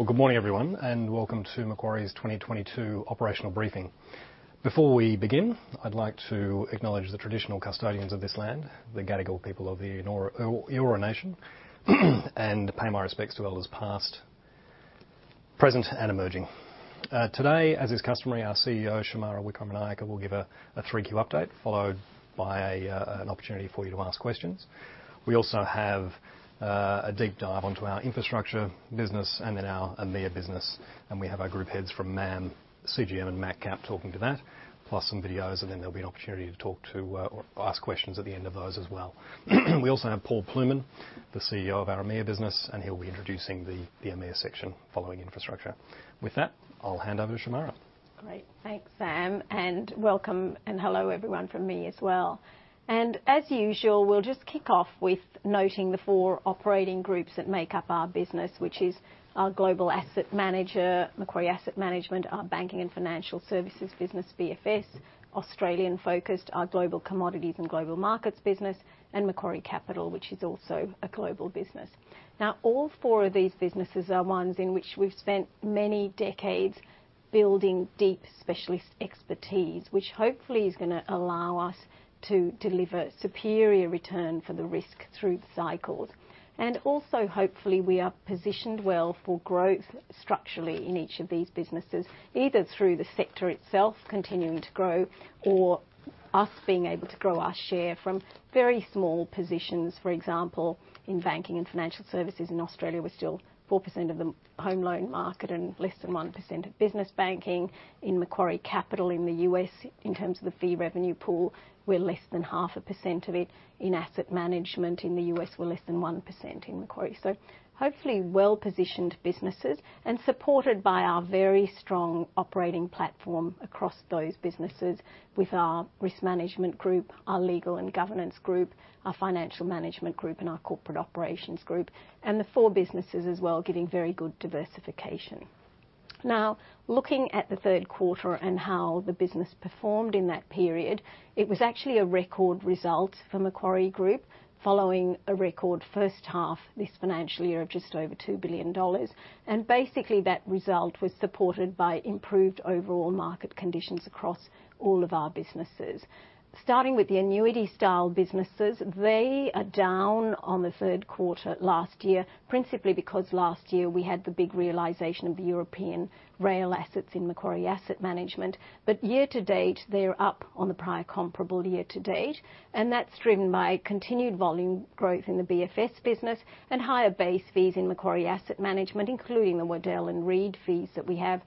Well, good morning, everyone, and welcome to Macquarie's 2022 operational briefing. Before we begin, I'd like to acknowledge the traditional custodians of this land, the Gadigal people of the Eora Nation and pay my respects to elders past, present, and emerging. Today, as is customary, our CEO, Shemara Wikramanayake, will give a 3Q update followed by an opportunity for you to ask questions. We also have a deep dive into our infrastructure business and then our EMEA business, and we have our group heads from MAM, CGM, and MacCap talking to that, plus some videos, and then there'll be an opportunity to talk to or ask questions at the end of those as well. We also have Paul Plewman, the CEO of our EMEA business, and he'll be introducing the EMEA section following the infrastructure. With that, I'll hand over to Shemara. Great. Thanks, Sam, and welcome and hello, everyone, from me as well. As usual, we'll just kick off by noting the four operating groups that make up our business, which is our global asset manager, Macquarie Asset Management, our banking and financial services business, BFS, Australian focused, our global commodities and global markets business, and Macquarie Capital, which is also a global business. Now, all four of these businesses are ones in which we've spent many decades building deep specialist expertise, which hopefully is gonna allow us to deliver superior return for the risk through cycles. Also, hopefully, we are positioned well for growth structurally in each of these businesses, either through the sector itself continuing to grow, or us being able to grow our share from very small positions. For example, in banking and financial services in Australia, we're still 4% of the home loan market and less than 1% of business banking. In Macquarie Capital in the U.S., in terms of the fee revenue pool, we're less than 0.5% of it. In asset management in the U.S., we're less than 1% in Macquarie. Hopefully well-positioned businesses and supported by our very strong operating platform across those businesses with our risk management group, our legal and governance group, our financial management group, and our corporate operations group, and the 4 businesses as well getting very good diversification. Now, looking at the Q3 and how the business performed in that period, it was actually a record result for Macquarie Group, following a record first half this financial year of just over 2 billion dollars. Basically, that result was supported by improved overall market conditions across all of our businesses. Starting with the annuity-style businesses, they are down on the Q3 last year, principally because last year we had the big realization of the European rail assets in Macquarie Asset Management. Year to date, they're up on the prior comparable year to date, and that's driven by continued volume growth in the BFS business and higher base fees in Macquarie Asset Management, including the Waddell & Reed fees that we have,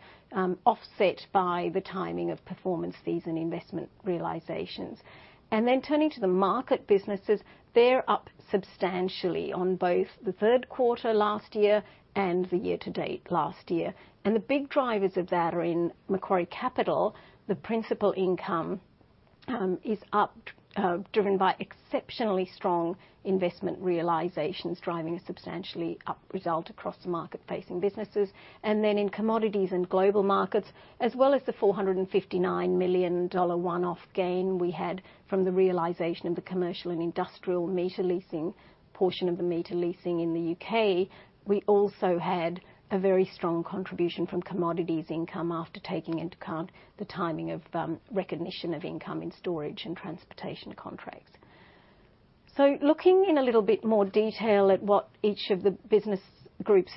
offset by the timing of performance fees and investment realizations. Turning to the market businesses, they're up substantially on both the Q3 last year and the year to date last year. The big drivers of that are in Macquarie Capital. The principal income is up, driven by exceptionally strong investment realizations driving a substantially up result across market-facing businesses. In commodities and global markets, as well as the 459 million dollar one-off gain we had from the realization of the commercial and industrial meter leasing portion of the meter leasing in the U.K., we also had a very strong contribution from commodities income after taking into account the timing of recognition of income in storage and transportation contracts. Looking in a little bit more detail at what each of the operating groups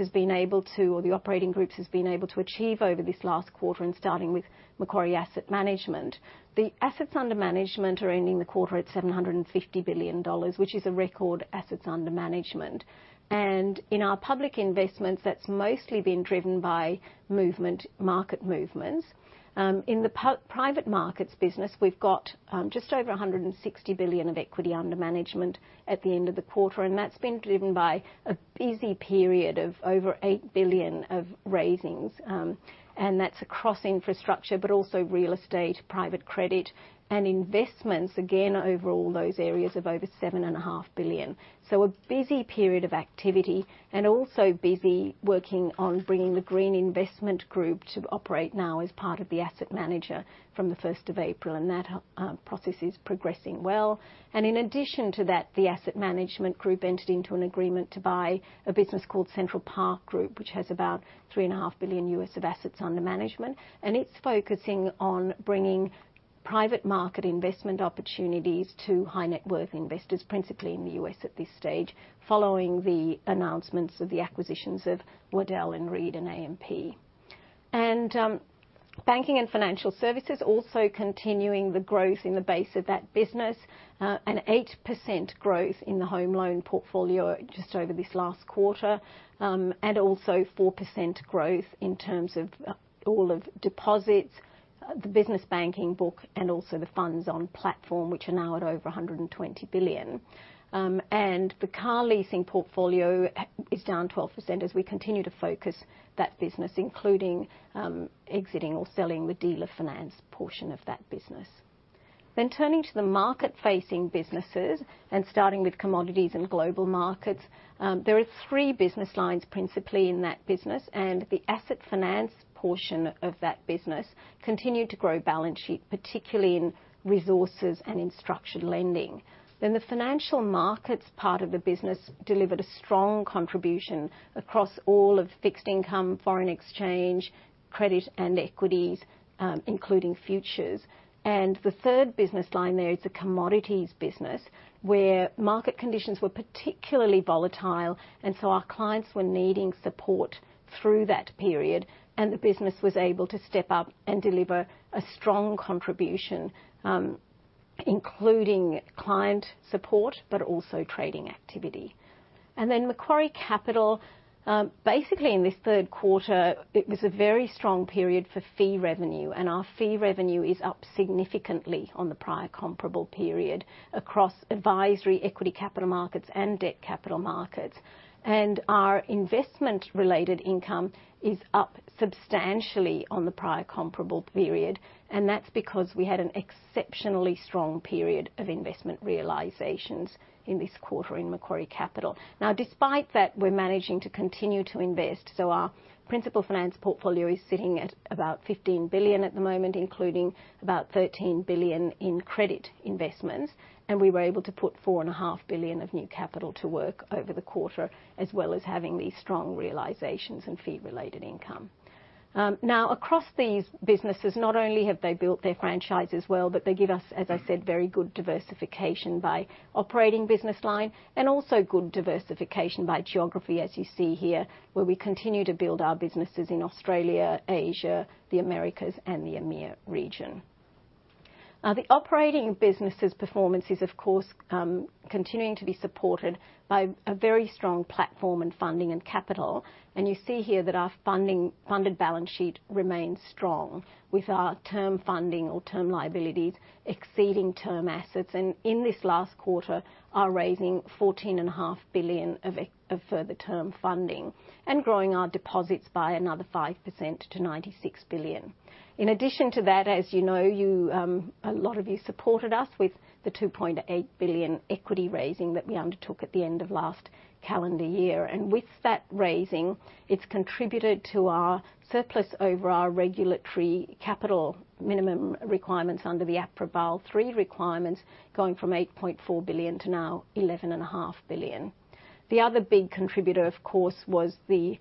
has been able to achieve over this last quarter, and starting with Macquarie Asset Management. The assets under management are ending the quarter at 750 billion dollars, which is a record for assets under management. In our public investments, that's mostly been driven by movement, market movements. In the private markets business, we've got just over 160 billion of equity under management at the end of the quarter, and that's been driven by a busy period of over 8 billion of raisings. That's across infrastructure, but also real estate, private credit and investments, again, over all those areas of over 7.5 billion. A busy period of activity and also busy working on bringing the Green Investment Group to operate now as part of the asset manager from the first of April, and that process is progressing well. In addition to that, the asset management group entered into an agreement to buy a business called Central Park Group, which has about $3.5 billion of assets under management. It's focusing on bringing private market investment opportunities to high net worth investors, principally in the U.S. at this stage, following the announcements of the acquisitions of Waddell & Reed and AMP. Banking and financial services also continuing the growth in the base of that business, an 8% growth in the home loan portfolio just over this last quarter, and also 4% growth in terms of all of deposits, the business banking book, and also the funds on platform, which are now at over 120 billion. The car leasing portfolio is down 12% as we continue to focus on that business, including exiting or selling the dealer finance portion of that business. Turning to the market-facing businesses and starting with commodities and global markets, there are three business lines principally in that business, and the asset finance portion of that business continued to grow balance sheet, particularly in resources, and in structured lending. The financial markets part of the business delivered a strong contribution across all of fixed income, foreign exchange, credit and equities, including futures. The third business line there is the commodities business, where market conditions were particularly volatile. Our clients were needing support through that period, and the business was able to step up and deliver a strong contribution, including client support, but also trading activity. Macquarie Capital basically in this Q3, it was a very strong period for fee revenue, and our fee revenue is up significantly on the prior comparable period across advisory, equity capital markets and debt capital markets. Our investment-related income is up substantially on the prior comparable period, and that's because we had an exceptionally strong period of investment realizations in this quarter in Macquarie Capital. Now despite that, we're managing to continue to invest. Our principal finance portfolio is sitting at about 15 billion at the moment, including about 13 billion in credit investments, and we were able to put 4.5 billion of new capital to work over the quarter, as well as having these strong realizations and fee-related income. Now across these businesses, not only have they built their franchises well, but they give us, as I said, very good diversification by operating business line and also good diversification by geography, as you see here, where we continue to build our businesses in Australia, Asia, the Americas and the EMEA region. Now the operating business's performance is of course continuing to be supported by a very strong platform in funding and capital. You see here that our funded balance sheet remains strong with our term funding or term liabilities exceeding term assets, and in this last quarter, we are raising 14.5 billion of further term funding and growing our deposits by another 5% to 96 billion. In addition to that, as you, a lot of you supported us with the 2.8 billion equity raising that we undertook at the end of last calendar year. With that raising, it's contributed to our surplus over our regulatory capital minimum requirements under the APRA Basel III requirements, going from 8.4 billion to 11.5 billion. The other big contributor, of course, was the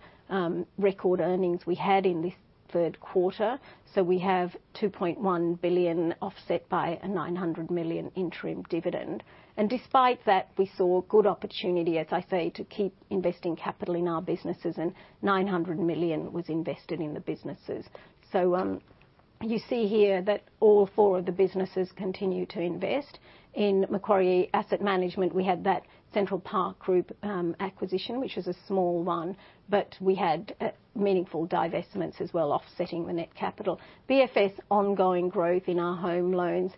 record earnings we had in this Q3. We have 2.1 billion offset by a 900 million interim dividend. Despite that, we saw good opportunity, as I say, to keep investing capital in our businesses, and 900 million was invested in the businesses. You see here that all four of the businesses continue to invest. In Macquarie Asset Management, we had that Central Park Group acquisition, which was a small one, but we had meaningful divestments as well, offsetting the net capital. BFS, ongoing growth in our home loans,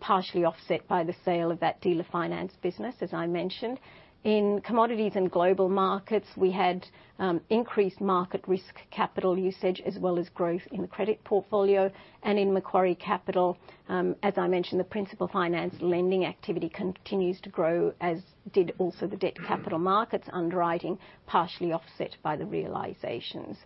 partially offset by the sale of that dealer finance business, as I mentioned. In commodities and global markets, we had increased market risk capital usage as well as growth in the credit portfolio. In Macquarie Capital, as I mentioned, the principal finance lending activity continues to grow, as did also the debt capital markets underwriting, partially offset by the realizations.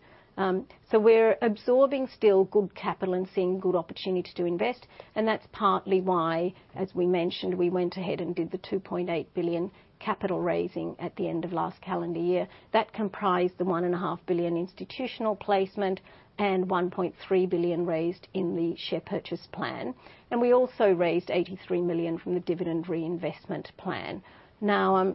We're absorbing still good capital and seeing good opportunity to invest. That's partly why, as we mentioned, we went ahead and did the 2.8 billion capital raising at the end of last calendar year. That comprised the 1.5 billion institutional placement and 1.3 billion raised in the share purchase plan. We also raised 83 million from the dividend reinvestment plan. Now,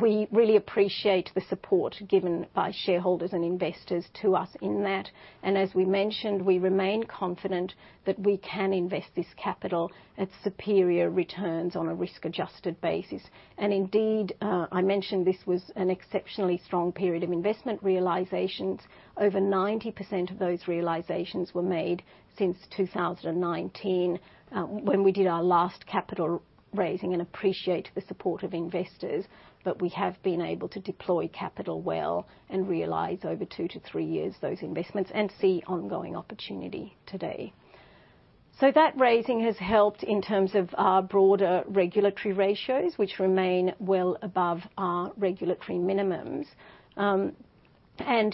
we really appreciate the support given by shareholders and investors to us in that. As we mentioned, we remain confident that we can invest this capital at superior returns on a risk-adjusted basis. Indeed, I mentioned this was an exceptionally strong period of investment realizations. Over 90% of those realizations were made since 2019, when we did our last capital raising, and we appreciate the support of investors. We have been able to deploy capital well and realize over 2-3 years those investments and see ongoing opportunity today. That raising has helped in terms of our broader regulatory ratios, which remain well above our regulatory minimums.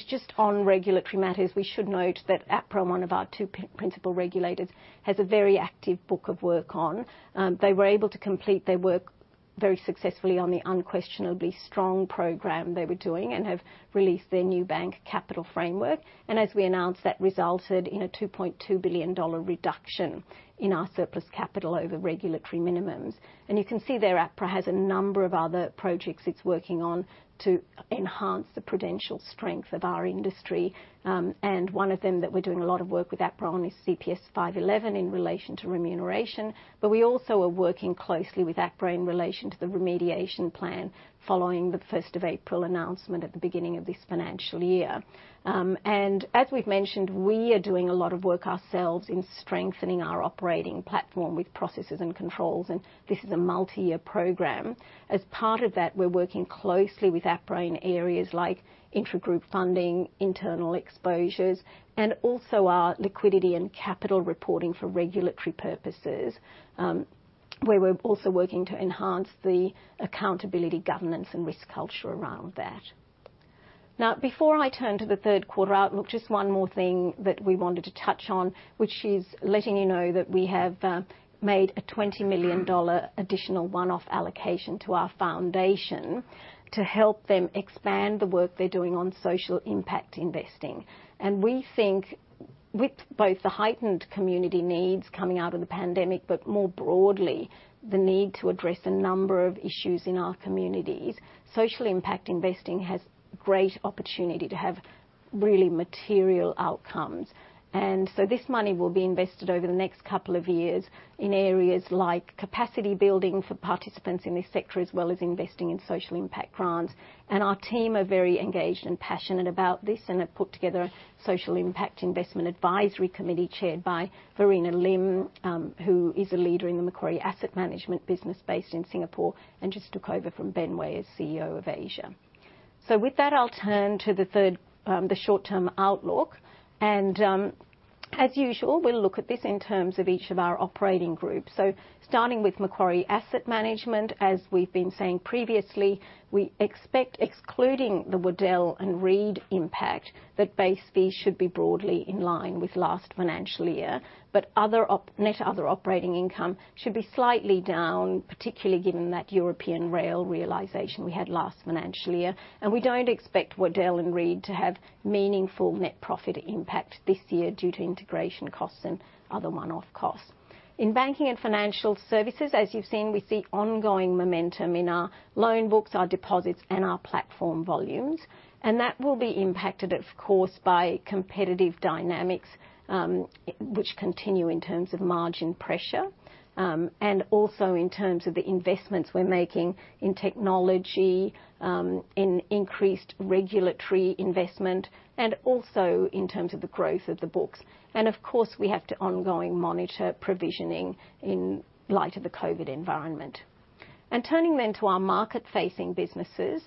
Just on regulatory matters, we should note that APRA, one of our two principal regulators, has a very active book of work. They were able to complete their work very successfully on the unquestionably strong program they were doing and have released their new bank capital framework. As we announced, that resulted in an 2.2 billion dollar reduction in our surplus capital over regulatory minimums. You can see there, APRA has a number of other projects it's working on to enhance the prudential strength of our industry. One of them that we're doing a lot of work with APRA on is CPS 511 in relation to remuneration. We also are working closely with APRA in relation to the remediation plan following the first of April announcement at the beginning of this financial year. As we've mentioned, we are doing a lot of work ourselves in strengthening our operating platform with processes and controls, and this is a multi-year program. As part of that, we're working closely with APRA in areas like intragroup funding, internal exposures, and also our liquidity and capital reporting for regulatory purposes. We were also working to enhance the accountability, governance, and risk culture around that. Now, before I turn to the Q3 outlook, just one more thing that we wanted to touch on, which is letting you know that we have made an 20 million dollar additional one-off allocation to our foundation to help them expand the work they're doing on social impact investing. We think with both the heightened community needs coming out of the pandemic, but more broadly, the need to address a number of issues in our communities, social impact investing has great opportunity to have really material outcomes. This money will be invested over the next couple of years in areas like capacity building for participants in this sector, as well as investing in social impact grants. Our team are very engaged and passionate about this and have put together a social impact investment advisory committee chaired by Verena Lim, who is a leader in the Macquarie Asset Management business based in Singapore and just took over from Ben Way as CEO of Asia. With that, I'll turn to the third, the short-term outlook. As usual, we'll look at this in terms of each of our operating groups. Starting with Macquarie Asset Management, as we've been saying previously, we expect, excluding the Waddell & Reed impact, that base fees should be broadly in line with last financial year, but net other operating income should be slightly down, particularly given that European rail realization we had last financial year. We don't expect Waddell & Reed to have meaningful net profit impact this year due to integration costs and other one-off costs. In Banking and Financial Services, as you've seen, we see ongoing momentum in our loan books, our deposits, and our platform volumes. That will be impacted, of course, by competitive dynamics, which continue in terms of margin pressure, and also in terms of the investments we're making in technology, in increased regulatory investment, and also in terms of the growth of the books. Of course, we have to continue to monitor provisioning in light of the COVID environment. Turning then to our market-facing businesses,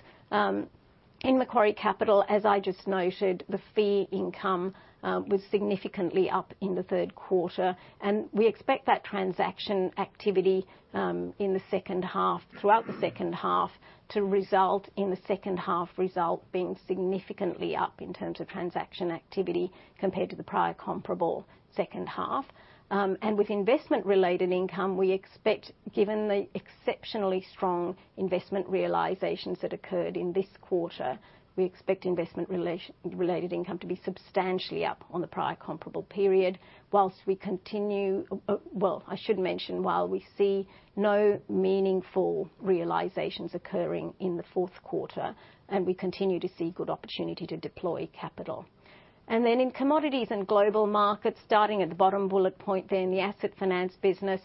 in Macquarie Capital, as I just noted, the fee income was significantly up in the Q3, and we expect that transaction activity in the second half, throughout the second half, to result in the second half result being significantly up in terms of transaction activity compared to the prior comparable second half. And with investment-related income, we expect, given the exceptionally strong investment realizations that occurred in this quarter, we expect investment-related income to be substantially up on the prior comparable period. Well, I should mention, while we see no meaningful realizations occurring in the fourth quarter, and we continue to see good opportunity to deploy capital. In Commodities and Global Markets, starting at the bottom bullet point there in the asset finance business,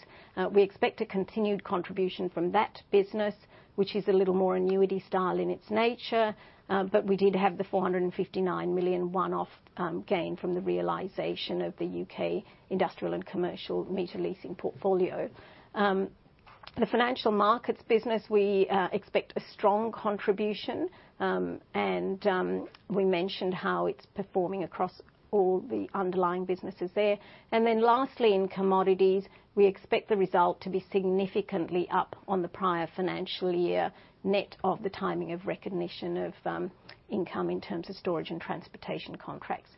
we expect a continued contribution from that business, which is a little more annuity style in its nature. But we did have the 459 million one-off gain from the realization of the U.K. Industrial and Commercial meter leasing portfolio. The financial markets business, we expect a strong contribution, and we mentioned how it's performing across all the underlying businesses there. In commodities, we expect the result to be significantly up on the prior financial year, net of the timing of recognition of income in terms of storage and transportation contracts.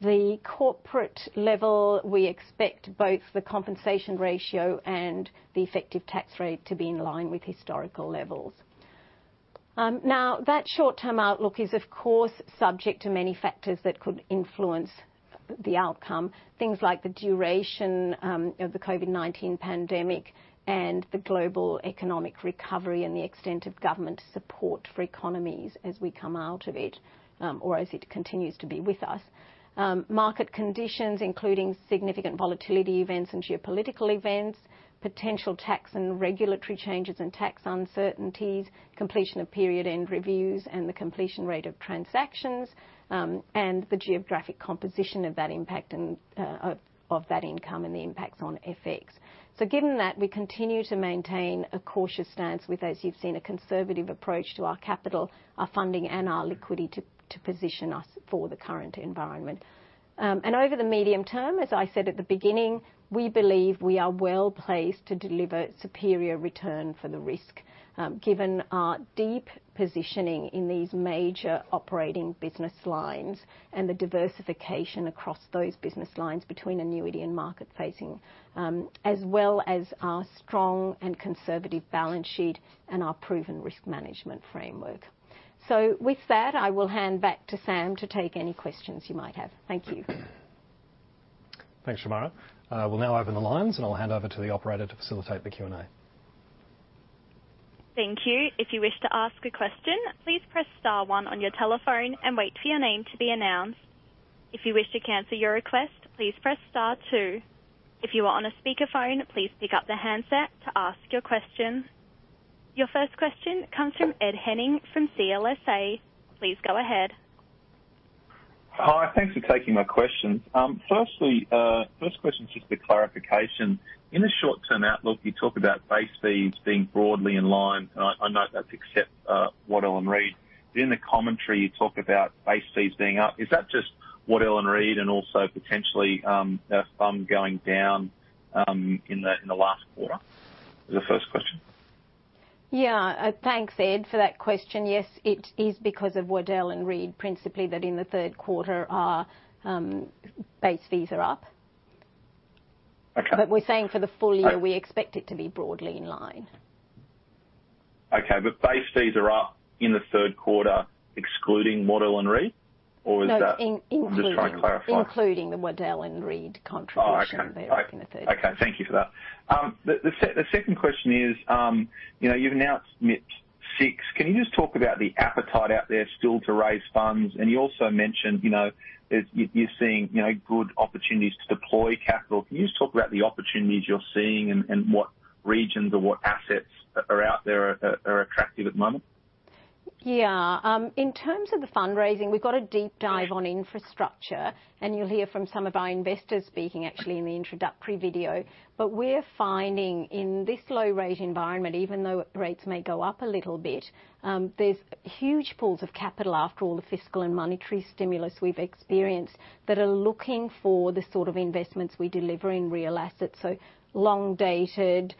At the corporate level, we expect both the compensation ratio and the effective tax rate to be in line with historical levels. Now, that short-term outlook is, of course, subject to many factors that could influence the outcome. Things like the duration of the COVID-19 pandemic and the global economic recovery and the extent of government support for economies as we come out of it, or as it continues to be with us. Market conditions, including significant volatility events and geopolitical events, potential tax and regulatory changes and tax uncertainties, completion of period-end reviews, and the completion rate of transactions, and the geographic composition of that impact and of that income and the impacts on FX. Given that, we continue to maintain a cautious stance with, as you've seen, a conservative approach to our capital, our funding, and our liquidity to position us for the current environment. Over the medium term, as I said at the beginning, we believe we are well placed to deliver superior return for the risk, given our deep positioning in these major operating business lines and the diversification across those business lines between annuity and market facing, as well as our strong and conservative balance sheet and our proven risk management framework. With that, I will hand back to Sam to take any questions you might have. Thank you. Thanks, Shemara. We'll now open the lines, and I'll hand over to the operator to facilitate the Q&A. Thank you. If you wish to ask a question, please press star 1 on your telephone and wait for your name to be announced. If you wish to cancel your request, please press star 2. If you are on a speakerphone, please pick up the handset to ask your question. Your first question comes from Ed Henning from CLSA. Please go ahead. Hi. Thanks for taking my question. Firstly, the first question is just a clarification. In the short-term outlook, you talk about base fees being broadly in line. I know that's except Waddell & Reed. In the commentary, you talk about base fees being up. Is that just the Waddell & Reed and also potentially our fund going down in the last quarter? The first question. Thanks, Ed, for that question. Yes, it is because of Waddell & Reed, principally, that in the Q3 our base fees are up. Okay. We're saying for the full year, we expect it to be broadly in line. Okay. Base fees are up in Q3, excluding Waddell & Reed? Or is that- No, including. Just trying to clarify. Including the Waddell & Reed contribution. Oh, okay. there in the Q3. Okay. Thank you for that. The second question is, you've announced MIP VI. Can you just talk about the appetite out there still to raise funds? And you also mentioned, that you're seeing, good opportunities to deploy capital. Can you just talk about the opportunities you're seeing and what regions or what assets are out there are attractive at the moment? In terms of the fundraising, we've got a deep dive on infrastructure, and you'll hear from some of our investors speaking actually in the introductory video. We're finding in this low rate environment, even though rates may go up a little bit, there's huge pools of capital after all the fiscal and monetary stimulus we've experienced that are looking for the sort of investments we deliver in real assets. Long-dated,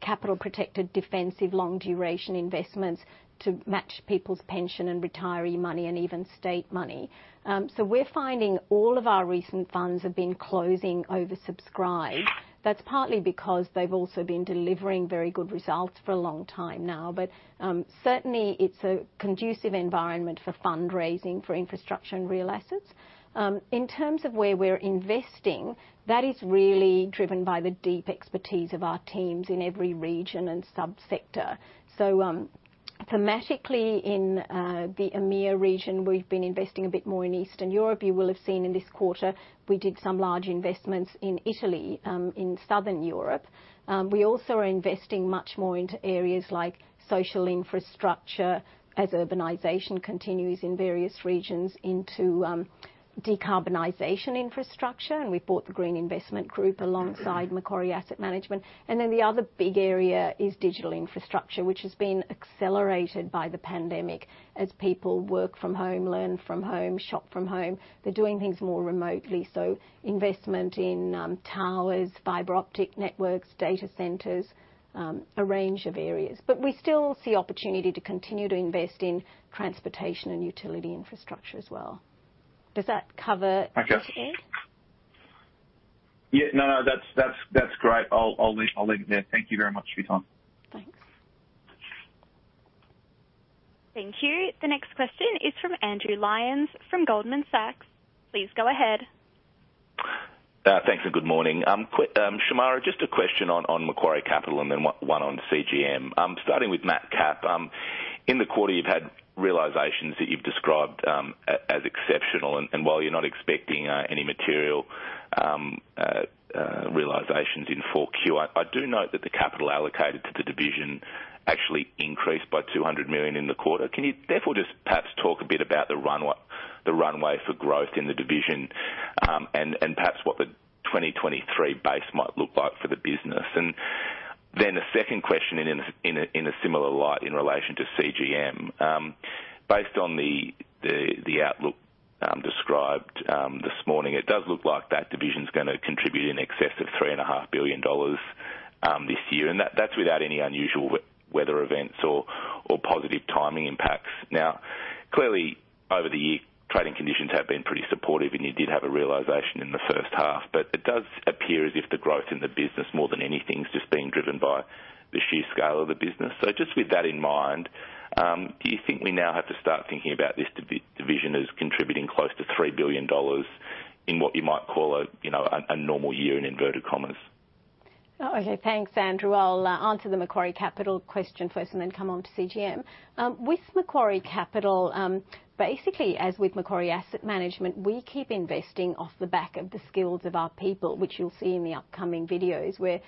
capital-protected, defensive, long-duration investments to match people's pension and retiree money and even state money. We're finding all of our recent funds have been closing oversubscribed. That's partly because they've also been delivering very good results for a long time now. Certainly it's a conducive environment for fundraising, for infrastructure and real assets. In terms of where we're investing, that is really driven by the deep expertise of our teams in every region and subsector. Thematically in the EMEA region, we've been investing a bit more in Eastern Europe. You will have seen in this quarter, we did some large investments in Italy in Southern Europe. We also are investing much more into areas like social infrastructure as urbanization continues in various regions into decarbonization infrastructure, and we bought the Green Investment Group alongside Macquarie Asset Management. The other big area is digital infrastructure, which has been accelerated by the pandemic as people work from home, learn from home, shop from home, they're doing things more remotely. Investment in towers, fiber optic networks, data centers, a range of areas. We still see opportunity to continue to invest in transportation and utility infrastructure as well. Does that cover? Okay. It, Ed? No, no, that's great. I'll leave it there. Thank you very much, Shemara Wikramanayake. Thanks. Thank you. The next question is from Andrew Lyons from Goldman Sachs. Please go ahead. Thanks, and good morning. Shemara, just a question on Macquarie Capital and then one on CGM. Starting with MacCap. In the quarter, you've had realizations that you've described as exceptional. While you're not expecting any material realizations in 4Q, I do note that the capital allocated to the division actually increased by 200 million in the quarter. Can you, therefore just perhaps talk a bit about the runway for growth in the division, and perhaps what the 2023 base might look like for the business? The second question in a similar light in relation to CGM. Based on the outlook described this morning, it does look like that division's gonna contribute in excess of 3.5 billion dollars this year. That's without any unusual weather events or positive timing impacts. Now, clearly, over the year, trading conditions have been pretty supportive, and you did have a realization in the first half, but it does appear as if the growth in the business, more than anything, is just being driven by the sheer scale of the business. Just with that in mind, do you think we now have to start thinking about this division as contributing close to 3 billion dollars in what you might call a normal year in inverted commas? Okay, thanks, Andrew. I'll answer the Macquarie Capital question first and then come on to CGM. With Macquarie Capital, basically, as with Macquarie Asset Management, we keep investing off the back of the skills of our people, which you'll see in the upcoming videos, where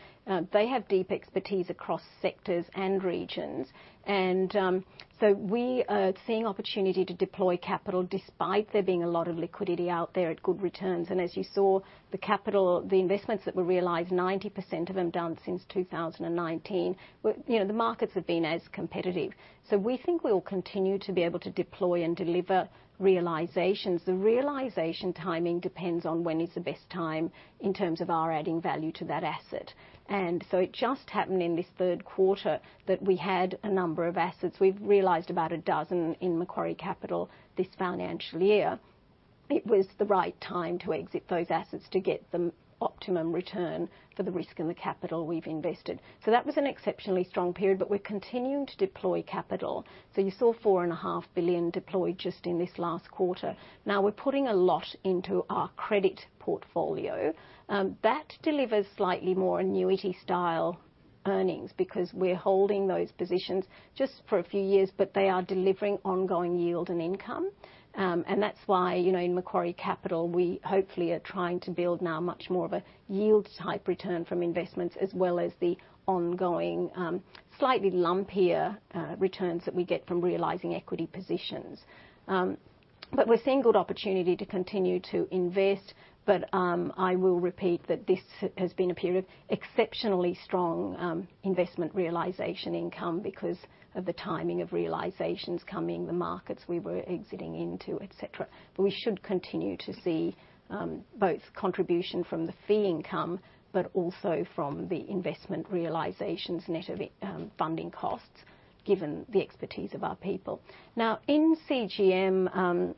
they have deep expertise across sectors and regions. We are seeing an opportunity to deploy capital despite there being a lot of liquidity out there at good returns. As you saw, the capital, the investments that were realized, 90% of them done since 2019. the markets have been as competitive. We think we'll continue to be able to deploy and deliver realizations. The realization timing depends on when the best time is in terms of our adding value to that asset. It just happened in this Q3 that we had a number of assets. We've realized about a dozen in Macquarie Capital this financial year. It was the right time to exit those assets to get the optimum return for the risk and the capital we've invested. That was an exceptionally strong period, but we're continuing to deploy capital. You saw 4.5 billion deployed just in this last quarter. Now we're putting a lot into our credit portfolio. That delivers slightly more annuity style earnings because we're holding those positions just for a few years, but they are delivering ongoing yield and income. That's why, in Macquarie Capital, we hopefully are trying to build now much more of a yield type return from investments, as well as the ongoing, slightly lumpier, returns that we get from realizing equity positions. We're seeing good opportunity to continue to invest. I will repeat that this has been a period of exceptionally strong investment realization income because of the timing of realizations coming, the markets we were exiting into, et cetera. We should continue to see both contribution from the fee income, but also from the investment realizations net of funding costs given the expertise of our people. Now, in CGM,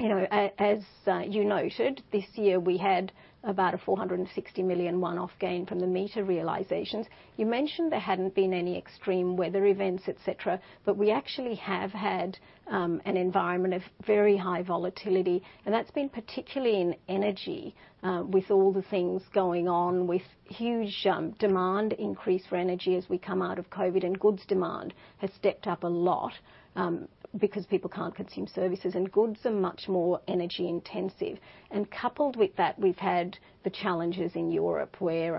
as you noted, this year we had about 460 million one-off gain from the meter realizations. You mentioned there hadn't been any extreme weather events, et cetera, but we actually have had an environment of very high volatility, and that's been particularly in energy with all the things going on, with huge demand increase for energy as we come out of COVID, and goods demand has stepped up a lot because people can't consume services, and goods are much more energy intensive. Coupled with that, we've had the challenges in Europe where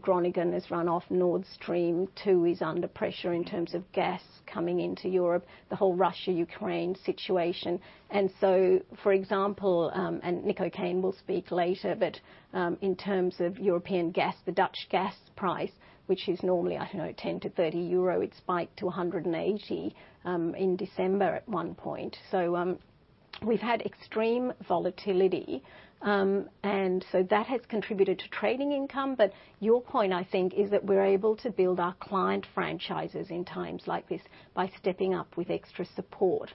Groningen has run off, Nord Stream 2 is under pressure in terms of gas coming into Europe, the whole Russia-Ukraine situation. For example, Nick O'Kane will speak later, but in terms of European gas, the Dutch gas price, which is normally, I don't know, 10-30 euro, it spiked to 180 EUR in December at one point. We've had extreme volatility, and so that has contributed to trading income. Your point, I think, is that we're able to build our client franchises in times like this by stepping up with extra support.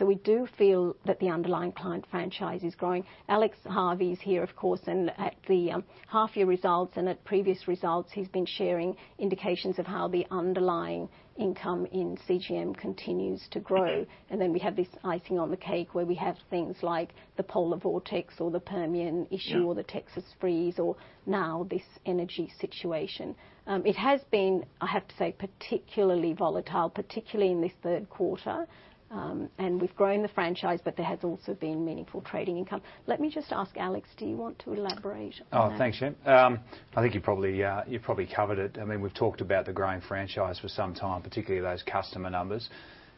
We do feel that the underlying client franchise is growing. Alex Harvey is here, of course, and at the half-year results and at previous results, he's been sharing indications of how the underlying income in CGM continues to grow. We have this icing on the cake, where we have things like the polar vortex, the Permian issue, the Texas freeze, or now this energy situation. It has been, I have to say, particularly volatile, particularly in this Q3. We've grown the franchise, but there has also been meaningful trading income. Let me just ask Alex, do you want to elaborate on that? Thanks, Shem. I think you probably covered it. I mean, we've talked about the growing franchise for some time, particularly those customer numbers.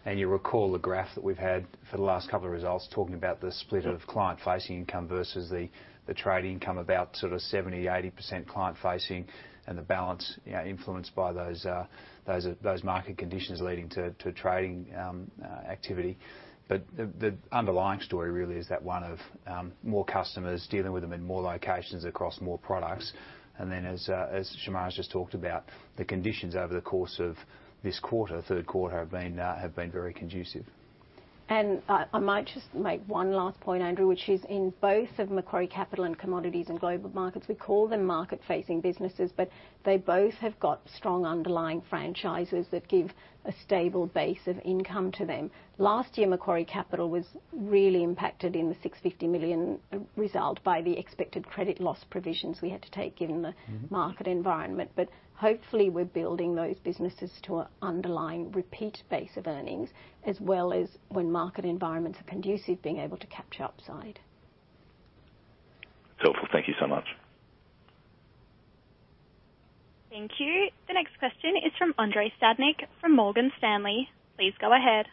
You recall the graph that we've had for the last couple of results talking about the split of client-facing income versus the trade income, about sort of 70%-80% client-facing and the balance, influenced by those market conditions leading to trading activity. The underlying story really is more customers dealing with them in more locations across more products. Then as Shemara's just talked about, the conditions over the course of this quarter, Q3, have been very conducive. I might just make one last point, Andrew, which is in both of Macquarie Capital and Commodities and Global Markets, we call them market-facing businesses, but they both have got strong underlying franchises that give a stable base of income to them. Last year, Macquarie Capital was really impacted in the 650 million result by the expected credit loss provisions we had to take given the market environment. Hopefully we're building those businesses to an underlying repeat base of earnings, as well as when market environments are conducive, being able to capture upside. It's helpful. Thank you so much. Thank you. The next question is from Andrei Stadnik from Morgan Stanley. Please go ahead.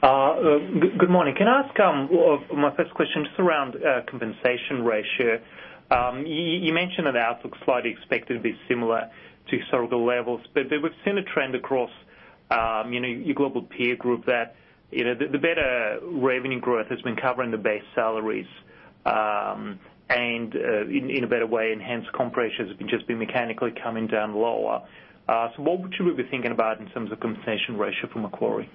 Good morning. Can I ask my first question just around compensation ratio? You mentioned an outlook slightly expected to be similar to historical levels. We've seen a trend across, your global peer group that, the better revenue growth has been covering the base salaries, and in a better way, enhanced comp ratios have just been mechanically coming down lower. What would you be thinking about in terms of compensation ratio for Macquarie?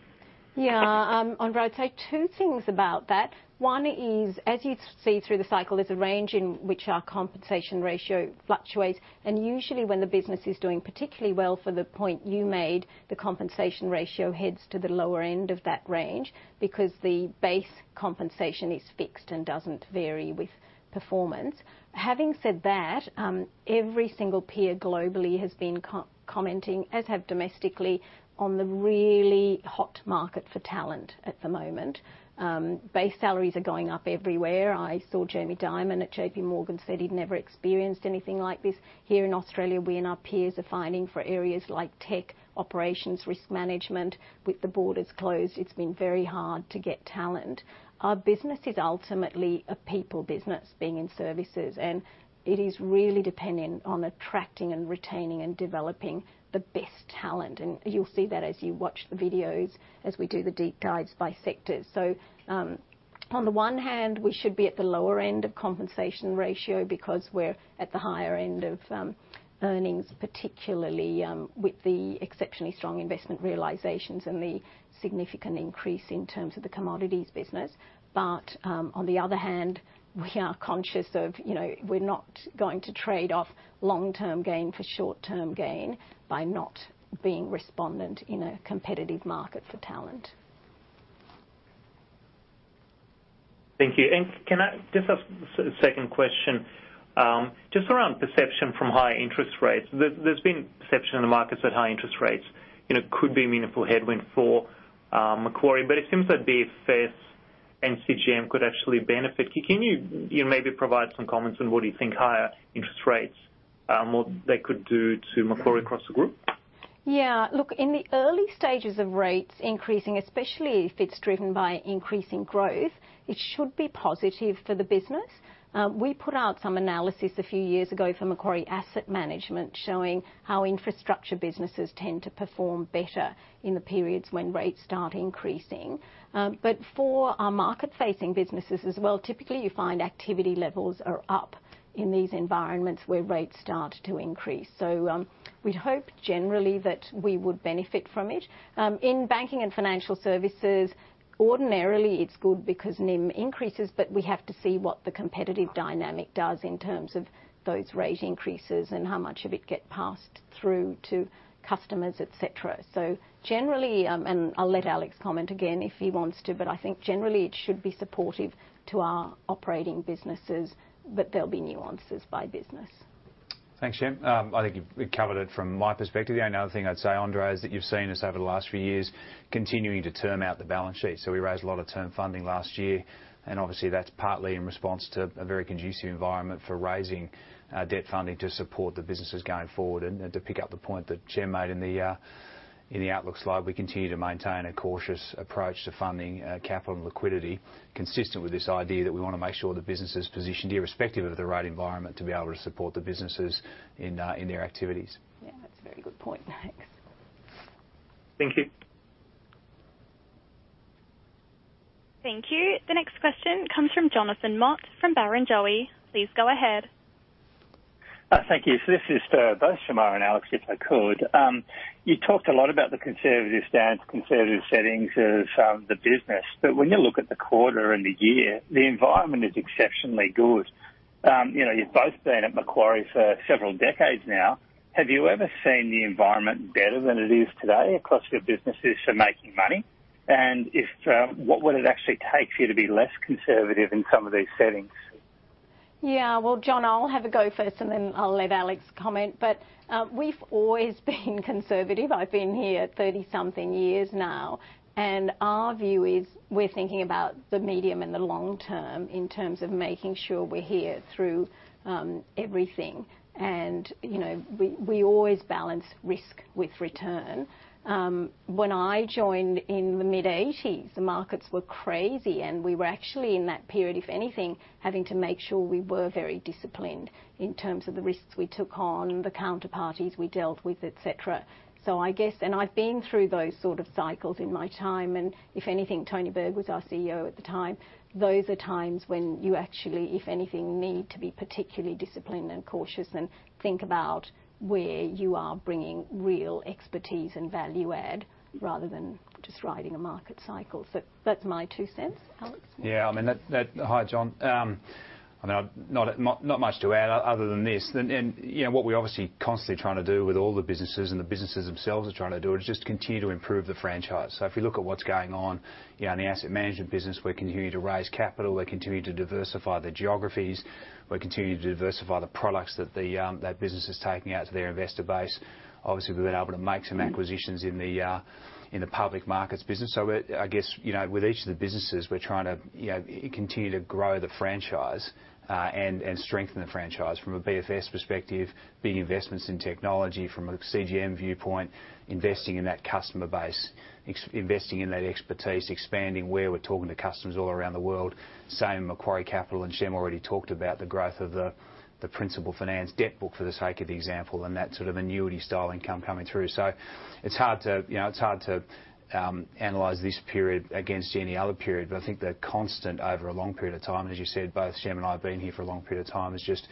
Andrei, I'd say two things about that. One is, as you see through the cycle, there's a range in which our compensation ratio fluctuates. Usually when the business is doing particularly well for the point you made, the compensation ratio heads to the lower end of that range because the base compensation is fixed and doesn't vary with performance. Having said that, every single peer globally has been commenting, as have domestically, on the really hot market for talent at the moment. Base salaries are going up everywhere. I saw Jamie Dimon at J.P. Morgan said he'd never experienced anything like this. Here in Australia, we and our peers are fighting for areas like tech, operations, risk management. With the borders closed, it's been very hard to get talent. Our business is ultimately a people business, being in services, and it is really dependent on attracting, retaining, and developing the best talent. You'll see that as you watch the videos, we do the deep dives by sectors. On the one hand, we should be at the lower end of the compensation ratio because we're at the higher end of earnings, particularly with the exceptionally strong investment realizations and the significant increase in terms of the commodities business. On the other hand, we are conscious that we're not going to trade off long-term gain for short-term gain by not being responsive in a competitive market for talent. Thank you. Can I just ask a second question, just around perception from high interest rates? There's been a perception in the markets that high interest rates could be a meaningful headwind for Macquarie, but it seems that BFS and CGM could actually benefit. Can you maybe provide some comments on what you think higher interest rates, what they could do to Macquarie across the group? Look, in the early stages of rates increasing, especially if it's driven by increasing growth, it should be positive for the business. We put out some analysis a few years ago for Macquarie Asset Management showing how infrastructure businesses tend to perform better in the periods when rates start increasing. For our market-facing businesses as well, typically you find activity levels are up in these environments where rates start to increase. We'd hope generally that we would benefit from it. In banking and financial services, ordinarily it's good because NIM increases, but we have to see what the competitive dynamic does in terms of those rate increases and how much of it get passed through to customers, et cetera. Generally, and I'll let Alex comment again if he wants to, but I think generally it should be supportive to our operating businesses, but there'll be nuances by business. Thanks, Shem. I think we've covered it from my perspective. The only other thing I'd say, Andrei, is that you've seen us over the last few years continuing to term out the balance sheet, so we raised a lot of term funding last year, and obviously, that's partly in response to a very conducive environment for raising debt funding to support the businesses going forward. To pick up the point that Shem made in the outlook slide, we continue to maintain a cautious approach to funding, capital, and liquidity consistent with this idea that we wanna make sure the business is positioned, irrespective of the rate environment, to be able to support the businesses in their activities. That's a very good point. Thanks. Thank you. Thank you. The next question comes from Jonathan Mott from Barrenjoey. Please go ahead. Thank you. This is for both Shemara and Alex, if I could. You talked a lot about the conservative stance, conservative settings of the business. When you look at the quarter and the year, the environment is exceptionally good. You've both been at Macquarie for several decades now. Have you ever seen the environment better than it is today across your businesses for making money? What would it actually take for you to be less conservative in some of these settings? Well, John, I'll have a go first, and then I'll let Alex comment. We've always been conservative. I've been here 30-something years now, and our view is we're thinking about the medium and the long term in terms of making sure we're here through everything. we always balance risk with return. When I joined in the mid-1980s, the markets were crazy, and we were actually, in that period, if anything, having to make sure we were very disciplined in terms of the risks we took on, the counterparties we dealt with, et cetera. I guess I've been through those sort of cycles in my time, and if anything, Tony Berg was our CEO at the time. Those are times when you actually, if anything, need to be particularly disciplined and cautious and think about where you are bringing real expertise and value add, rather than just riding a market cycle. So that's my two cents. Alex? I mean, hi, John. I know not much to add other than this. What we're obviously constantly trying to do with all the businesses, and the businesses themselves are trying to do, is just continue to improve the franchise. If you look at what's going on, in the asset management business, we're continuing to raise capital, we're continuing to diversify the geographies. We're continuing to diversify the products that that business is taking out to their investor base. Obviously, we've been able to make some acquisitions in the public markets business. I guess, with each of the businesses, we're trying to, continue to grow the franchise, and strengthen the franchise. From a BFS perspective, big investments in technology from a CGM viewpoint, investing in that customer base, e.g., investing in that expertise, expanding where we're talking to customers all around the world. Same Macquarie Capital, and Shem already talked about the growth of the principal finance debt book for example and that sort of annuity style income coming through. It's hard to, analyze this period against any other period. I think the constant over a long period of time, and as you said, both Shem and I have been here for a long period of time, is just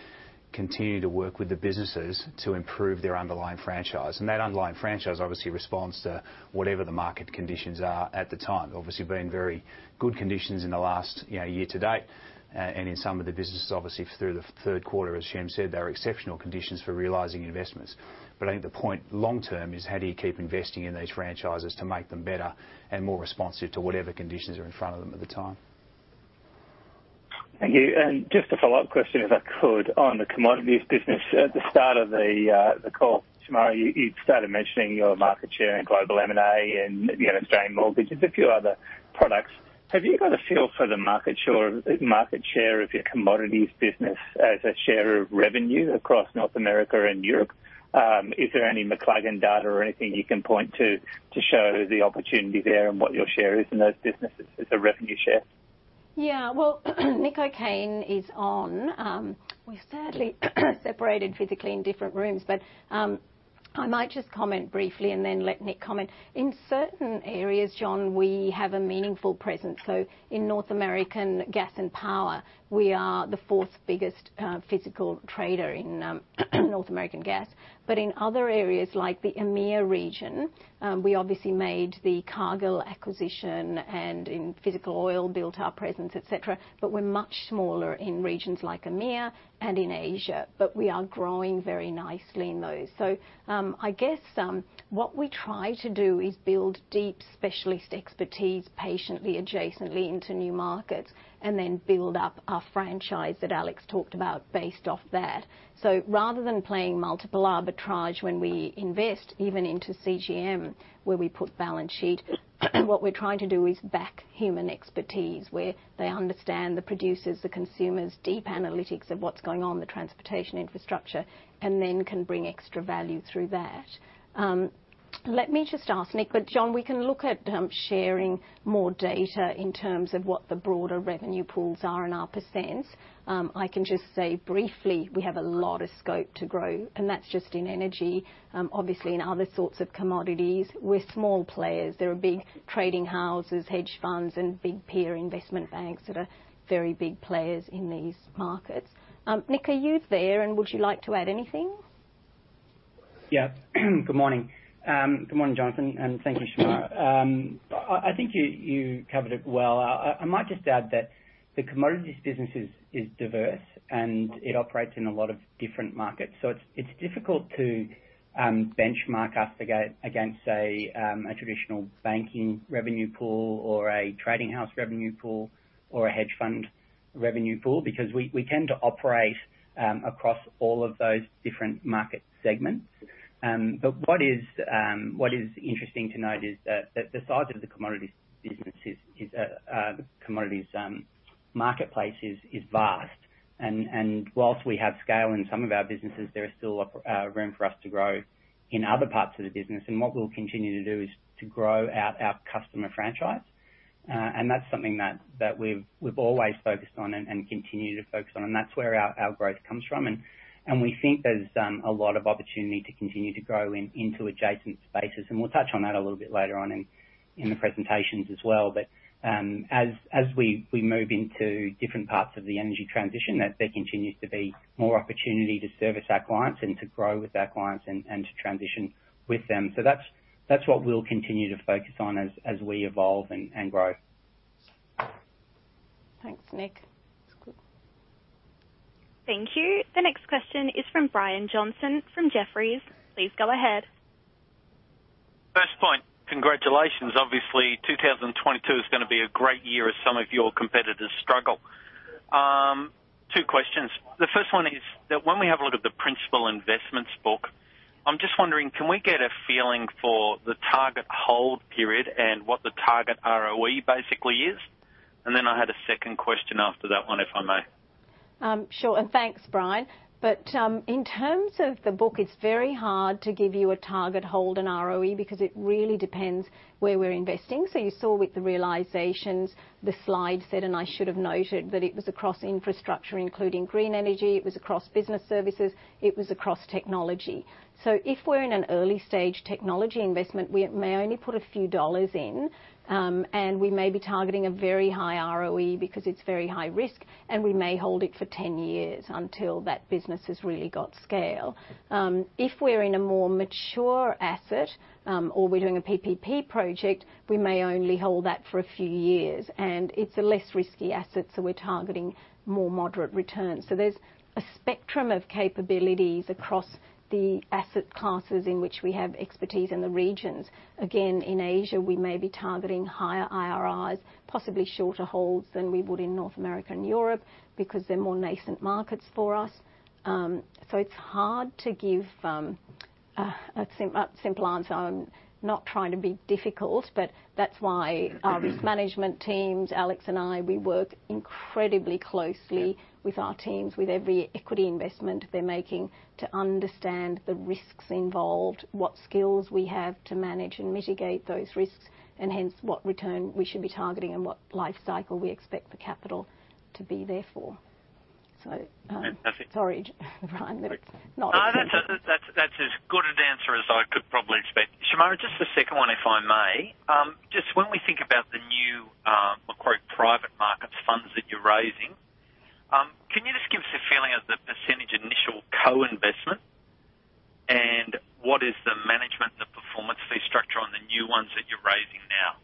continue to work with the businesses to improve their underlying franchise. That underlying franchise obviously responds to whatever the market conditions are at the time. Obviously, it's been very good conditions in the last year to date. In some of the businesses obviously, through Q3, as Shem said, there are exceptional conditions for realizing investments. I think the long-term point is how do you keep investing in these franchises to make them better and more responsive to whatever conditions are in front of them at the time. Thank you. Just a follow-up question, if I could, on the commodities business. At the start of the call, Shemara, you started mentioning your market share in global M&A and, Australian mortgages, a few other products. Have you got a feel for the market share of your commodities business as a share of revenue across North America and Europe? Is there any McLagan data or anything you can point to show the opportunity there and what your share is in those businesses as a revenue share? Well, Nick O'Kane is on. We're sadly separated physically in different rooms, but I might just comment briefly and then let Nick comment. In certain areas, John, we have a meaningful presence. In North American gas and power, we are the fourth biggest physical trader in North American gas. In other areas like the EMEA region, we obviously made the Cargill acquisition and in physical oil, built our presence, et cetera. We're much smaller in regions like EMEA and in Asia, but we are growing very nicely in those. I guess what we try to do is build deep specialist expertise patiently, adjacently into new markets, and then build up our franchise that Alex talked about based off that. Rather than playing multiple arbitrage when we invest even into CGM, where we put balance sheet, what we're trying to do is back human expertise, where they understand the producers, the consumers, deep analytics of what's going on, the transportation infrastructure, and then can bring extra value through that. Let me just ask Nick, but John, we can look at sharing more data in terms of what the broader revenue pools are in our percents. I can just say briefly, we have a lot of scope to grow, and that's just in energy. Obviously in other sorts of commodities, we're small players. There are big trading houses, hedge funds and big peer investment banks that are very big players in these markets. Nick, are you there, and would you like to add anything? Good morning. Good morning, Jonathan, and thank you, Shemara. I think you covered it well. I might just add that the commodities business is diverse, and it operates in a lot of different markets. It's difficult to benchmark us against, say, a traditional banking revenue pool or a trading house revenue pool or a hedge fund revenue pool, because we tend to operate across all of those different market segments. What is interesting to note is that the size of the commodities business is the commodities marketplace is vast. While we have scale in some of our businesses, there is still room for us to grow in other parts of the business. What we'll continue to do is to grow out our customer franchise. That's something that we've always focused on and continue to focus on. That's where our growth comes from. We think there's a lot of opportunity to continue to grow into adjacent spaces, and we'll touch on that a little bit later on in the presentations as well. As we move into different parts of the energy transition, that there continues to be more opportunity to service our clients and to grow with our clients and to transition with them. That's what we'll continue to focus on as we evolve and grow. Thanks, Nick. That's good. Thank you. The next question is from Brian Johnson from Jefferies. Please go ahead. First point, congratulations. Obviously, 2022 is gonna be a great year as some of your competitors struggle. Two questions. The first one is that when we have a look at the principal investments book, I'm just wondering, can we get a feeling for the target hold period and what the target ROE basically is? I had a second question after that one, if I may? Sure. Thanks, Brian. In terms of the book, it's very hard to give you a target hold and ROE because it really depends where we're investing. You saw with the realizations, the slide set, and I should have noted that it was across infrastructure, including green energy, it was across business services, it was across technology. If we're in an early stage technology investment, we may only put a few dollars in, and we may be targeting a very high ROE because it's very high risk, and we may hold it for 10 years until that business has really got scale. If we're in a more mature asset, or we're doing a PPP project, we may only hold that for a few years, and it's a less risky asset, so we're targeting more moderate returns. There's a spectrum of capabilities across the asset classes in which we have expertise in the regions. Again, in Asia, we may be targeting higher IRRs, possibly shorter holds than we would in North America and Europe because they're more nascent markets for us. It's hard to give a simple answer. I'm not trying to be difficult, but that's why our risk management teams, Alex and I, we work incredibly closely with our teams with every equity investment they're making to understand the risks involved, what skills we have to manage and mitigate those risks, and hence what return we should be targeting and what life cycle we expect the capital to be there for. Perfect. Sorry, Brian. That's not. No, that's as good an answer as I could probably expect. Shemara, just the second one, if I may. Just when we think about the new Macquarie Private Markets funds that you're raising, can you just give us a feeling of the percentage initial co-investment? What is the management and the performance fee structure on the new ones that you're raising now?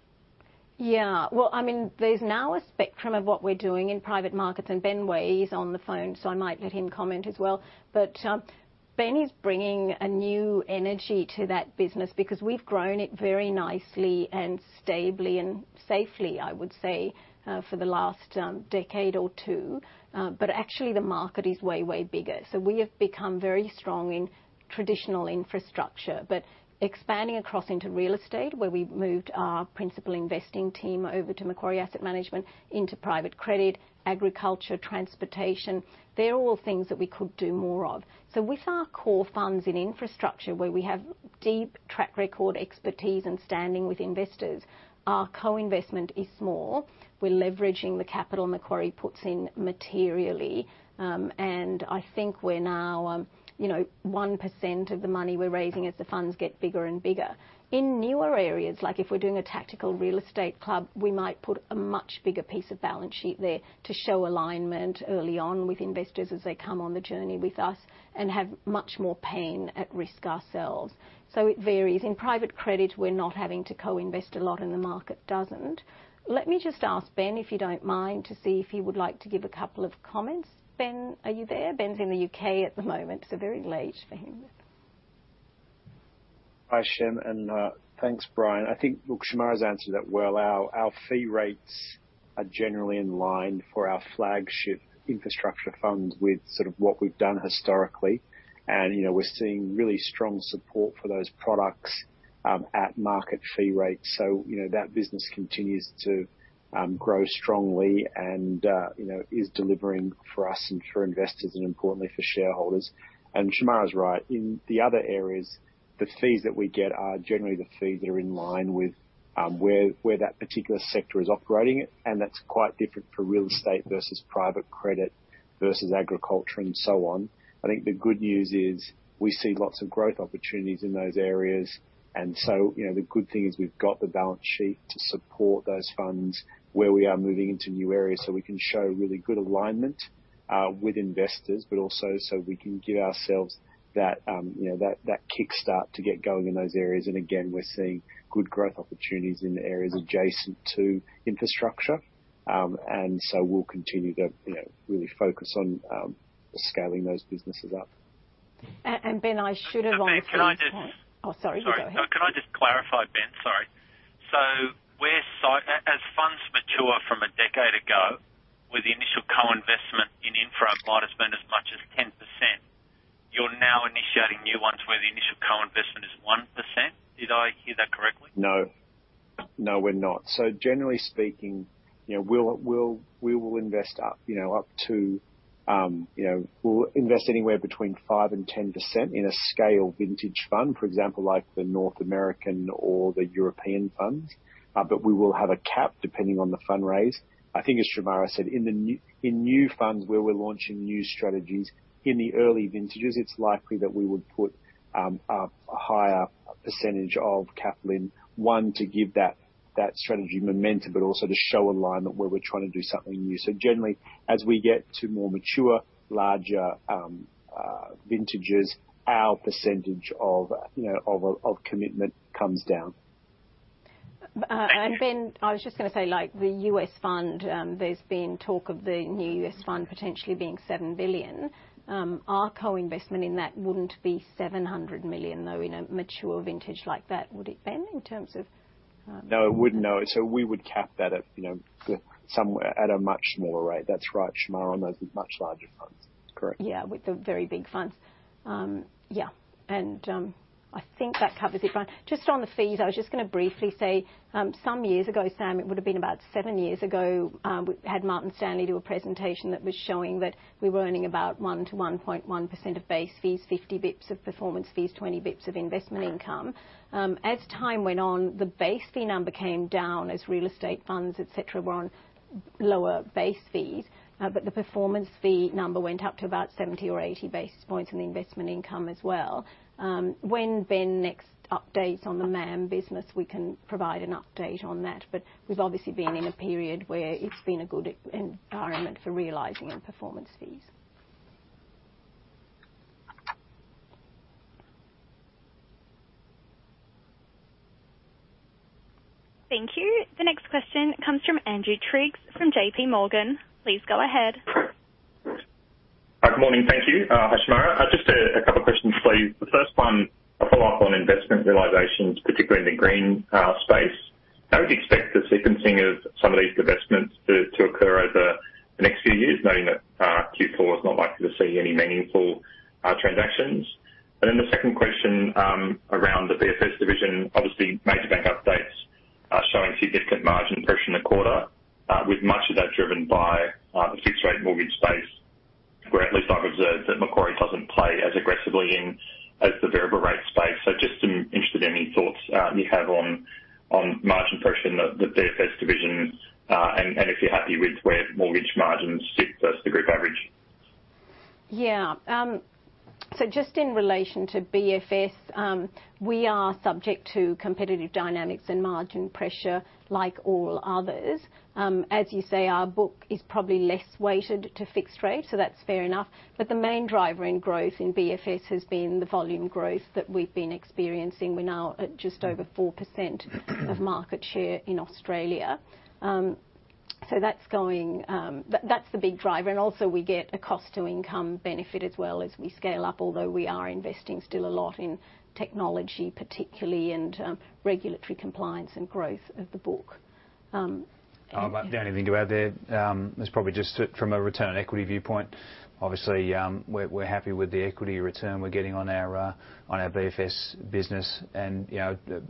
Well, I mean, there's now a spectrum of what we're doing in private markets, and Ben Way is on the phone, so I might let him comment as well. Ben is bringing a new energy to that business because we've grown it very nicely and stably and safely, I would say, for the last decade or two. Actually the market is way bigger. We have become very strong in traditional infrastructure. Expanding across into real estate, where we've moved our principal investing team over to Macquarie Asset Management into private credit, agriculture, transportation, they're all things that we could do more of. With our core funds in infrastructure, where we have deep track record expertise and standing with investors, our co-investment is small. We're leveraging the capital Macquarie puts in materially. I think we're now, 1% of the money we're raising as the funds get bigger and bigger. In newer areas, like if we're doing a tactical real estate club, we might put a much bigger piece of balance sheet there to show alignment early on with investors as they come on the journey with us and have much more skin at risk ourselves. It varies. In private credit, we're not having to co-invest a lot, and the market doesn't. Let me just ask Ben, if you don't mind, to see if he would like to give a couple of comments. Ben, are you there? Ben's in the U.K. at the moment, so very late for him. Hi, Shemara, and thanks, Brian. I think, look, Shemara's answered that well. Our fee rates are generally in line for our flagship infrastructure funds with sort of what we've done historically. we're seeing really strong support for those products at market fee rate. that business continues to grow strongly and you know is delivering for us and for investors and importantly for shareholders. Shemara is right. In the other areas, the fees that we get are generally the fees that are in line with where that particular sector is operating, and that's quite different for real estate versus private credit versus agriculture and so on. I think the good news is we see lots of growth opportunities in those areas. the good thing is we've got the balance sheet to support those funds where we are moving into new areas, so we can show really good alignment with investors, but also so we can give ourselves that, that kickstart to get going in those areas. Again, we're seeing good growth opportunities in the areas adjacent to infrastructure. We'll continue to, really focus on scaling those businesses up. Ben, I should have- Shemara, can I just. Oh, sorry. You go ahead. Sorry. No, can I just clarify, Ben? Sorry. As funds mature from a decade ago, where the initial co-investment in infra might have been as much as 10%, you're now initiating new ones where the initial co-investment is 1%? Did I hear that correctly? No. No, we're not. Generally speaking, we will invest up to, we'll invest anywhere between 5%-10% in a scale vintage fund, for example, like the North American or the European funds. But we will have a cap depending on the fund raised. I think as Shemara said, in new funds where we're launching new strategies in the early vintages, it's likely that we would put a higher percentage of capital in, one to give that strategy momentum, also to show alignment where we're trying to do something new. Generally, as we get to more mature, larger vintages, our percentage of commitment comes down. Ben, I was just gonna say, like the U.S. fund, there's been talk of the new U.S. fund potentially being $7 billion. Our co-investment in that wouldn't be $700 million, though, in a mature vintage like that, would it, Ben, in terms of, No, it wouldn't. No. We would cap that at, somewhere at a much smaller rate. That's right, Shemara, on those much larger funds. Correct. With the very big funds. I think that covers it, Ben. Just on the fees, I was just gonna briefly say, some years ago, Sam, it would have been about 7 years ago, we had Martin Stanley do a presentation that was showing that we were earning about 1-1.1% of base fees, 50 basis points of performance fees, 20 basis points of investment income. As time went on, the base fee number came down as real estate funds, et cetera, were on lower base fees. The performance fee number went up to about 70-80 basis points in the investment income as well. When Ben next updates on the MAM business, we can provide an update on that. We've obviously been in a period where it's been a good environment for realizing on performance fees. Thank you. The next question comes from Andrew Triggs from JPMorgan. Please go ahead. Good morning. Thank you. Shemara, just a couple questions for you. The first one, a follow-up on investment realizations, particularly in the green space. I would expect the sequencing of some of these divestments to occur over the next few years, knowing that Q4 is not likely to see any meaningful transactions. The second question, around the BFS division, obviously, major bank updates are showing significant margin pressure in the quarter, with much of that driven by the fixed rate mortgage space, where, at least I've observed that Macquarie doesn't play as aggressively in the variable rate space. Just interested in any thoughts you have on margin pressure in the BFS division, and if you're happy with where mortgage margins sit versus the group average? Just in relation to BFS, we are subject to competitive dynamics and margin pressure like all others. As you say, our book is probably less weighted to fixed rate, so that's fair enough. The main driver in growth in BFS has been the volume growth that we've been experiencing. We're now at just over 4% of market share in Australia. That's the big driver. We also get a cost to income benefit as well as we scale up. Although we are investing still a lot in technology particularly and regulatory compliance and growth of the book. The only thing to add there is probably just from a return on equity viewpoint. Obviously, we're happy with the equity return we're getting on our BFS business.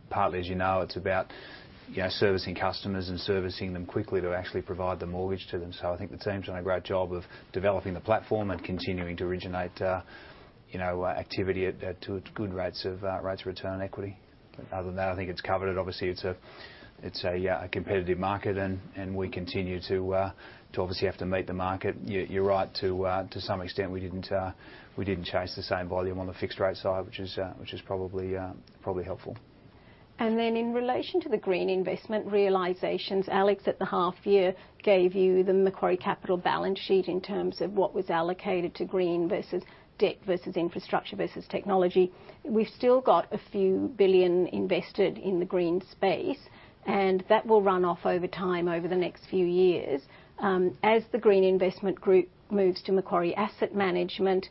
partly, as it's about servicing customers and servicing them quickly to actually provide the mortgage to them. I think the team's done a great job of developing the platform and continuing to originate activity at attractive rates of return on equity. Other than that, I think it's covered it. Obviously, it's a competitive market and we continue to obviously have to meet the market. You're right to some extent, we didn't chase the same volume on the fixed rate side, which is probably helpful. In relation to the green investment realizations, Alex at the half year gave you the Macquarie Capital balance sheet in terms of what was allocated to green versus debt, versus infrastructure, versus technology. We've still got AUD a few billion invested in the green space, and that will run off over time, over the next few years. As the Green Investment Group moves to Macquarie Asset Management,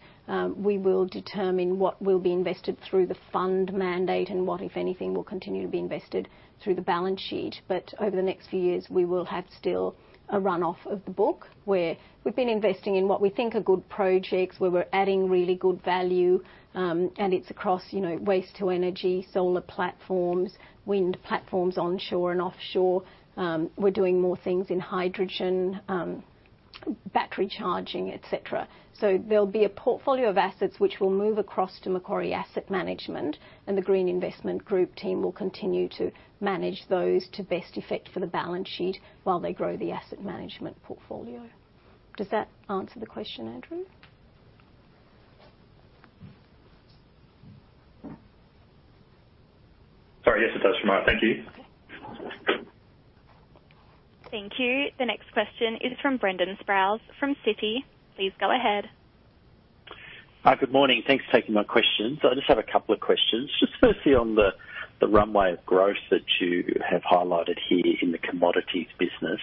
we will determine what will be invested through the fund mandate and what, if anything, will continue to be invested through the balance sheet. Over the next few years, we will have still a runoff of the book where we've been investing in what we think are good projects, where we're adding really good value, and it's across, waste-to-energy, solar platforms, wind platforms onshore and offshore. We're doing more things in hydrogen, battery charging, et cetera. There'll be a portfolio of assets which will move across to Macquarie Asset Management, and the Green Investment Group team will continue to manage those to best effect for the balance sheet while they grow the asset management portfolio. Does that answer the question, Andrew? Sorry. Yes, it does, Shemara. Thank you. Thank you. The next question is from Brendan Sproules from Citi. Please go ahead. Hi. Good morning. Thanks for taking my questions. I just have a couple of questions. Just firstly, on the runway of growth that you have highlighted here in the commodities business.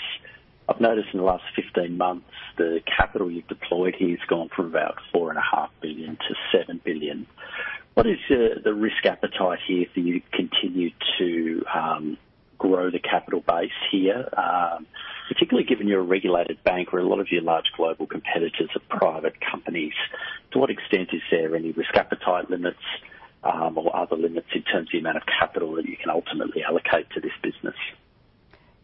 I've noticed in the last 15 months, the capital you've deployed here has gone from about 4.5 billion to 7 billion. What is the risk appetite here for you to continue to grow the capital base here, particularly given you're a regulated bank where a lot of your large global competitors are private companies? To what extent is there any risk appetite limits, or other limits in terms of the amount of capital that you can ultimately allocate to this business?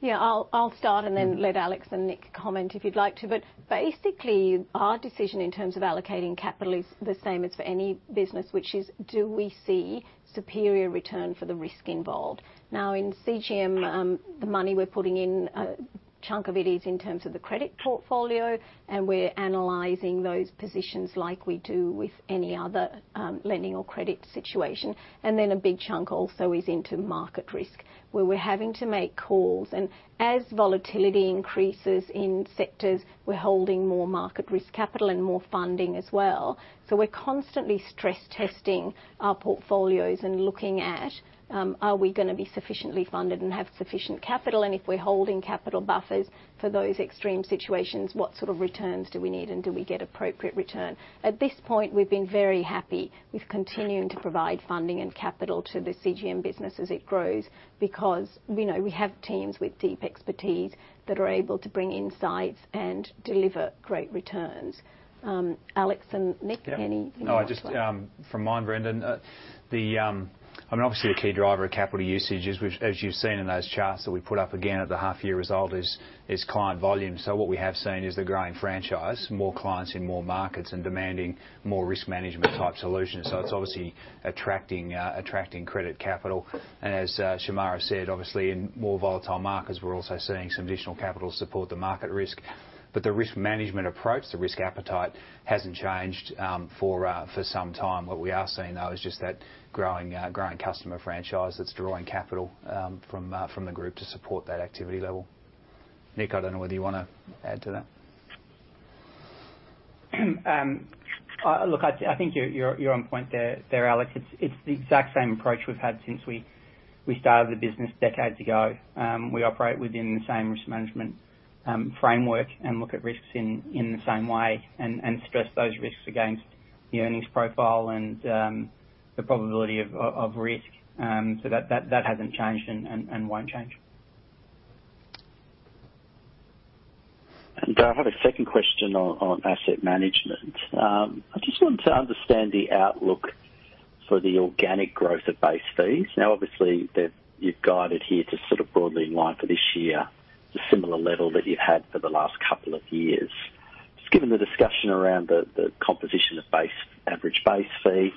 I'll start and then let Alex and Nick comment if you'd like to. Basically, our decision in terms of allocating capital is the same as for any business, which is do we see superior return for the risk involved. Now, in CGM, the money we're putting in, a chunk of it is in terms of the credit portfolio, and we're analyzing those positions like we do with any other, lending or credit situation. Then a big chunk also is into market risk, where we're having to make calls. As volatility increases in sectors, we're holding more market risk capital and more funding as well. We're constantly stress testing our portfolios and looking at are we gonna be sufficiently funded and have sufficient capital? If we're holding capital buffers for those extreme situations, what sort of returns do we need, and do we get appropriate return? At this point, we've been very happy with continuing to provide funding and capital to the CGM business as it grows because, we have teams with deep expertise that are able to bring insights and deliver great returns. Alex and Nick, any- From my end, Brendan, I mean, obviously, the key driver of capital usage, which as you've seen in those charts that we put up again at the half year result, is client volume. What we have seen is the growing franchise, more clients in more markets and demanding more risk management type solutions. It's obviously attracting credit capital. As Shemara said, obviously in more volatile markets, we're also seeing some additional capital support the market risk. The risk management approach, the risk appetite hasn't changed for some time. What we are seeing, though, is just that growing customer franchise that's drawing capital from the group to support that activity level. Nick, I don't know whether you wanna add to that. Look, I think you're on point there, Alex. It's the exact same approach we've had since we started the business decades ago. We operate within the same risk management framework and look at risks in the same way and stress those risks against the earnings profile and the probability of risk. That hasn't changed and won't change. I have a second question on asset management. I just wanted to understand the outlook for the organic growth of base fees. Now, obviously, you've guided here to sort of broadly in line for this year, the similar level that you've had for the last couple of years. Just given the discussion around the composition of base average base fee,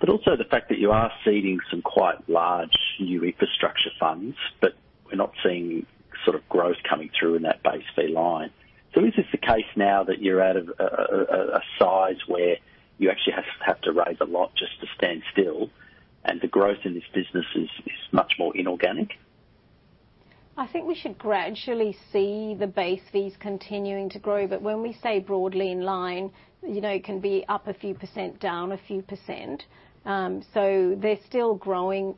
but also the fact that you are seeding some quite large new infrastructure funds, but we're not seeing sort of growth coming through in that base fee line. Is this the case now that you're at a size where you actually have to raise a lot just to stand still and the growth in this business is much more inorganic? I think we should gradually see the base fees continuing to grow. When we say broadly in line, it can be up a few %, down a few %. They're still growing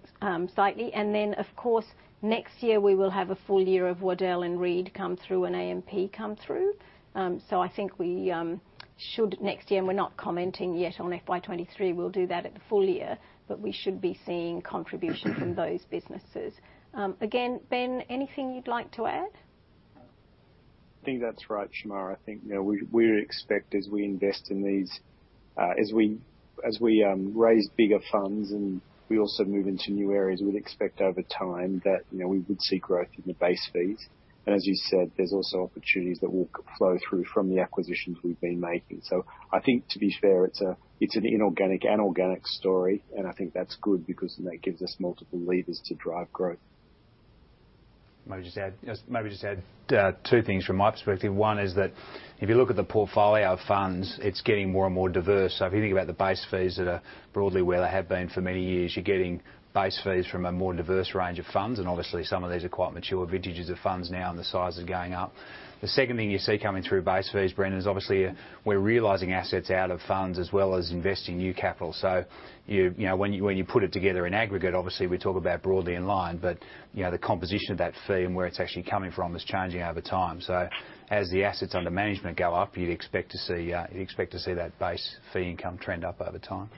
slightly. Of course, next year we will have a full year of Waddell & Reed come through and AMP come through. I think we should next year, and we're not commenting yet on FY 2023, we'll do that at the full year, but we should be seeing contribution from those businesses. Again, Ben, anything you'd like to add? I think that's right, Shemara. I think, we expect as we invest in these, as we raise bigger funds and we also move into new areas, we'd expect over time that, we would see growth in the base fees. And as you said, there's also opportunities that will flow through from the acquisitions we've been making. I think to be fair, it's an inorganic and organic story, and I think that's good because that gives us multiple levers to drive growth. may just add two things from my perspective. One is that if you look at the portfolio of funds, it's getting more and more diverse. If you think about the base fees that are broadly where they have been for many years, you're getting base fees from a more diverse range of funds, and obviously some of these are quite mature vintages of funds now and the size is going up. The second thing you see coming through base fees, Brendan, is obviously we're realizing assets out of funds as well as investing new capital. when you put it together in aggregate, obviously we talk about broadly in line, but the composition of that fee and where it's actually coming from is changing over time. As the assets under management go up, you'd expect to see that base fee income trend up over time.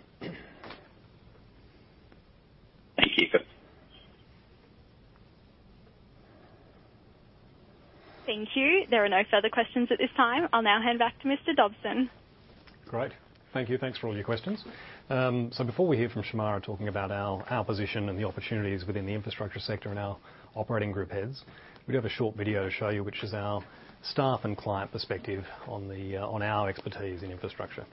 Thank you. Thank you. There are no further questions at this time. I'll now hand back to Mr. Dobson. Great. Thank you. Thanks for all your questions. Before we hear from Shemara talking about our position and the opportunities within the infrastructure sector and our operating group heads, we have a short video to show you, which is our staff and client perspective on our expertise in infrastructure.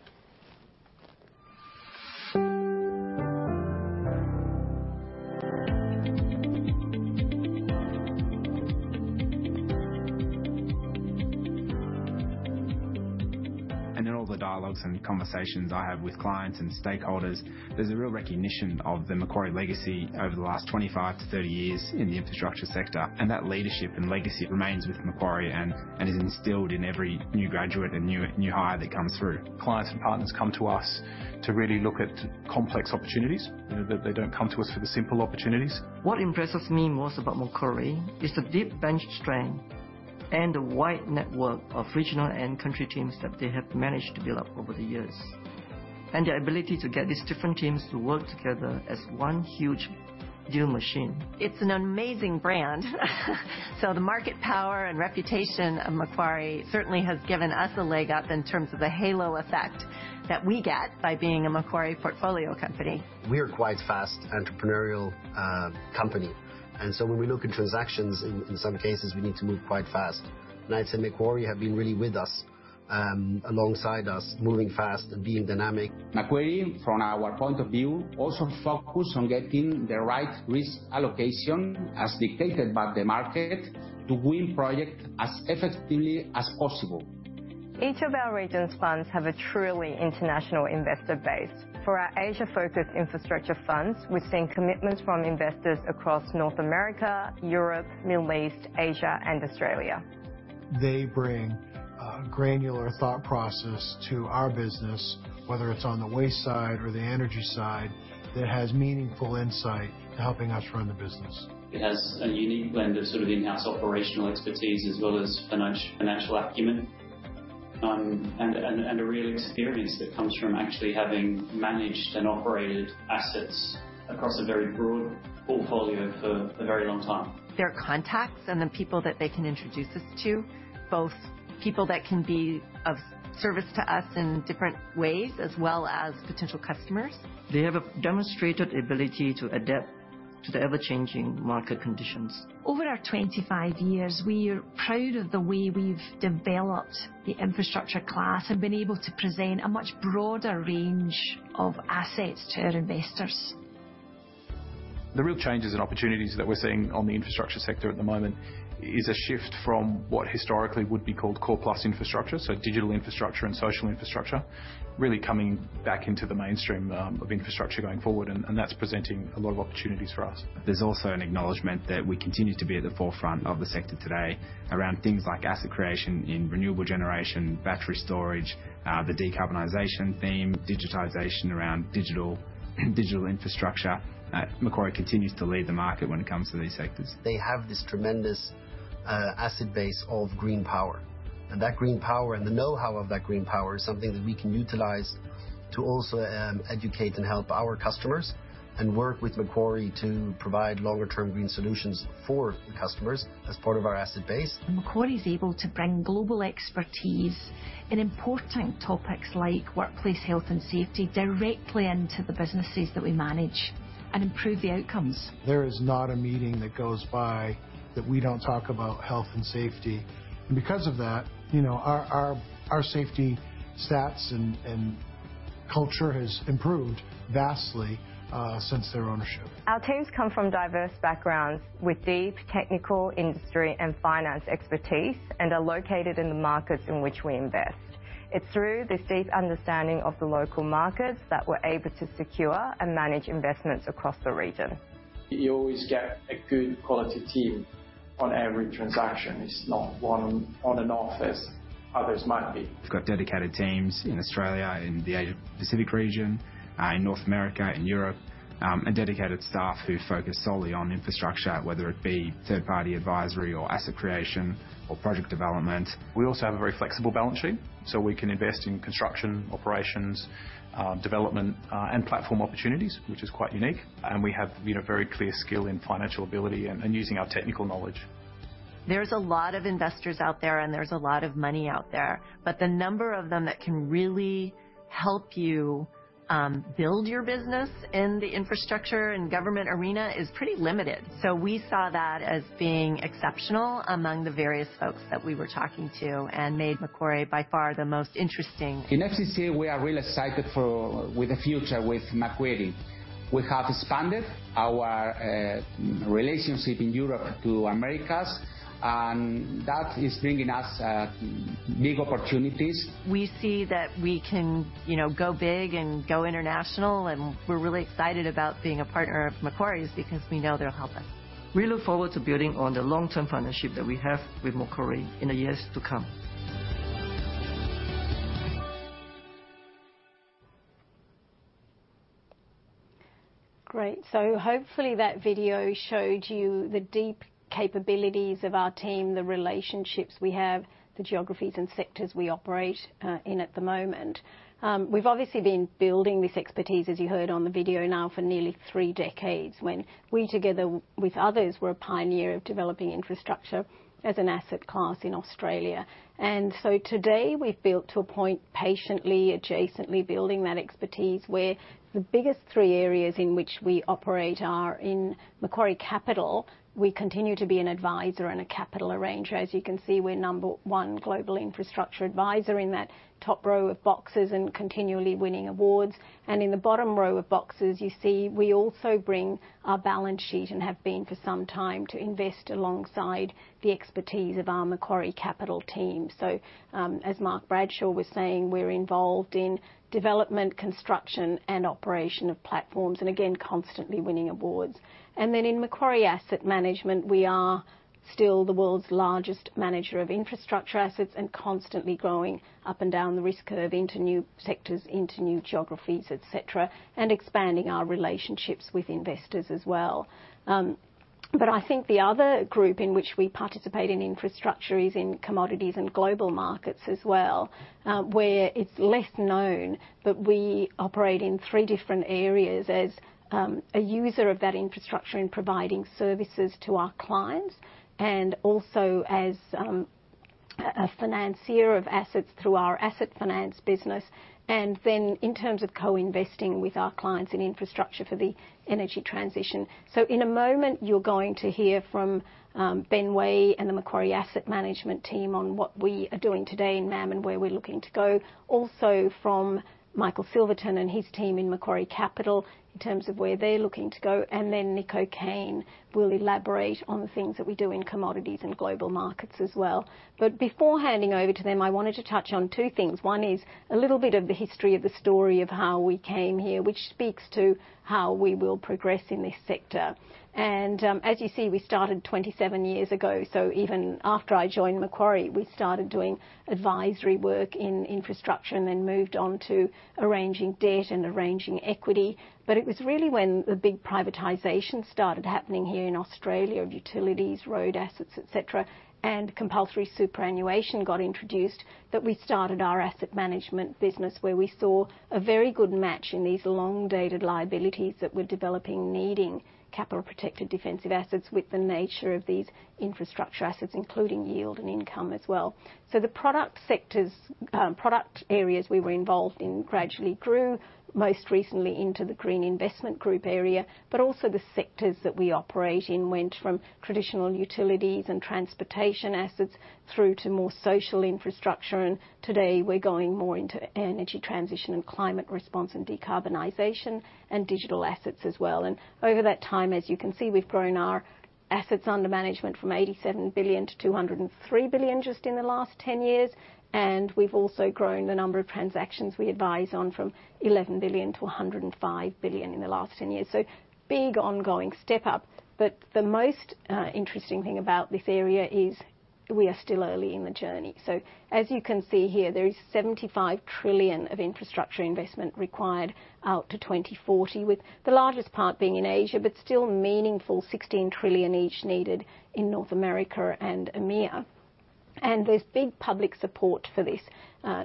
In all the dialogues and conversations I have with clients and stakeholders, there's a real recognition of the Macquarie legacy over the last 25-30 years in the infrastructure sector. That leadership and legacy remains with Macquarie and is instilled in every new graduate and new hire that comes through. Clients and partners come to us to really look at complex opportunities. they don't come to us for the simple opportunities. What impresses me most about Macquarie is the deep bench strength and the wide network of regional and country teams that they have managed to build up over the years. Their ability to get these different teams to work together as one huge deal machine. It's an amazing brand. The market power and reputation of Macquarie certainly has given us a leg up in terms of the halo effect that we get by being a Macquarie portfolio company. We are quite a fast entrepreneurial company. When we look at transactions, in some cases, we need to move quite fast. I'd say Macquarie have been really with us, alongside us, moving fast and being dynamic. Macquarie, from our point of view, also focus on getting the right risk allocation as dictated by the market to win project as effectively as possible. Each of our regions' funds have a truly international investor base. For our Asia-focused infrastructure funds, we're seeing commitments from investors across North America, Europe, Middle East, Asia, and Australia. They bring a granular thought process to our business, whether it's on the waste side or the energy side, that has meaningful insight helping us run the business. It has a unique blend of sort of in-house operational expertise as well as financial acumen. A real experience that comes from actually having managed and operated assets across a very broad portfolio for a very long time. Their contacts and the people that they can introduce us to, both people that can be of service to us in different ways, as well as potential customers. They have a demonstrated ability to adapt to the ever-changing market conditions. Over our 25 years, we are proud of the way we've developed the infrastructure class and been able to present a much broader range of assets to our investors. The real changes and opportunities that we're seeing on the infrastructure sector at the moment is a shift from what historically would be called core plus infrastructure. Digital infrastructure and social infrastructure really coming back into the mainstream of infrastructure going forward, and that's presenting a lot of opportunities for us. There's also an acknowledgement that we continue to be at the forefront of the sector today around things like asset creation in renewable generation, battery storage, the decarbonization theme, digitization around digital infrastructure. Macquarie continues to lead the market when it comes to these sectors. They have this tremendous asset base of green power. That green power and the know-how of that green power is something that we can utilize to also educate and help our customers, and work with Macquarie to provide longer term green solutions for the customers as part of our asset base. Macquarie is able to bring global expertise in important topics like workplace health and safety directly into the businesses that we manage and improve the outcomes. There is not a meeting that goes by that we don't talk about health and safety. Because of that, our safety stats and culture has improved vastly since their ownership. Our teams come from diverse backgrounds with deep technical industry and finance expertise, and are located in the markets in which we invest. It's through this deep understanding of the local markets that we're able to secure and manage investments across the region. You always get a good quality team on every transaction. It's not on and off as others might be. We've got dedicated teams in Australia, in the Asia-Pacific region, in North America, in Europe, and dedicated staff who focus solely on infrastructure, whether it be third-party advisory or asset creation or project development. We also have a very flexible balance sheet, so we can invest in construction, operations, development, and platform opportunities, which is quite unique. We have, very clear skill in financial ability and using our technical knowledge. There's a lot of investors out there, and there's a lot of money out there, but the number of them that can really help you build your business in the infrastructure and government arena is pretty limited. We saw that as being exceptional among the various folks that we were talking to, and made Macquarie by far the most interesting. In FCC, we are really excited for the future with Macquarie. We have expanded our relationship in Europe to the Americas, and that is bringing us big opportunities. We see that we can, go big and go international, and we're really excited about being a partner of Macquarie's because we know they'll help us. We look forward to building on the long-term partnership that we have with Macquarie in the years to come. Great. Hopefully that video showed you the deep capabilities of our team, the relationships we have, the geographies and sectors we operate in at the moment. We've obviously been building this expertise, as you heard on the video. Now for nearly three decades, when we together with others were a pioneer of developing infrastructure as an asset class in Australia. Today we've built to a point patiently, adjacently building that expertise, where the biggest three areas in which we operate are in Macquarie Capital. We continue to be an advisor and a capital arranger. As you can see, we're number one global infrastructure advisor in that top row of boxes and continually winning awards. In the bottom row of boxes you see we also bring our balance sheet, and have been for some time, to invest alongside the expertise of our Macquarie Capital team. As Mark Bradshaw was saying, we're involved in development, construction, and operation of platforms, and again, constantly winning awards. In Macquarie Asset Management, we are still the world's largest manager of infrastructure assets and constantly growing up and down the risk curve into new sectors, into new geographies, et cetera, and expanding our relationships with investors as well. I think the other group in which we participate in infrastructure is in commodities and global markets as well, where it's less known that we operate in three different areas as a user of that infrastructure in providing services to our clients, and also as a financier of assets through our asset finance business, and then in terms of co-investing with our clients in infrastructure for the energy transition. In a moment, you're going to hear from Ben Way and the Macquarie Asset Management team on what we are doing today in MAM and where we're looking to go. Also from Michael Silverton and his team in Macquarie Capital in terms of where they're looking to go, and then Nick O'Kane will elaborate on the things that we do in commodities and global markets as well. Before handing over to them, I wanted to touch on two things. One is a little bit of the history of the story of how we came here, which speaks to how we will progress in this sector. As you see, we started 27 years ago, so even after I joined Macquarie, we started doing advisory work in infrastructure and then moved on to arranging debt and arranging equity. It was really when the big privatization started happening here in Australia of utilities, road assets, et cetera, and compulsory superannuation got introduced, that we started our asset management business where we saw a very good match in these long-dated liabilities that were developing, needing capital protected defensive assets with the nature of these infrastructure assets, including yield and income as well. The product sectors, product areas we were involved in gradually grew, most recently into the Green Investment Group area, but also the sectors that we operate in went from traditional utilities and transportation assets through to more social infrastructure. Today we're going more into energy transition and climate response and decarbonization and digital assets as well. Over that time, as you can see, we've grown our assets under management from 87 billion to 203 billion just in the last 10 years. We've also grown the number of transactions we advise on from 11 billion to 105 billion in the last 10 years. Big ongoing step up, but the most interesting thing about this area is we are still early in the journey. As you can see here, there is 75 trillion of infrastructure investment required out to 2040, with the largest part being in Asia, but still meaningful 16 trillion each needed in North America and EMEA. There's big public support for this,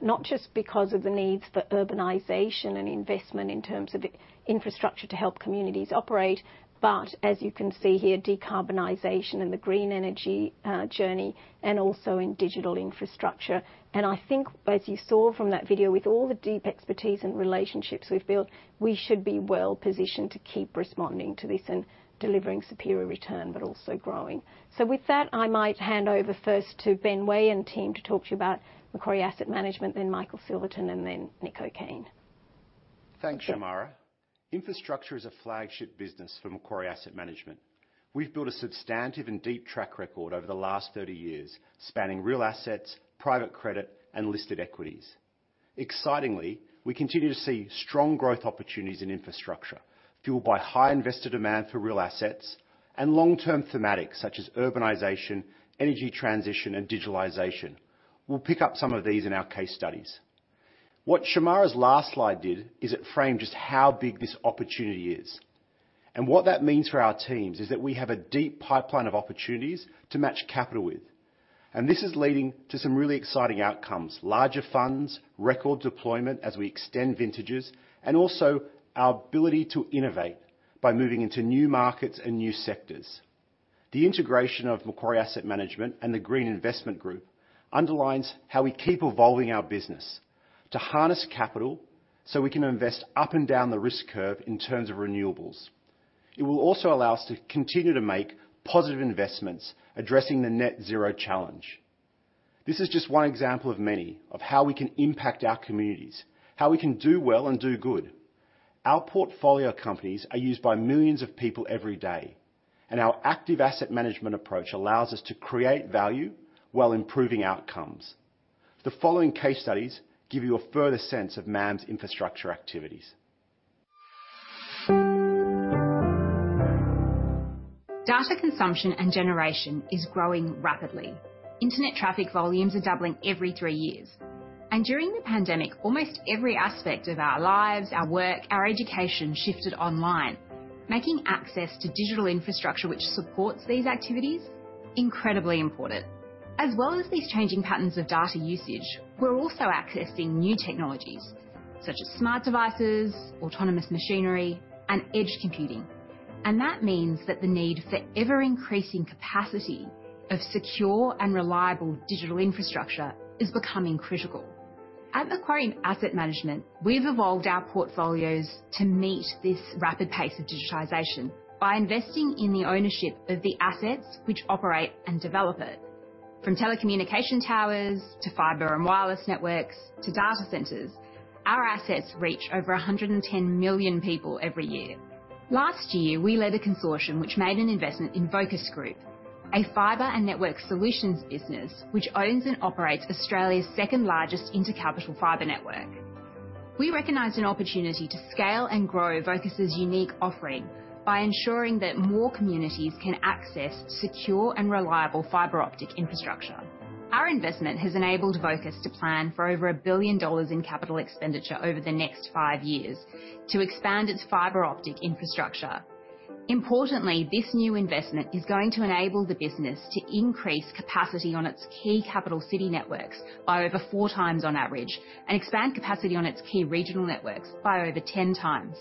not just because of the needs for urbanization and investment in terms of infrastructure to help communities operate, but as you can see here, decarbonization and the green energy journey and also in digital infrastructure. I think as you saw from that video, with all the deep expertise and relationships we've built, we should be well positioned to keep responding to this and delivering superior return, but also growing. With that, I might hand over first to Ben Way and team to talk to you about Macquarie Asset Management, then Michael Silverton and then Nick O'Kane. Thanks, Shemara. Infrastructure is a flagship business for Macquarie Asset Management. We've built a substantive and deep track record over the last 30 years, spanning real assets, private credit, and listed equities. Excitingly, we continue to see strong growth opportunities in infrastructure fueled by high investor demand for real assets and long-term thematics such as urbanization, energy transition, and digitalization. We'll pick up some of these in our case studies. What Shemara's last slide did is it framed just how big this opportunity is. What that means for our teams is that we have a deep pipeline of opportunities to match capital with. This is leading to some really exciting outcomes, larger funds, record deployment as we extend vintages, and also our ability to innovate by moving into new markets and new sectors. The integration of Macquarie Asset Management and the Green Investment Group underlines how we keep evolving our business to harness capital so we can invest up and down the risk curve in terms of renewables. It will also allow us to continue to make positive investments addressing the net-zero challenge. This is just one example of many of how we can impact our communities, how we can do well and do good. Our portfolio companies are used by millions of people every day, and our active asset management approach allows us to create value while improving outcomes. The following case studies give you a further sense of MAM's infrastructure activities. Data consumption and generation is growing rapidly. Internet traffic volumes are doubling every 3 years. During the pandemic, almost every aspect of our lives, our work, our education shifted online, making access to digital infrastructure which supports these activities incredibly important. As well as these changing patterns of data usage, we're also accessing new technologies such as smart devices, autonomous machinery, and edge computing. That means that the need for ever-increasing capacity of secure and reliable digital infrastructure is becoming critical. At Macquarie Asset Management, we've evolved our portfolios to meet this rapid pace of digitization by investing in the ownership of the assets which operate and develop it. From telecommunication towers to fiber and wireless networks to data centers, our assets reach over 110 million people every year. Last year, we led a consortium which made an investment in Vocus Group, a fiber and network solutions business which owns and operates Australia's second-largest intercapital fiber network. We recognized an opportunity to scale and grow Vocus' unique offering by ensuring that more communities can access secure and reliable fiber optic infrastructure. Our investment has enabled Vocus to plan for over 1 billion dollars in capital expenditure over the next 5 years to expand its fiber optic infrastructure. Importantly, this new investment is going to enable the business to increase capacity on its key capital city networks by over 4 times on average, and expand capacity on its key regional networks by over 10 times.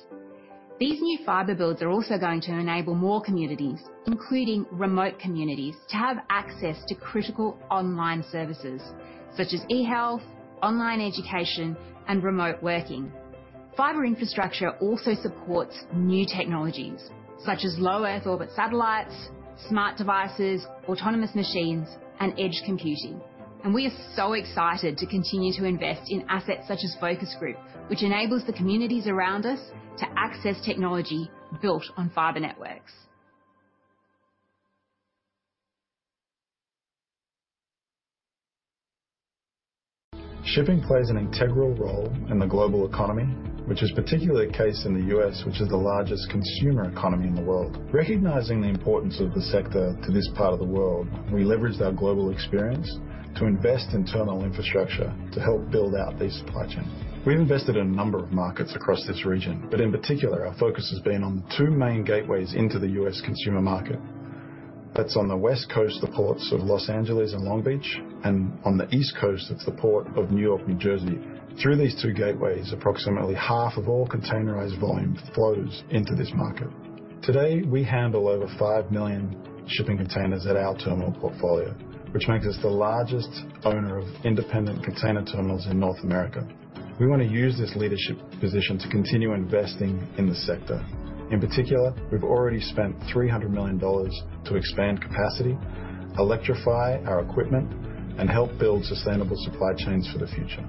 These new fiber builds are also going to enable more communities, including remote communities, to have access to critical online services such as e-health, online education, and remote working. Fiber infrastructure also supports new technologies such as low Earth orbit satellites, smart devices, autonomous machines, and edge computing. We are so excited to continue to invest in assets such as Vocus Group, which enables the communities around us to access technology built on fiber networks. Shipping plays an integral role in the global economy, which is particularly the case in the U.S., which is the largest consumer economy in the world. Recognizing the importance of the sector to this part of the world, we leveraged our global experience to invest in terminal infrastructure to help build out these supply chains. We've invested in a number of markets across this region, but in particular, our focus has been on the two main gateways into the U.S. consumer market. That's on the West Coast, the ports of Los Angeles and Long Beach, and on the East Coast, it's the port of New York, New Jersey. Through these two gateways, approximately half of all containerized volume flows into this market. Today, we handle over 5 million shipping containers at our terminal portfolio, which makes us the largest owner of independent container terminals in North America. We wanna use this leadership position to continue investing in the sector. In particular, we've already spent 300 million dollars to expand capacity, electrify our equipment, and help build sustainable supply chains for the future.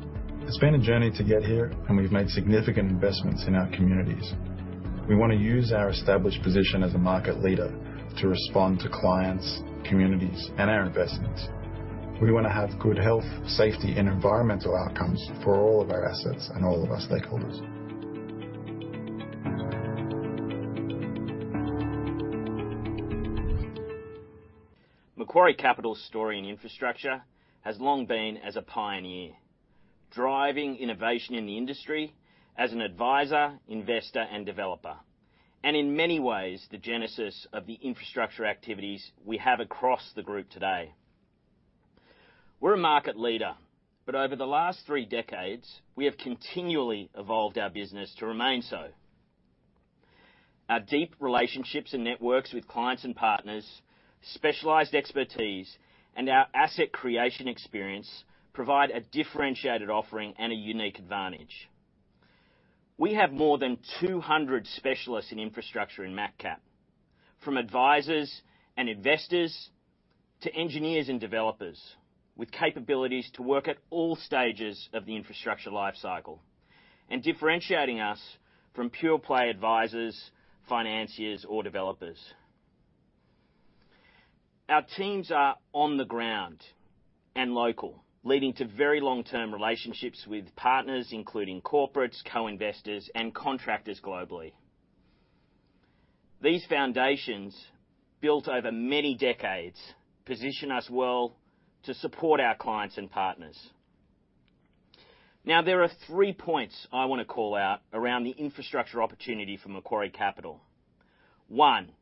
It's been a journey to get here, and we've made significant investments in our communities. We wanna use our established position as a market leader to respond to clients, communities, and our investments. We wanna have good health, safety, and environmental outcomes for all of our assets and all of our stakeholders. Macquarie Capital's story in infrastructure has long been as a pioneer, driving innovation in the industry as an advisor, investor, and developer. In many ways, the genesis of the infrastructure activities we have across the group today, we're a market leader, but over the last three decades, we have continually evolved our business to remain so. Our deep relationships and networks with clients and partners, specialized expertise, and our asset creation experience provide a differentiated offering and a unique advantage. We have more than 200 specialists in infrastructure in MacCap, from advisors and investors to engineers and developers with capabilities to work at all stages of the infrastructure life cycle and differentiating us from pure play advisors, financiers, or developers. Our teams are on the ground and local, leading to very long-term relationships with partners, including corporates, co-investors, and contractors globally. These foundations, built over many decades, position us well to support our clients and partners. Now, there are three points I wanna call out around the infrastructure opportunity for Macquarie Capital. One,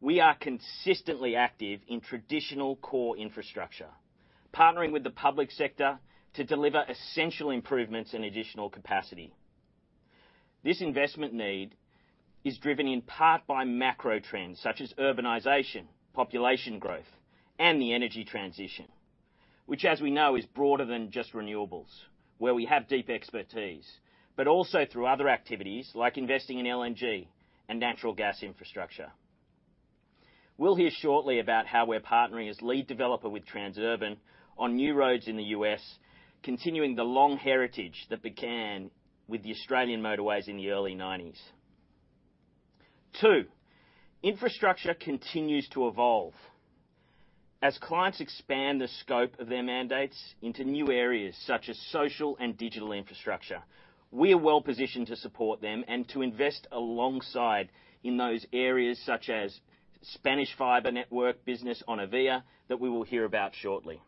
we are consistently active in traditional core infrastructure, partnering with the public sector to deliver essential improvements and additional capacity. This investment need is driven in part by macro trends such as urbanization, population growth, and the energy transition, which as we know, is broader than just renewables, where we have deep expertise, but also through other activities like investing in LNG and natural gas infrastructure. We'll hear shortly about how we're partnering as lead developer with Transurban on new roads in the U.S., continuing the long heritage that began with the Australian motorways in the early 1990s. Two, infrastructure continues to evolve. As clients expand the scope of their mandates into new areas such as social and digital infrastructure, we are well positioned to support them and to invest alongside in those areas such as Spanish fiber network business Onivia, that we will hear about shortly.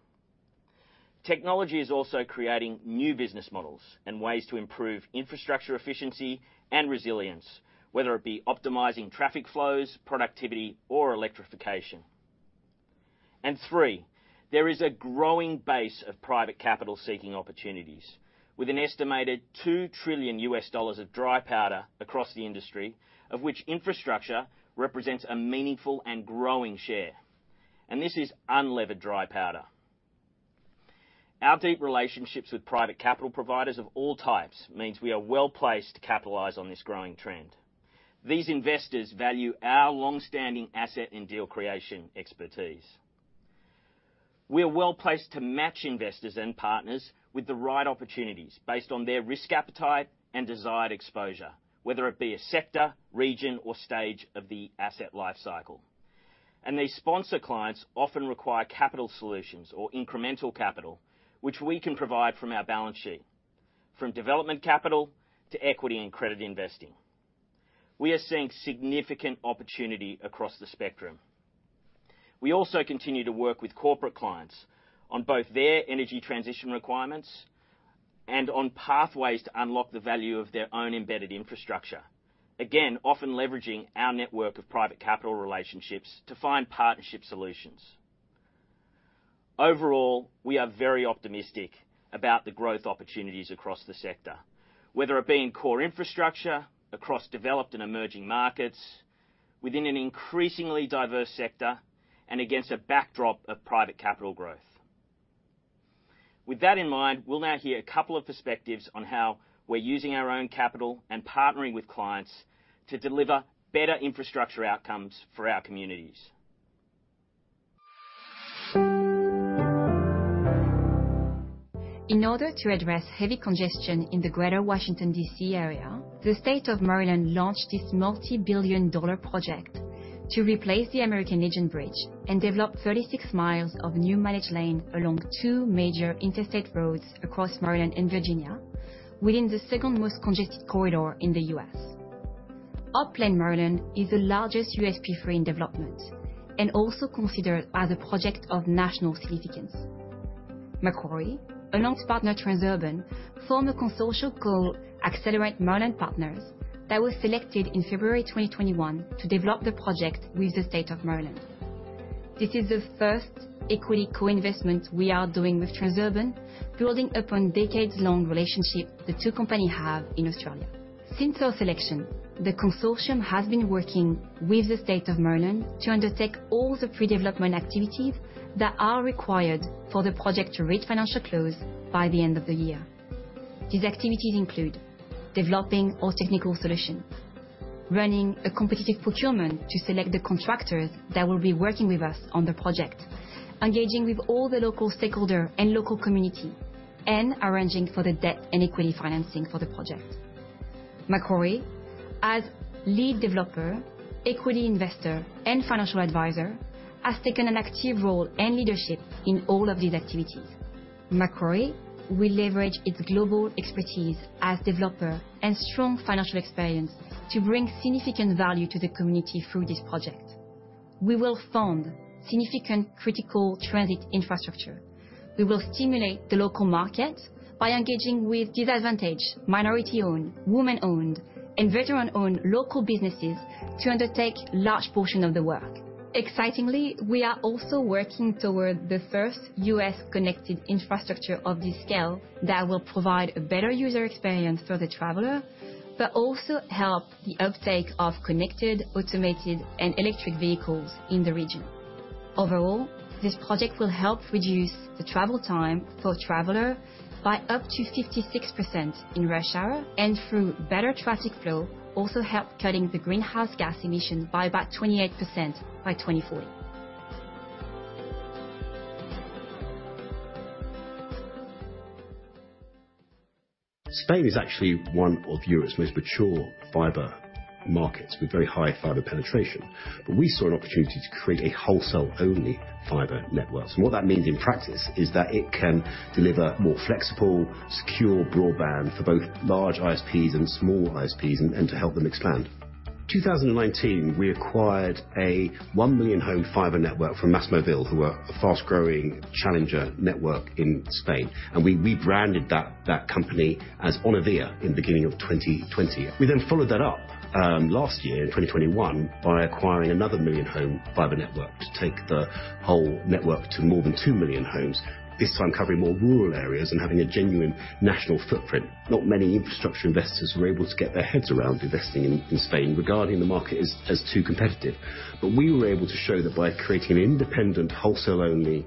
Technology is also creating new business models and ways to improve infrastructure efficiency and resilience, whether it be optimizing traffic flows, productivity, or electrification. Three, there is a growing base of private capital seeking opportunities with an estimated $2 trillion of dry powder across the industry, of which infrastructure represents a meaningful and growing share, and this is unlevered dry powder. Our deep relationships with private capital providers of all types means we are well-placed to capitalize on this growing trend. These investors value our long-standing asset and deal creation expertise. We are well-placed to match investors and partners with the right opportunities based on their risk appetite and desired exposure, whether it be a sector, region, or stage of the asset life cycle. These sponsor clients often require capital solutions or incremental capital, which we can provide from our balance sheet, from development capital to equity and credit investing. We are seeing significant opportunity across the spectrum. We also continue to work with corporate clients on both their energy transition requirements and on pathways to unlock the value of their own embedded infrastructure. Again, often leveraging our network of private capital relationships to find partnership solutions. Overall, we are very optimistic about the growth opportunities across the sector, whether it be in core infrastructure, across developed and emerging markets, within an increasingly diverse sector, and against a backdrop of private capital growth. With that in mind, we'll now hear a couple of perspectives on how we're using our own capital and partnering with clients to deliver better infrastructure outcomes for our communities. In order to address heavy congestion in the greater Washington, D.C. area, the state of Maryland launched this multi-billion-dollar project to replace the American Legion Bridge and develop 36 miles of new managed lane along two major interstate roads across Maryland and Virginia within the second most congested corridor in the U.S. OpLin Maryland is the largest unsolicited P3 development and also considered as a project of national significance. Macquarie, along with partner Transurban, formed a consortium called Accelerate Maryland Partners that was selected in February 2021 to develop the project with the state of Maryland. This is the first equity co-investment we are doing with Transurban, building upon decades-long relationship the two companies have in Australia. Since our selection, the consortium has been working with the state of Maryland to undertake all the pre-development activities that are required for the project to reach financial close by the end of the year. These activities include developing our technical solutions, running a competitive procurement to select the contractors that will be working with us on the project, engaging with all the local stakeholder and local community, and arranging for the debt and equity financing for the project. Macquarie, as lead developer, equity investor, and financial advisor, has taken an active role and leadership in all of these activities. Macquarie will leverage its global expertise as developer and strong financial experience to bring significant value to the community through this project. We will fund significant critical transit infrastructure. We will stimulate the local market by engaging with disadvantaged, minority-owned, women-owned, and veteran-owned local businesses to undertake large portion of the work. Excitingly, we are also working toward the first U.S. connected infrastructure of this scale that will provide a better user experience for the traveler, but also help the uptake of connected, automated, and electric vehicles in the region. Overall, this project will help reduce the travel time for traveler by up to 56% in rush hour and, through better traffic flow, also help cutting the greenhouse gas emissions by about 28% by 2040. Spain is actually one of Europe's most mature fiber markets with very high fiber penetration. We saw an opportunity to create a wholesale-only fiber network. What that means in practice is that it can deliver more flexible, secure broadband for both large ISPs and small ISPs and to help them expand. 2019, we acquired a 1 million home fiber network from MasMovil, who are a fast-growing challenger network in Spain, and we branded that company as Onivia in the beginning of 2020. We then followed that up last year in 2021 by acquiring another million home fiber network to take the whole network to more than 2 million homes. This time covering more rural areas and having a genuine national footprint. Not many infrastructure investors were able to get their heads around investing in Spain regarding the market as too competitive. We were able to show that by creating an independent wholesale-only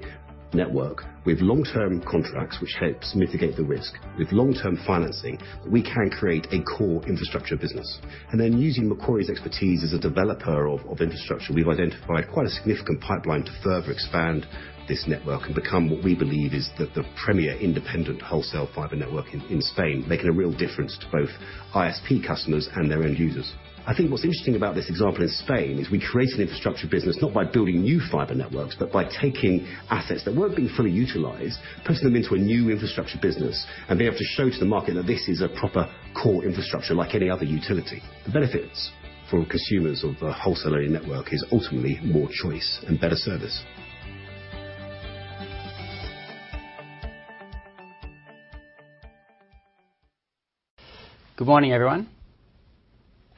network with long-term contracts which helps mitigate the risk, with long-term financing, we can create a core infrastructure business. Using Macquarie's expertise as a developer of infrastructure, we've identified quite a significant pipeline to further expand this network and become what we believe is the premier independent wholesale fiber network in Spain, making a real difference to both ISP customers and their end users. I think what's interesting about this example in Spain is we created an infrastructure business not by building new fiber networks, but by taking assets that weren't being fully utilized, putting them into a new infrastructure business, and being able to show to the market that this is a proper core infrastructure like any other utility. The benefits for consumers of a wholesale-only network is ultimately more choice and better service. Good morning, everyone.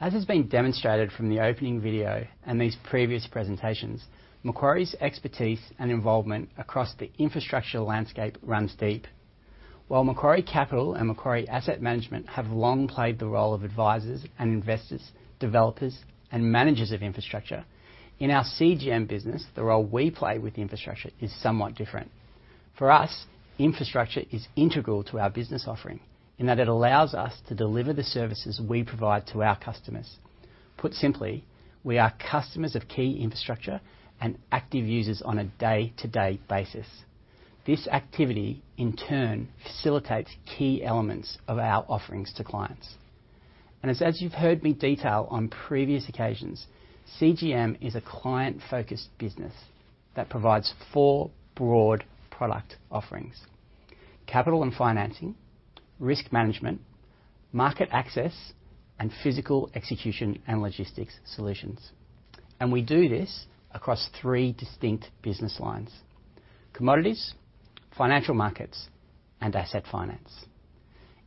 As has been demonstrated from the opening video and these previous presentations, Macquarie's expertise and involvement across the infrastructure landscape runs deep. While Macquarie Capital and Macquarie Asset Management have long played the role of advisors and investors, developers and managers of infrastructure, in our CGM business, the role we play with infrastructure is somewhat different. For us, infrastructure is integral to our business offering in that it allows us to deliver the services we provide to our customers. Put simply, we are customers of key infrastructure and active users on a day-to-day basis. This activity, in turn, facilitates key elements of our offerings to clients. As you've heard me detail on previous occasions, CGM is a client-focused business that provides four broad product offerings. Capital and financing, risk management, market access, and physical execution and logistics solutions. We do this across three distinct business lines, commodities, financial markets, and asset finance.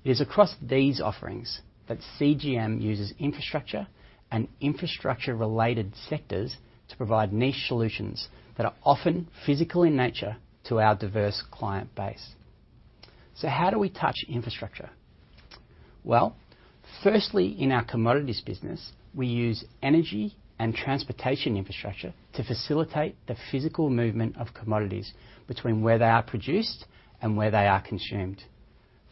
It is across these offerings that CGM uses infrastructure and infrastructure-related sectors to provide niche solutions that are often physical in nature to our diverse client base. How do we touch infrastructure? Firstly, in our commodities business, we use energy and transportation infrastructure to facilitate the physical movement of commodities between where they are produced and where they are consumed.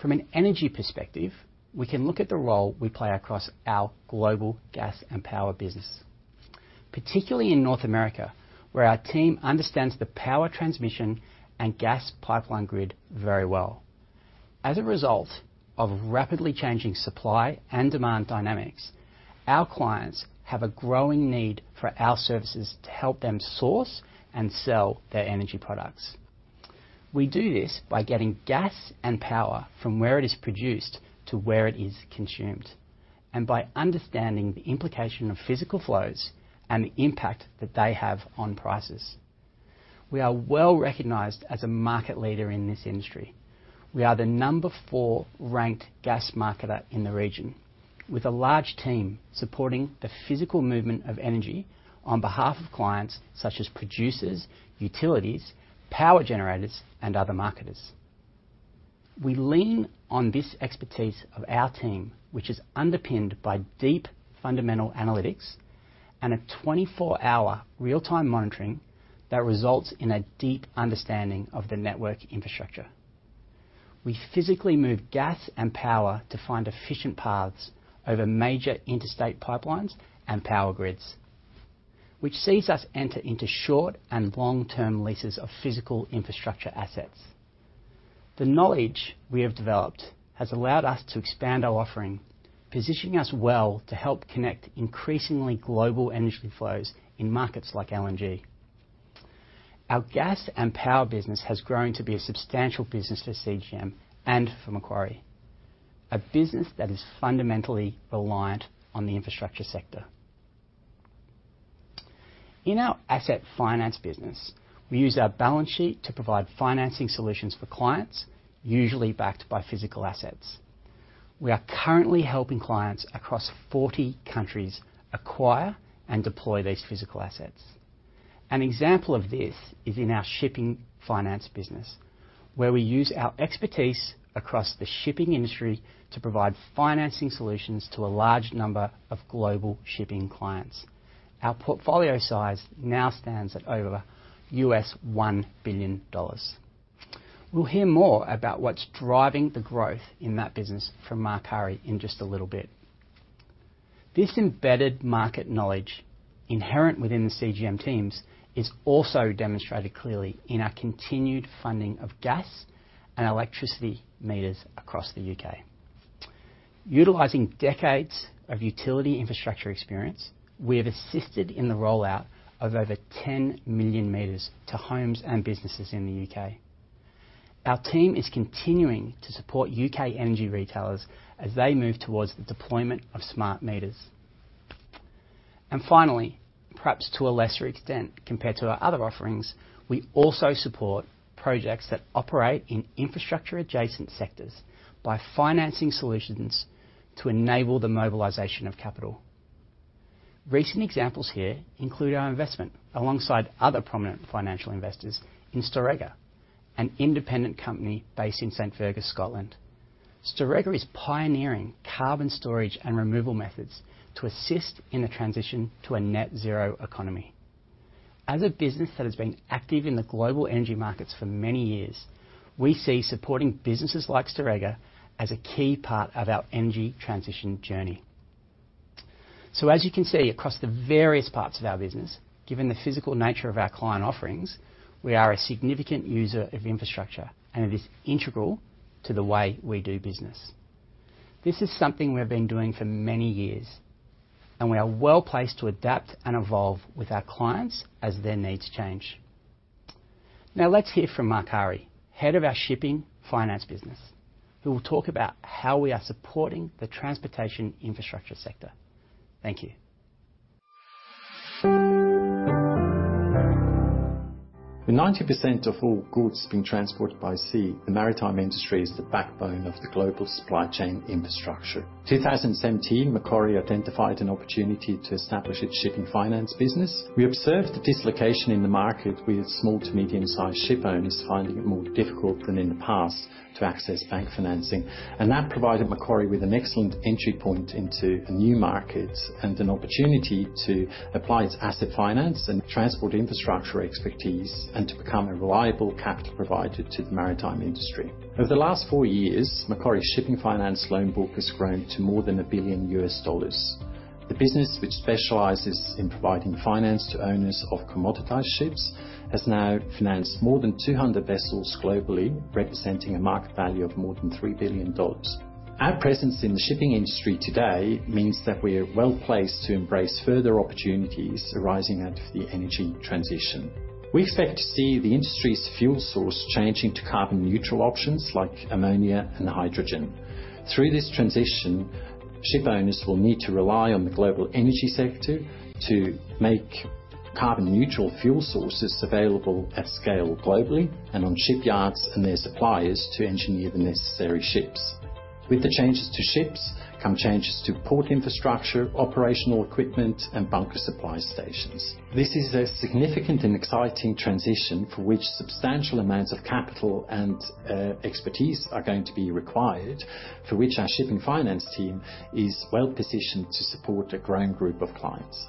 From an energy perspective, we can look at the role we play across our global gas and power business, particularly in North America, where our team understands the power transmission and gas pipeline grid very well. As a result of rapidly changing supply and demand dynamics, our clients have a growing need for our services to help them source and sell their energy products. We do this by getting gas and power from where it is produced to where it is consumed, and by understanding the implication of physical flows and the impact that they have on prices. We are well-recognized as a market leader in this industry. We are the number 4 ranked gas marketer in the region, with a large team supporting the physical movement of energy on behalf of clients such as producers, utilities, power generators, and other marketers. We lean on this expertise of our team, which is underpinned by deep fundamental analytics and a 24-hour real-time monitoring that results in a deep understanding of the network infrastructure. We physically move gas and power to find efficient paths over major interstate pipelines and power grids, which sees us enter into short and long-term leases of physical infrastructure assets. The knowledge we have developed has allowed us to expand our offering, positioning us well to help connect increasingly global energy flows in markets like LNG. Our gas and power business has grown to be a substantial business for CGM and for Macquarie, a business that is fundamentally reliant on the infrastructure sector. In our asset finance business, we use our balance sheet to provide financing solutions for clients, usually backed by physical assets. We are currently helping clients across 40 countries acquire and deploy these physical assets. An example of this is in our shipping finance business, where we use our expertise across the shipping industry to provide financing solutions to a large number of global shipping clients. Our portfolio size now stands at over $1 billion. We'll hear more about what's driving the growth in that business from Marc Hari in just a little bit. This embedded market knowledge inherent within the CGM teams is also demonstrated clearly in our continued funding of gas and electricity meters across the U.K. Utilizing decades of utility infrastructure experience, we have assisted in the rollout of over 10 million meters to homes and businesses in the U.K. Our team is continuing to support U.K. energy retailers as they move towards the deployment of smart meters. Finally, perhaps to a lesser extent compared to our other offerings, we also support projects that operate in infrastructure-adjacent sectors by financing solutions to enable the mobilization of capital. Recent examples here include our investment alongside other prominent financial investors in Storegga, an independent company based in St. Fergus, Scotland. Storegga is pioneering carbon storage and removal methods to assist in the transition to a net zero economy. As a business that has been active in the global energy markets for many years, we see supporting businesses like Storegga as a key part of our energy transition journey. As you can see across the various parts of our business, given the physical nature of our client offerings, we are a significant user of infrastructure, and it is integral to the way we do business. This is something we have been doing for many years, and we are well-placed to adapt and evolve with our clients as their needs change. Now let's hear from Marc Hari, head of our shipping finance business, who will talk about how we are supporting the transportation infrastructure sector. Thank you. With 90% of all goods being transported by sea, the maritime industry is the backbone of the global supply chain infrastructure. In 2017, Macquarie identified an opportunity to establish its shipping finance business. We observed the dislocation in the market with small to medium-sized ship owners finding it more difficult than in the past to access bank financing. That provided Macquarie with an excellent entry point into new markets, and an opportunity to apply its asset finance and transport infrastructure expertise, and to become a reliable capital provider to the maritime industry. Over the last four years, Macquarie Shipping Finance loan book has grown to more than $1 billion. The business, which specializes in providing finance to owners of commoditized ships, has now financed more than 200 vessels globally, representing a market value of more than $3 billion. Our presence in the shipping industry today means that we're well-placed to embrace further opportunities arising out of the energy transition. We expect to see the industry's fuel source changing to carbon neutral options like ammonia and hydrogen. Through this transition, ship owners will need to rely on the global energy sector to make carbon neutral fuel sources available at scale globally and on shipyards and their suppliers to engineer the necessary ships. With the changes to ships come changes to port infrastructure, operational equipment, and bunker supply stations. This is a significant and exciting transition for which substantial amounts of capital and expertise are going to be required, for which our shipping finance team is well-positioned to support a growing group of clients.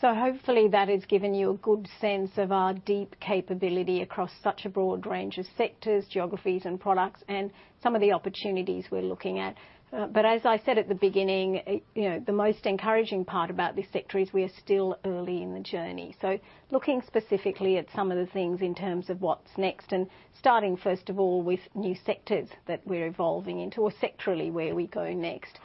Hopefully that has given you a good sense of our deep capability across such a broad range of sectors, geographies, and products, and some of the opportunities we're looking at. But as I said at the beginning, the most encouraging part about this sector is we are still early in the journey. Looking specifically at some of the things in terms of what's next, and starting first of all with new sectors that we're evolving into, or sectorally where we go next.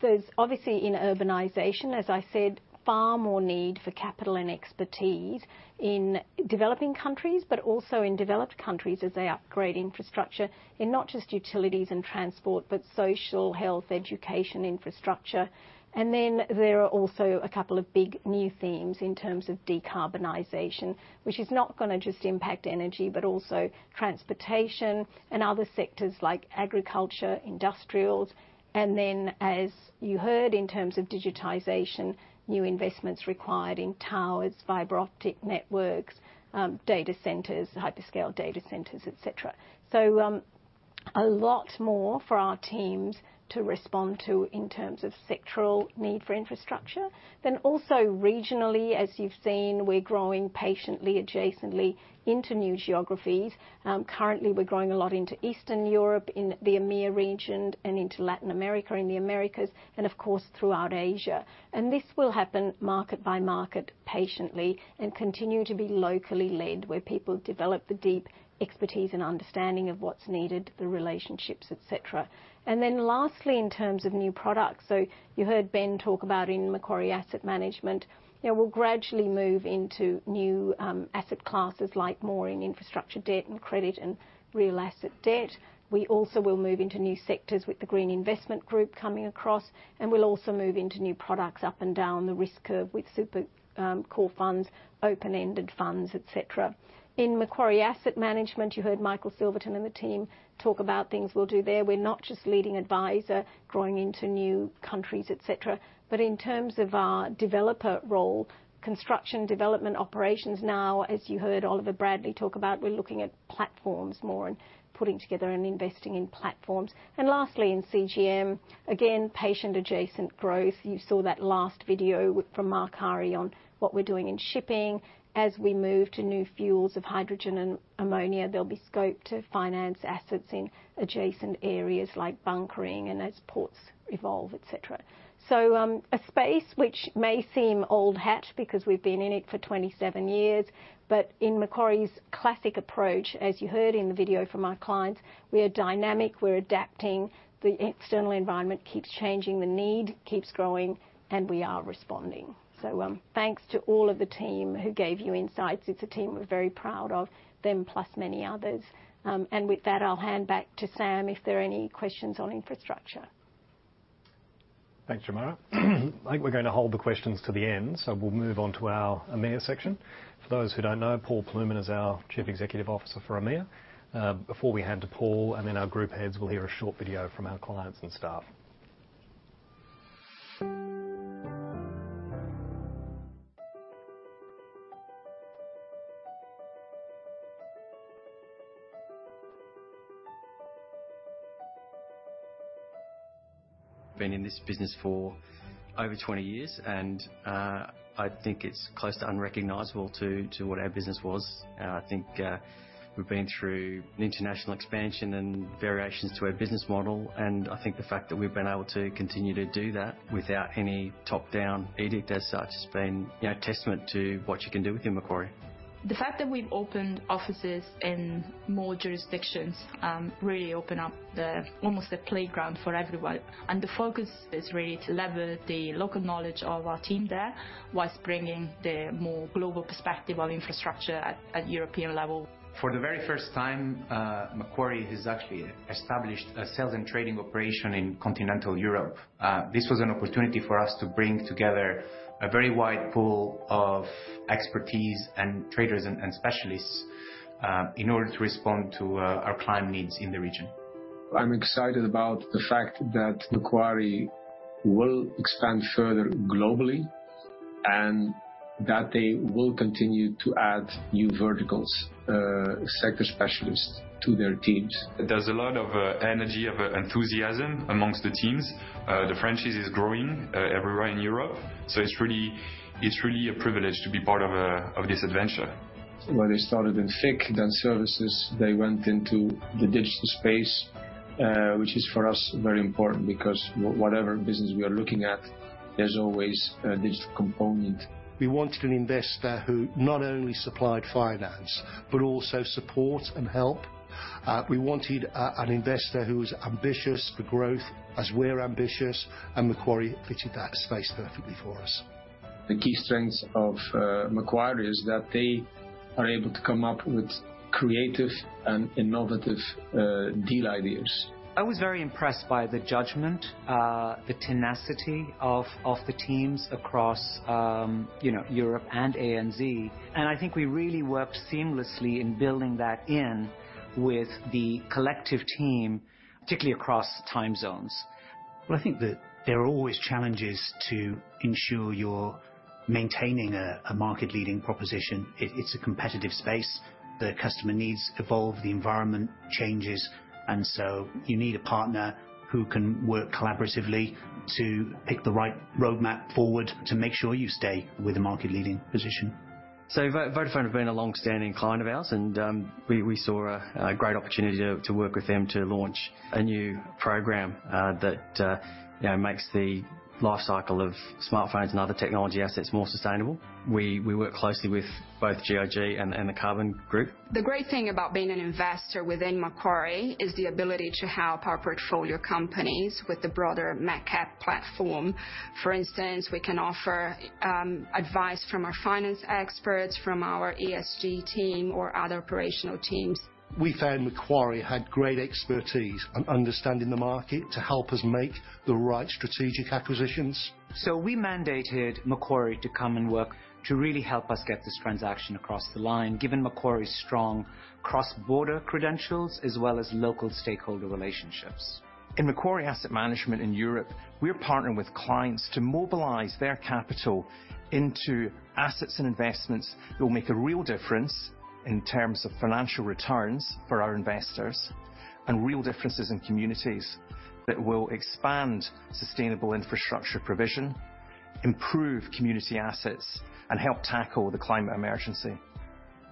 There's obviously in urbanization, as I said, far more need for capital and expertise in developing countries, but also in developed countries as they upgrade infrastructure in not just utilities and transport, but social, health, education infrastructure. There are also a couple of big new themes in terms of decarbonization, which is not gonna just impact energy, but also transportation and other sectors like agriculture, industrials. As you heard in terms of digitization, new investments required in towers, fiber optic networks, data centers, hyperscale data centers, et cetera. A lot more for our teams to respond to in terms of sectoral need for infrastructure. Also regionally, as you've seen, we're growing patiently adjacently into new geographies. Currently, we're growing a lot into Eastern Europe, in the EMEA region, and into Latin America and the Americas, and of course, throughout Asia. This will happen market by market patiently and continue to be locally led where people develop the deep expertise and understanding of what's needed, the relationships, et cetera. Lastly, in terms of new products. You heard Ben talk about in Macquarie Asset Management, we'll gradually move into new asset classes like more in infrastructure debt and credit and real asset debt. We also will move into new sectors with the Green Investment Group coming across, and we'll also move into new products up and down the risk curve with super core funds, open-ended funds, et cetera. In Macquarie Asset Management, you heard Michael Silverton and the team talk about things we'll do there. We're not just a leading advisor growing into new countries, et cetera. In terms of our developer role, construction, development, operations now, as you heard Oliver Bradley talk about, we're looking at platforms more and putting together and investing in platforms. Lastly in CGM, again, patient, adjacent growth. You saw that last video from Marc Hari on what we're doing in shipping. As we move to new fuels of hydrogen and ammonia, there'll be scope to finance assets in adjacent areas like bunkering and as ports evolve, et cetera. A space which may seem old hat because we've been in it for 27 years, but in Macquarie's classic approach, as you heard in the video from our clients, we are dynamic, we're adapting. The external environment keeps changing, the need keeps growing, and we are responding. Thanks to all of the team who gave you insights. It's a team we're very proud of, them plus many others. With that, I'll hand back to Sam if there are any questions on infrastructure. Thanks, Shemara. I think we're gonna hold the questions to the end, so we'll move on to our EMEA section. For those who don't know, Paul Plewman is our Chief Executive Officer for EMEA. Before we hand to Paul and then our group heads, we'll hear a short video from our clients and staff. Been in this business for over 20 years, and I think it's close to unrecognizable to what our business was. I think we've been through an international expansion and variations to our business model, and I think the fact that we've been able to continue to do that without any top-down edict as such has been, a testament to what you can do within Macquarie. The fact that we've opened offices in more jurisdictions really open up almost the playground for everyone. The focus is really to lever the local knowledge of our team there whilst bringing the more global perspective on infrastructure at European level. For the very first time, Macquarie has actually established a sales and trading operation in continental Europe. This was an opportunity for us to bring together a very wide pool of expertise and traders and specialists in order to respond to our client needs in the region. I'm excited about the fact that Macquarie will expand further globally. They will continue to add new verticals, sector specialists to their teams. There's a lot of energy of enthusiasm among the teams. The franchise is growing everywhere in Europe. It's really a privilege to be part of this adventure. When they started in FIC, then services, they went into the digital space, which is for us very important because whatever business we are looking at, there's always a digital component. We wanted an investor who not only supplied finance, but also support and help. We wanted an investor who was ambitious for growth, as we're ambitious, and Macquarie fitted that space perfectly for us. The key strengths of Macquarie is that they are able to come up with creative and innovative deal ideas. I was very impressed by the judgment, the tenacity of the teams across, Europe and ANZ. I think we really worked seamlessly in building that in with the collective team, particularly across time zones. Well, I think that there are always challenges to ensure you're maintaining a market-leading proposition. It's a competitive space. The customer needs evolve, the environment changes, and so you need a partner who can work collaboratively to pick the right roadmap forward to make sure you stay with a market-leading position. Vodafone have been a long-standing client of ours, and we saw a great opportunity to work with them to launch a new program that you know makes the life cycle of smartphones and other technology assets more sustainable. We work closely with both GIG and the Carbon Trust. The great thing about being an investor within Macquarie is the ability to help our portfolio companies with the broader MacCap platform. For instance, we can offer advice from our finance experts, from our ESG team or other operational teams. We found Macquarie had great expertise and understanding the market to help us make the right strategic acquisitions. We mandated Macquarie to come and work to really help us get this transaction across the line, given Macquarie's strong cross-border credentials, as well as local stakeholder relationships. In Macquarie Asset Management in Europe, we're partnering with clients to mobilize their capital into assets and investments that will make a real difference in terms of financial returns for our investors, and real differences in communities that will expand sustainable infrastructure provision, improve community assets, and help tackle the climate emergency.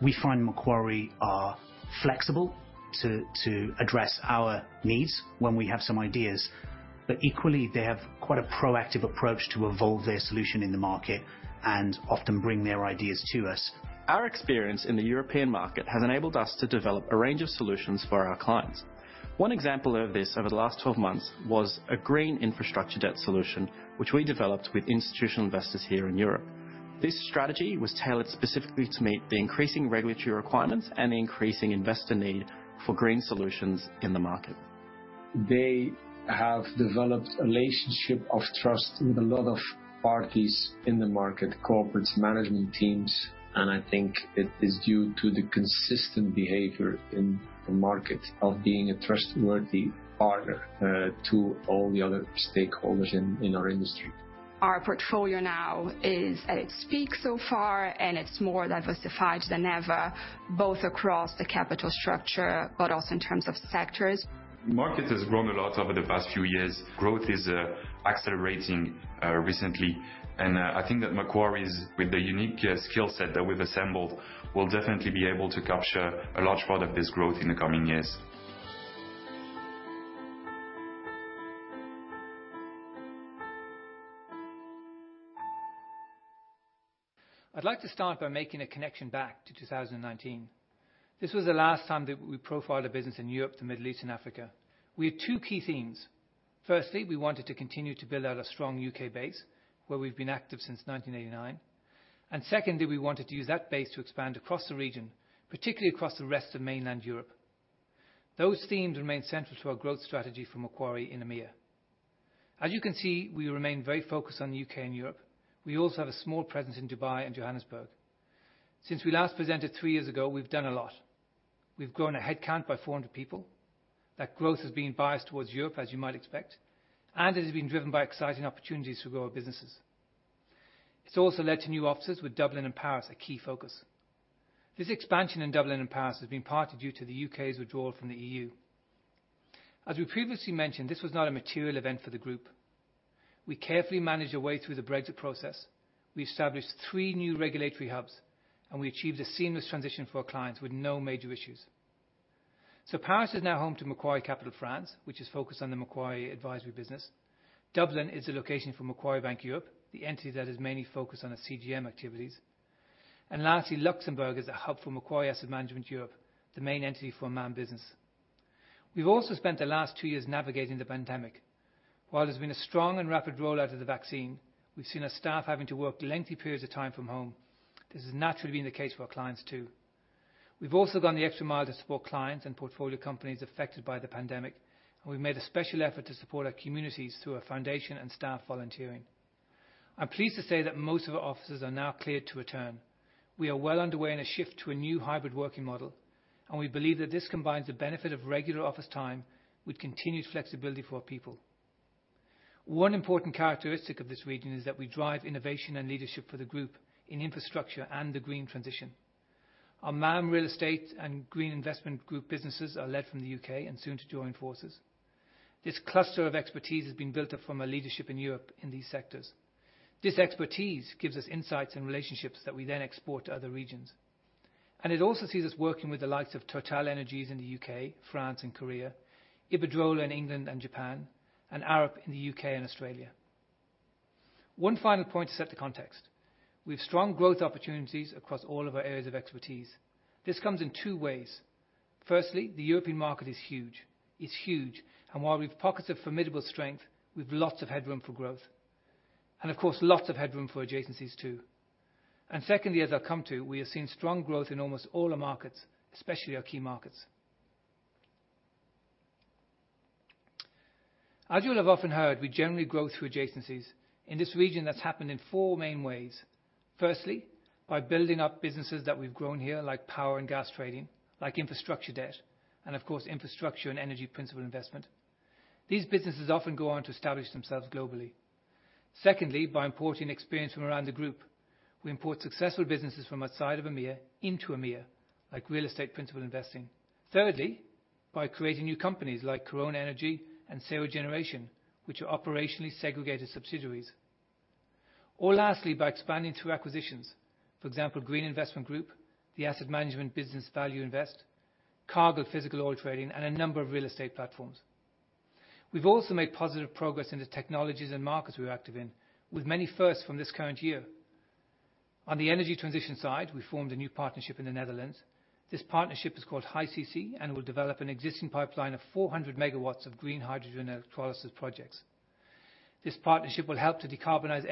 We find Macquarie are flexible to address our needs when we have some ideas. Equally, they have quite a proactive approach to evolve their solution in the market and often bring their ideas to us. Our experience in the European market has enabled us to develop a range of solutions for our clients. One example of this over the last 12 months was a green infrastructure debt solution, which we developed with institutional investors here in Europe. This strategy was tailored specifically to meet the increasing regulatory requirements and the increasing investor need for green solutions in the market. They have developed a relationship of trust with a lot of parties in the market, corporates, management teams, and I think it is due to the consistent behavior in the market of being a trustworthy partner, to all the other stakeholders in our industry. Our portfolio now is at its peak so far, and it's more diversified than ever, both across the capital structure, but also in terms of sectors. Market has grown a lot over the past few years. Growth is accelerating recently. I think that Macquarie's with the unique skill set that we've assembled will definitely be able to capture a large part of this growth in the coming years. I'd like to start by making a connection back to 2019. This was the last time that we profiled a business in Europe, the Middle East and Africa. We had two key themes. Firstly, we wanted to continue to build out a strong U.K. base, where we've been active since 1989. Secondly, we wanted to use that base to expand across the region, particularly across the rest of mainland Europe. Those themes remain central to our growth strategy for Macquarie in EMEA. As you can see, we remain very focused on the U.K. and Europe. We also have a small presence in Dubai and Johannesburg. Since we last presented 3 years ago, we've done a lot. We've grown our head count by 400 people. That growth has been biased towards Europe, as you might expect. It has been driven by exciting opportunities for global businesses. It's also led to new offices with Dublin and Paris a key focus. This expansion in Dublin and Paris has been partly due to the U.K.'s withdrawal from the EU. As we previously mentioned, this was not a material event for the group. We carefully managed our way through the Brexit process. We established three new regulatory hubs, and we achieved a seamless transition for our clients with no major issues. Paris is now home to Macquarie Capital France, which is focused on the Macquarie advisory business. Dublin is the location for Macquarie Bank Europe, the entity that is mainly focused on the CGM activities. Lastly, Luxembourg is a hub for Macquarie Asset Management Europe, the main entity for our MAM business. We've also spent the last two years navigating the pandemic. While there's been a strong and rapid rollout of the vaccine, we've seen our staff having to work lengthy periods of time from home. This has naturally been the case for our clients, too. We've also gone the extra mile to support clients and portfolio companies affected by the pandemic, and we've made a special effort to support our communities through our foundation and staff volunteering. I'm pleased to say that most of our offices are now cleared to return. We are well underway in a shift to a new hybrid working model, and we believe that this combines the benefit of regular office time with continued flexibility for our people. One important characteristic of this region is that we drive innovation and leadership for the group in infrastructure and the green transition. Our MAM Real Estate and Green Investment Group businesses are led from the U.K. and soon to join forces. This cluster of expertise has been built up from a leadership in Europe in these sectors. This expertise gives us insights and relationships that we then export to other regions. It also sees us working with the likes of TotalEnergies in the U.K., France, and Korea, Iberdrola in England and Japan, and Arup in the U.K. and Australia. One final point to set the context. We have strong growth opportunities across all of our areas of expertise. This comes in two ways. Firstly, the European market is huge. It's huge. While we've pockets of formidable strength, we've lots of headroom for growth. Of course, lots of headroom for adjacencies too. Secondly, as I come to, we have seen strong growth in almost all our markets, especially our key markets. As you'll have often heard, we generally grow through adjacencies. In this region, that's happened in four main ways. Firstly, by building up businesses that we've grown here, like power and gas trading, like infrastructure debt, and of course, infrastructure and energy principal investment. These businesses often go on to establish themselves globally. Secondly, by importing experience from around the group. We import successful businesses from outside of EMEA into EMEA, like real estate principal investing. Thirdly, by creating new companies like Corre Energy and Cero Generation, which are operationally segregated subsidiaries. Or lastly, by expanding through acquisitions. For example, Green Investment Group, the asset management business ValueInvest, Cargill physical oil trading, and a number of real estate platforms. We've also made positive progress in the technologies and markets we're active in, with many firsts from this current year. On the energy transition side, we formed a new partnership in the Netherlands. This partnership is called HyCC and will develop an existing pipeline of 400 MW of green hydrogen electrolysis projects. This partnership will help to decarbonize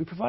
energy-intensive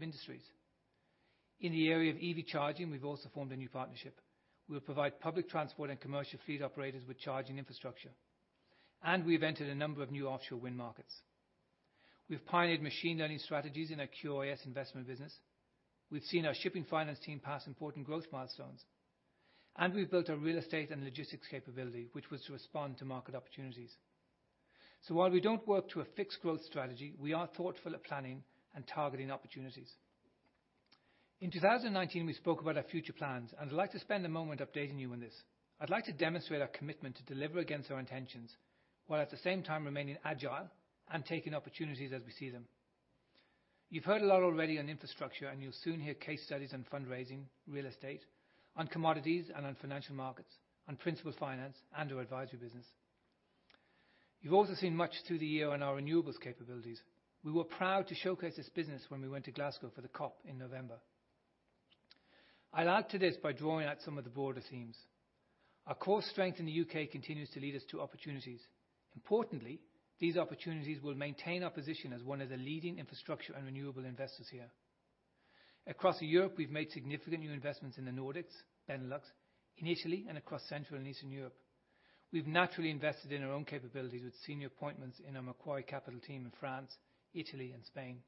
industries. In the area of EV charging, we've also formed a new partnership. We'll provide public transport and commercial fleet operators with charging infrastructure. We've entered a number of new offshore wind markets. We've pioneered machine learning strategies in our QIS investment business. We've seen our shipping finance team pass important growth milestones. We've built a real estate and logistics capability, which was to respond to market opportunities. While we don't work to a fixed growth strategy, we are thoughtful at planning and targeting opportunities. In 2019, we spoke about our future plans, and I'd like to spend a moment updating you on this. I'd like to demonstrate our commitment to deliver against our intentions, while at the same time remaining agile and taking opportunities as we see them. You've heard a lot already on infrastructure, and you'll soon hear case studies on fundraising, real estate, on commodities and on financial markets, on principal finance and our advisory business. You've also seen much through the year on our renewables capabilities. We were proud to showcase this business when we went to Glasgow for the COP in November. I'll add to this by drawing out some of the broader themes. Our core strength in the U.K. continues to lead us to opportunities. Importantly, these opportunities will maintain our position as one of the leading infrastructure and renewable investors here. Across Europe, we've made significant new investments in the Nordics, Benelux, in Italy, and across Central and Eastern Europe. We've naturally invested in our own capabilities with senior appointments in our Macquarie Capital team in France, Italy, and Spain.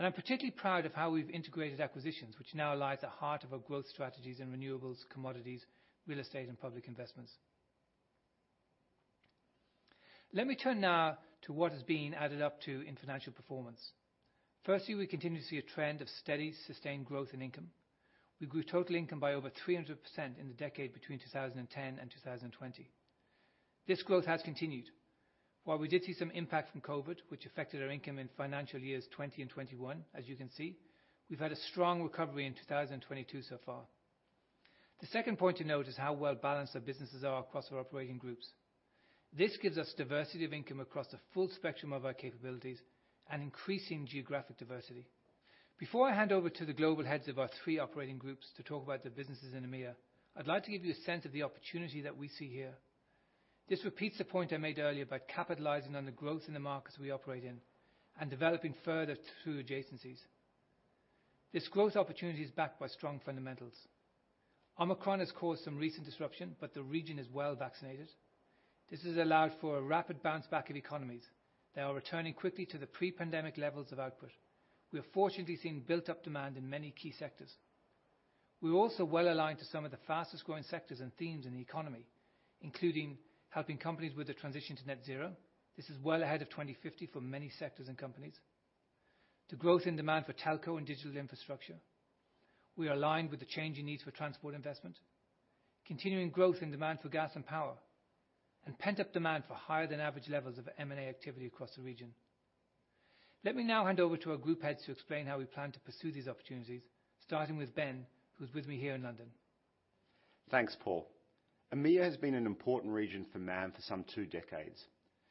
I'm particularly proud of how we've integrated acquisitions, which now lie at the heart of our growth strategies in renewables, commodities, real estate, and public investments. Let me turn now to what is being added up to in financial performance. Firstly, we continue to see a trend of steady, sustained growth and income. We grew total income by over 300% in the decade between 2010 and 2020. This growth has continued. While we did see some impact from COVID, which affected our income in financial years 2020 and 2021, as you can see, we've had a strong recovery in 2022 so far. The second point to note is how well balanced our businesses are across our operating groups. This gives us diversity of income across the full spectrum of our capabilities and increasing geographic diversity. Before I hand over to the global heads of our three operating groups to talk about their businesses in EMEA, I'd like to give you a sense of the opportunity that we see here. This repeats the point I made earlier about capitalizing on the growth in the markets we operate in and developing further through adjacencies. This growth opportunity is backed by strong fundamentals. Omicron has caused some recent disruption, but the region is well vaccinated. This has allowed for a rapid bounce back of economies. They are returning quickly to the pre-pandemic levels of output. We have fortunately seen built-up demand in many key sectors. We're also well aligned to some of the fastest-growing sectors and themes in the economy, including helping companies with the transition to net zero. This is well ahead of 2050 for many sectors and companies. Growth in demand for telco and digital infrastructure. We are aligned with the changing needs for transport investment. Continuing growth in demand for gas and power. Pent-up demand for higher than average levels of M&A activity across the region. Let me now hand over to our group heads to explain how we plan to pursue these opportunities, starting with Ben, who's with me here in London. Thanks, Paul. EMEA has been an important region for MAM for some two decades.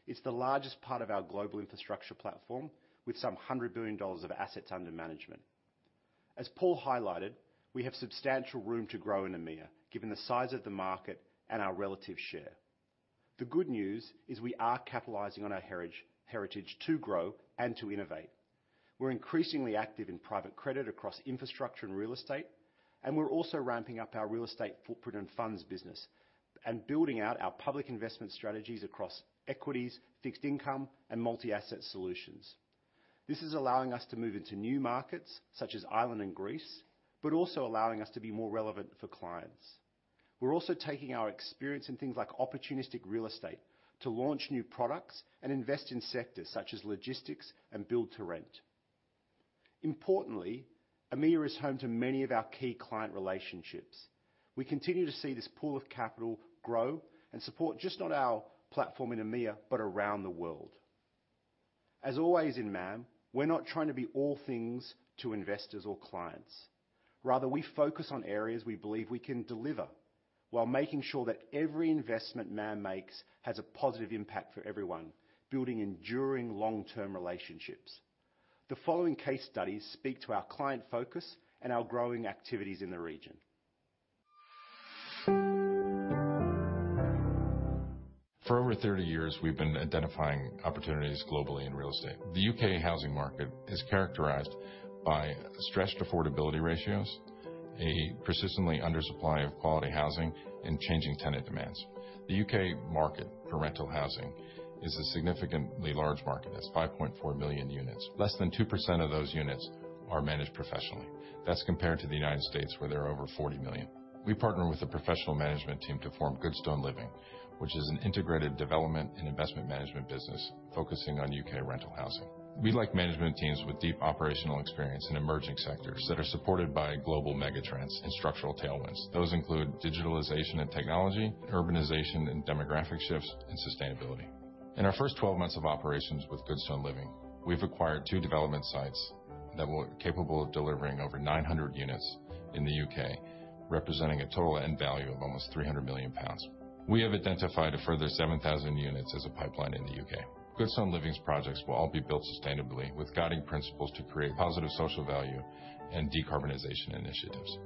It's the largest part of our global infrastructure platform with some $100 billion of assets under management. As Paul highlighted, we have substantial room to grow in EMEA, given the size of the market and our relative share. The good news is we are capitalizing on our heritage to grow and to innovate. We're increasingly active in private credit across infrastructure and real estate, and we're also ramping up our real estate footprint and funds business and building out our public investment strategies across equities, fixed income, and multi-asset solutions. This is allowing us to move into new markets, such as Ireland and Greece, but also allowing us to be more relevant for clients. We're also taking our experience in things like opportunistic real estate to launch new products and invest in sectors such as logistics and build to rent. Importantly, EMEA is home to many of our key client relationships. We continue to see this pool of capital grow and support just not our platform in EMEA, but around the world. As always in MAM, we're not trying to be all things to investors or clients. Rather, we focus on areas we believe we can deliver while making sure that every investment MAM makes has a positive impact for everyone, building enduring long-term relationships. The following case studies speak to our client focus and our growing activities in the region. For over 30 years, we've been identifying opportunities globally in real estate. The U.K. housing market is characterized by stretched affordability ratios, a persistently undersupply of quality housing, and changing tenant demands. The U.K. market for rental housing is a significantly large market. It's 5.4 million units. Less than 2% of those units are managed professionally. That's compared to the United States, where there are over 40 million. We partner with a professional management team to form Goodstone Living, which is an integrated development and investment management business focusing on U.K. rental housing. We like management teams with deep operational experience in emerging sectors that are supported by global mega trends and structural tailwinds. Those include digitalization and technology, urbanization and demographic shifts, and sustainability. In our first 12 months of operations with Goodstone Living, we've acquired 2 development sites that were capable of delivering over 900 units in the U.K., representing a total end value of almost 300 million pounds. We have identified a further 7,000 units as a pipeline in the U.K. Goodstone Living's projects will all be built sustainably with guiding principles to create positive social value and decarbonization initiatives.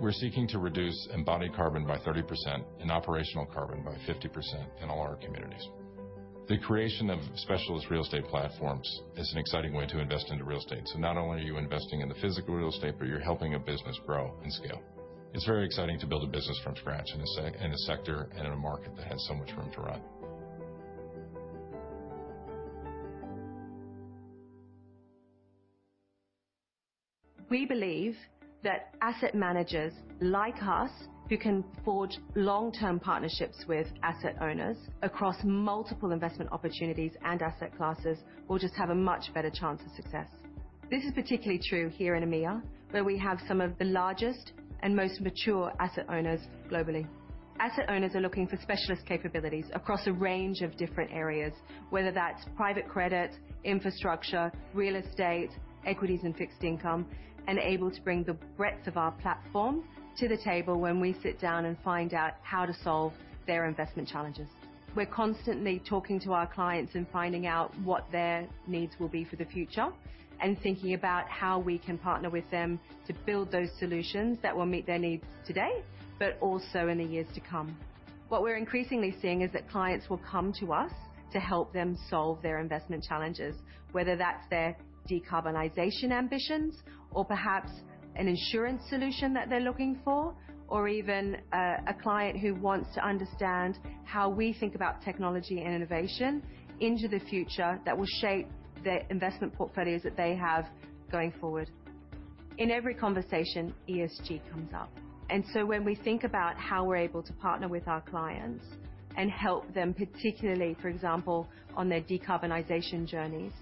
We're seeking to reduce embodied carbon by 30% and operational carbon by 50% in all our communities. The creation of specialist real estate platforms is an exciting way to invest into real estate. Not only are you investing in the physical real estate, but you're helping a business grow and scale. It's very exciting to build a business from scratch in a sector and in a market that has so much room to run. and able to bring the breadth of our platform to the table when we sit down and find out how to solve their investment challenges. We're constantly talking to our clients and finding out what their needs will be for the future, and thinking about how we can partner with them to build those solutions that will meet their needs today, but also in the years to come. What we're increasingly seeing is that clients will come to us to help them solve their investment challenges, whether that's their decarbonization ambitions or perhaps an insurance solution that they're looking for, or even a client who wants to understand how we think about technology and innovation into the future that will shape their investment portfolios that they have going forward. In every conversation, ESG comes up. When we think about how we're able to partner with our clients and help them, particularly, for example, on their decarbonization journeys,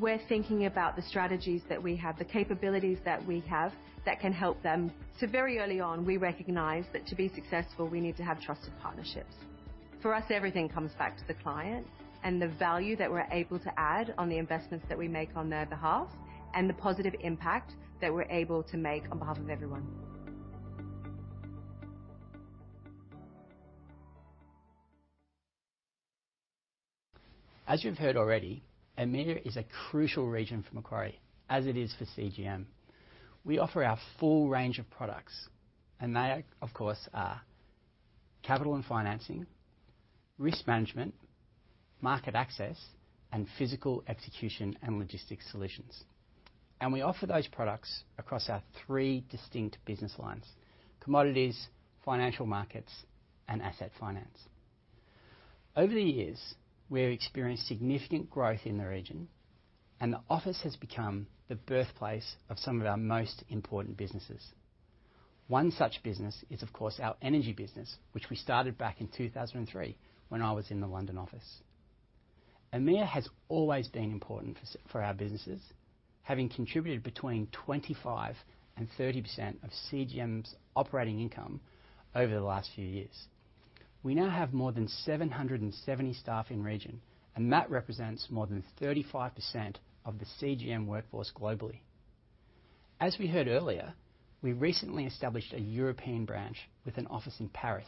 we're thinking about the strategies that we have, the capabilities that we have that can help them. Very early on, we recognize that to be successful, we need to have trusted partnerships. For us, everything comes back to the client and the value that we're able to add on the investments that we make on their behalf, and the positive impact that we're able to make on behalf of everyone. As you've heard already, EMEA is a crucial region for Macquarie, as it is for CGM. We offer our full range of products, and they of course are capital and financing, risk management, market access, and physical execution and logistics solutions. We offer those products across our three distinct business lines, commodities, financial markets, and asset finance. Over the years, we've experienced significant growth in the region, and the office has become the birthplace of some of our most important businesses. One such business is, of course, our energy business, which we started back in 2003 when I was in the London office. EMEA has always been important for our businesses, having contributed between 25% and 30% of CGM's operating income over the last few years. We now have more than 770 staff in region, and that represents more than 35% of the CGM workforce globally. As we heard earlier, we recently established a European branch with an office in Paris.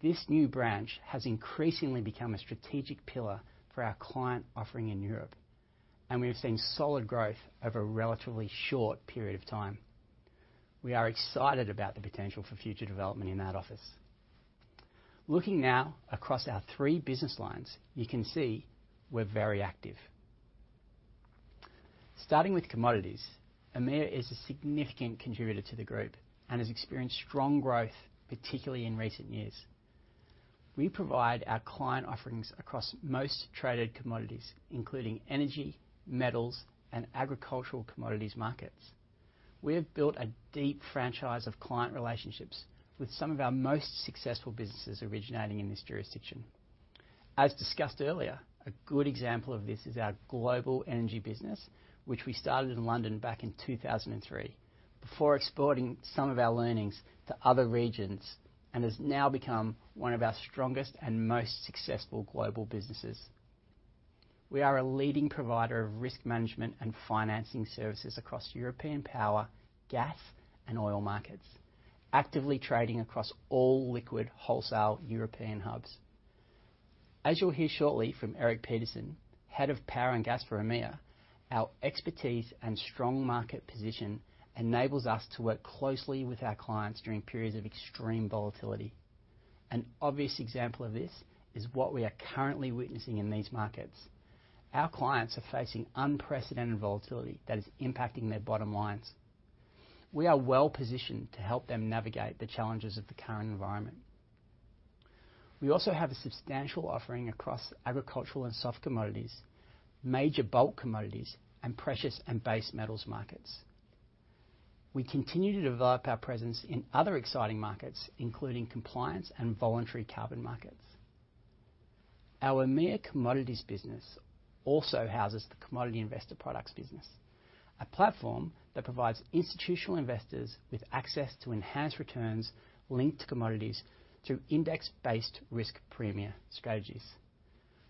This new branch has increasingly become a strategic pillar for our client offering in Europe, and we have seen solid growth over a relatively short period of time. We are excited about the potential for future development in that office. Looking now across our three business lines, you can see we're very active. Starting with commodities, EMEA is a significant contributor to the group and has experienced strong growth, particularly in recent years. We provide our client offerings across most traded commodities, including energy, metals, and agricultural commodities markets. We have built a deep franchise of client relationships with some of our most successful businesses originating in this jurisdiction. As discussed earlier, a good example of this is our global energy business, which we started in London back in 2003 before exporting some of our learnings to other regions, and has now become one of our strongest and most successful global businesses. We are a leading provider of risk management and financing services across European power, gas, and oil markets, actively trading across all liquid wholesale European hubs. As you'll hear shortly from Erik Petersson, Head of Power and Gas for EMEA, our expertise and strong market position enables us to work closely with our clients during periods of extreme volatility. An obvious example of this is what we are currently witnessing in these markets. Our clients are facing unprecedented volatility that is impacting their bottom lines. We are well-positioned to help them navigate the challenges of the current environment. We also have a substantial offering across agricultural and soft commodities, major bulk commodities, and precious and base metals markets. We continue to develop our presence in other exciting markets, including compliance and voluntary carbon markets. Our EMEA Commodities business also houses the Commodity Investor Products business, a platform that provides institutional investors with access to enhanced returns linked to commodities through index-based risk premia strategies.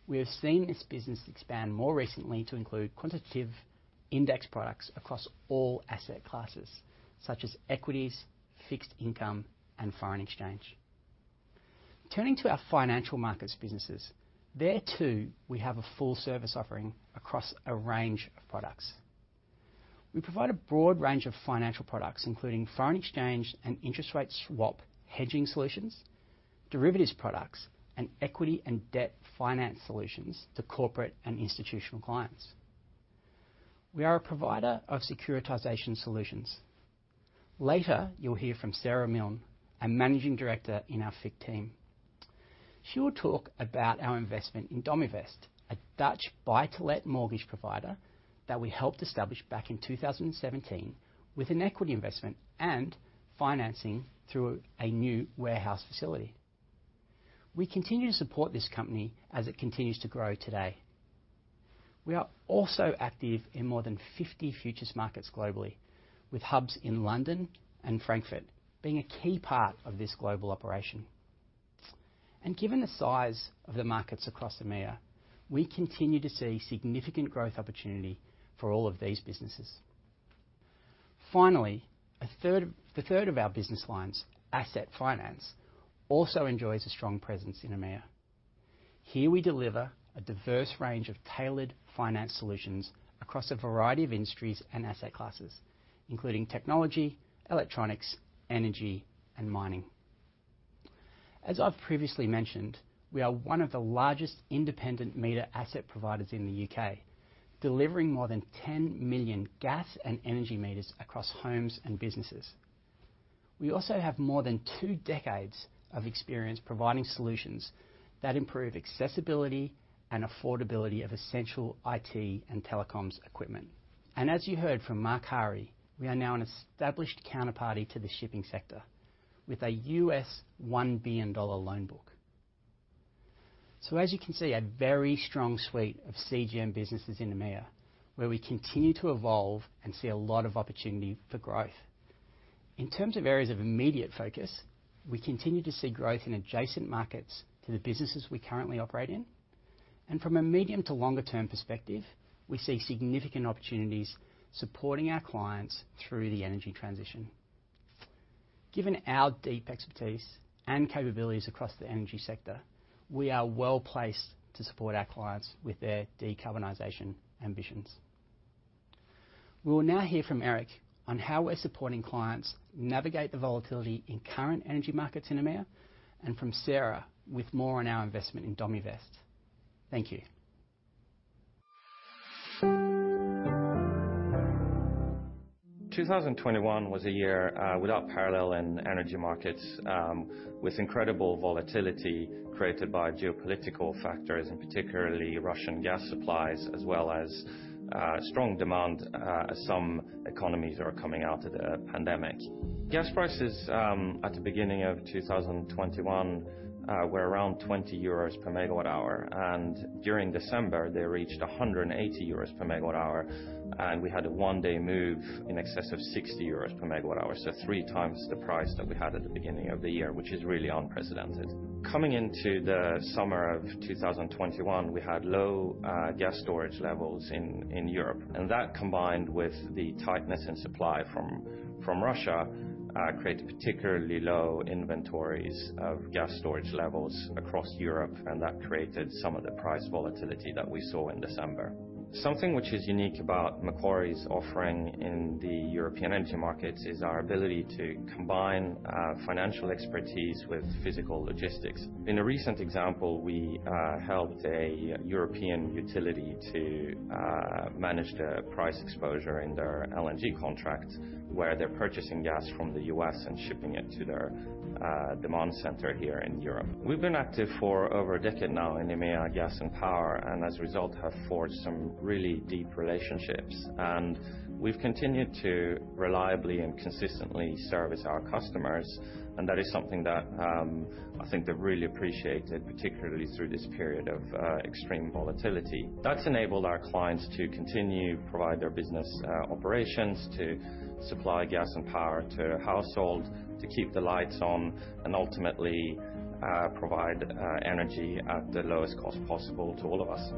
We have seen this business expand more recently to include quantitative index products across all asset classes, such as equities, fixed income, and foreign exchange. Turning to our financial markets businesses. There, too, we have a full service offering across a range of products. We provide a broad range of financial products, including foreign exchange and interest rate swap hedging solutions, derivatives products, and equity and debt finance solutions to corporate and institutional clients. We are a provider of securitization solutions. Later, you'll hear from Sarah Milne, a Managing Director in our FIC team. She will talk about our investment in Domivest, a Dutch buy-to-let mortgage provider that we helped establish back in 2017 with an equity investment and financing through a new warehouse facility. We continue to support this company as it continues to grow today. We are also active in more than 50 futures markets globally, with hubs in London and Frankfurt being a key part of this global operation. Given the size of the markets across EMEA, we continue to see significant growth opportunity for all of these businesses. Finally, the third of our business lines, asset finance, also enjoys a strong presence in EMEA. Here, we deliver a diverse range of tailored finance solutions across a variety of industries and asset classes, including technology, electronics, energy, and mining. As I've previously mentioned, we are one of the largest independent meter asset providers in the U.K., delivering more than 10 million gas and energy meters across homes and businesses. We also have more than two decades of experience providing solutions that improve accessibility and affordability of essential IT and telecoms equipment. As you heard from Marc Hari, we are now an established counterparty to the shipping sector with a $1 billion loan book. As you can see, a very strong suite of CGM businesses in EMEA, where we continue to evolve and see a lot of opportunity for growth. In terms of areas of immediate focus, we continue to see growth in adjacent markets to the businesses we currently operate in. From a medium to longer term perspective, we see significant opportunities supporting our clients through the energy transition. Given our deep expertise and capabilities across the energy sector, we are well-placed to support our clients with their decarbonization ambitions. We will now hear from Erik on how we're supporting clients navigate the volatility in current energy markets in EMEA, and from Sarah with more on our investment in Domivest. Thank you. 2021 was a year without parallel in energy markets with incredible volatility created by geopolitical factors, and particularly Russian gas supplies, as well as strong demand as some economies are coming out of the pandemic. Gas prices at the beginning of 2021 were around 20 euros/MWh, and during December, they reached 180 euros/MWh. We had a one-day move in excess of 60 euros/MWh. Three times the price that we had at the beginning of the year, which is really unprecedented. Coming into the summer of 2021, we had low gas storage levels in Europe, and that, combined with the tightness in supply from Russia, created particularly low inventories of gas storage levels across Europe, and that created some of the price volatility that we saw in December. Something which is unique about Macquarie's offering in the European energy markets is our ability to combine financial expertise with physical logistics. In a recent example, we helped a European utility to manage their price exposure in their LNG contract, where they're purchasing gas from the U.S. and shipping it to their demand center here in Europe. We've been active for over a decade now in EMEA gas and power, and as a result, have forged some really deep relationships. We've continued to reliably and consistently service our customers, and that is something that I think they've really appreciated, particularly through this period of extreme volatility. That's enabled our clients to continue to provide their business operations to supply gas and power to households, to keep the lights on and ultimately provide energy at the lowest cost possible to all of us.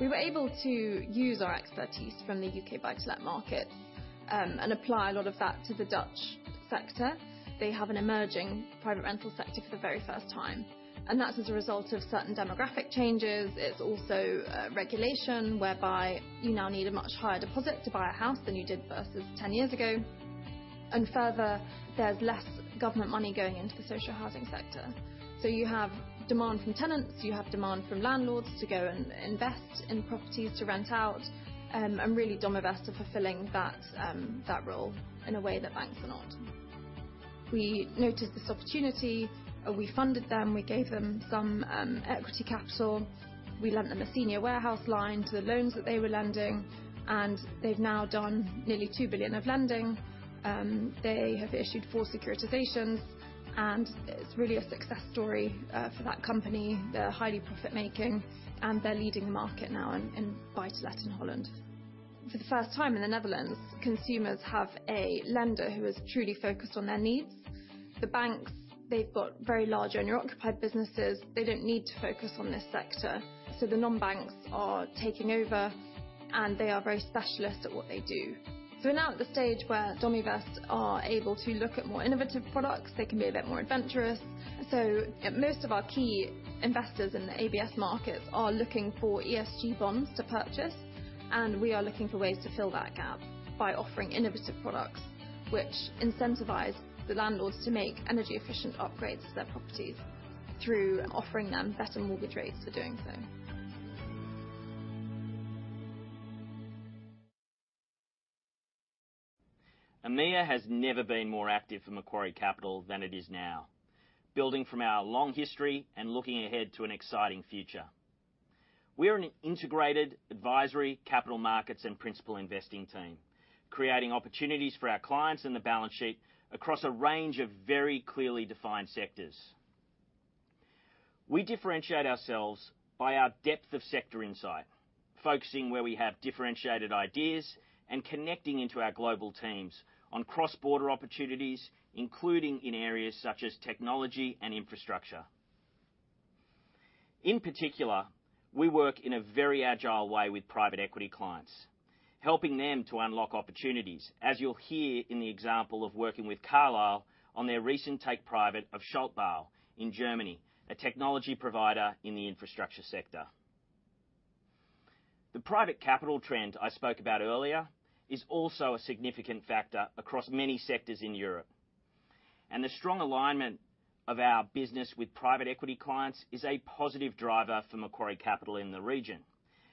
We were able to use our expertise from the U.K. buy to let market, and apply a lot of that to the Dutch sector. They have an emerging private rental sector for the very first time, and that's as a result of certain demographic changes. It's also regulation whereby you now need a much higher deposit to buy a house than you did versus 10 years ago. Further, there's less government money going into the social housing sector. You have demand from tenants, you have demand from landlords to go and invest in properties to rent out. Really Domivest are fulfilling that role in a way that banks are not. We noticed this opportunity. We funded them. We gave them some equity capital. We lent them a senior warehouse line to the loans that they were lending, and they've now done nearly 2 billion of lending. They have issued four securitizations, and it's really a success story for that company. They're highly profit making, and they're leading the market now in buy-to-let in Holland. For the first time in the Netherlands, consumers have a lender who is truly focused on their needs. The banks, they've got very large owner-occupied businesses. They don't need to focus on this sector. The non-banks are taking over, and they are very specialist at what they do. We're now at the stage where Domivest are able to look at more innovative products. They can be a bit more adventurous. Most of our key investors in the ABS markets are looking for ESG bonds to purchase, and we are looking for ways to fill that gap by offering innovative products which incentivize the landlords to make energy efficient upgrades to their properties through offering them better mortgage rates for doing so. EMEA has never been more active for Macquarie Capital than it is now. Building from our long history and looking ahead to an exciting future. We are an integrated advisory, capital markets and principal investing team, creating opportunities for our clients and the balance sheet across a range of very clearly defined sectors. We differentiate ourselves by our depth of sector insight, focusing where we have differentiated ideas and connecting into our global teams on cross-border opportunities, including in areas such as technology and infrastructure. In particular, we work in a very agile way with private equity clients, helping them to unlock opportunities, as you'll hear in the example of working with Carlyle on their recent take private of Schaltbau in Germany, a technology provider in the infrastructure sector. The private capital trend I spoke about earlier is also a significant factor across many sectors in Europe. The strong alignment of our business with private equity clients is a positive driver for Macquarie Capital in the region,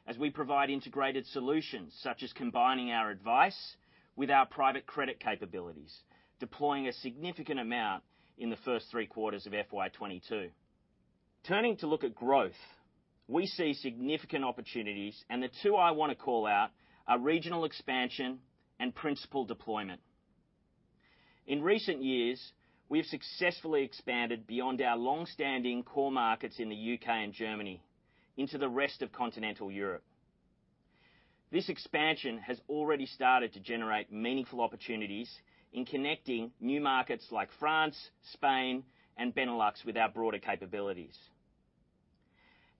as we provide integrated solutions, such as combining our advice with our private credit capabilities, deploying a significant amount in the first three quarters of FY 2022. Turning to look at growth, we see significant opportunities, and the two I wanna call out are regional expansion and principal deployment. In recent years, we have successfully expanded beyond our long-standing core markets in the U.K. and Germany into the rest of continental Europe. This expansion has already started to generate meaningful opportunities in connecting new markets like France, Spain and Benelux with our broader capabilities.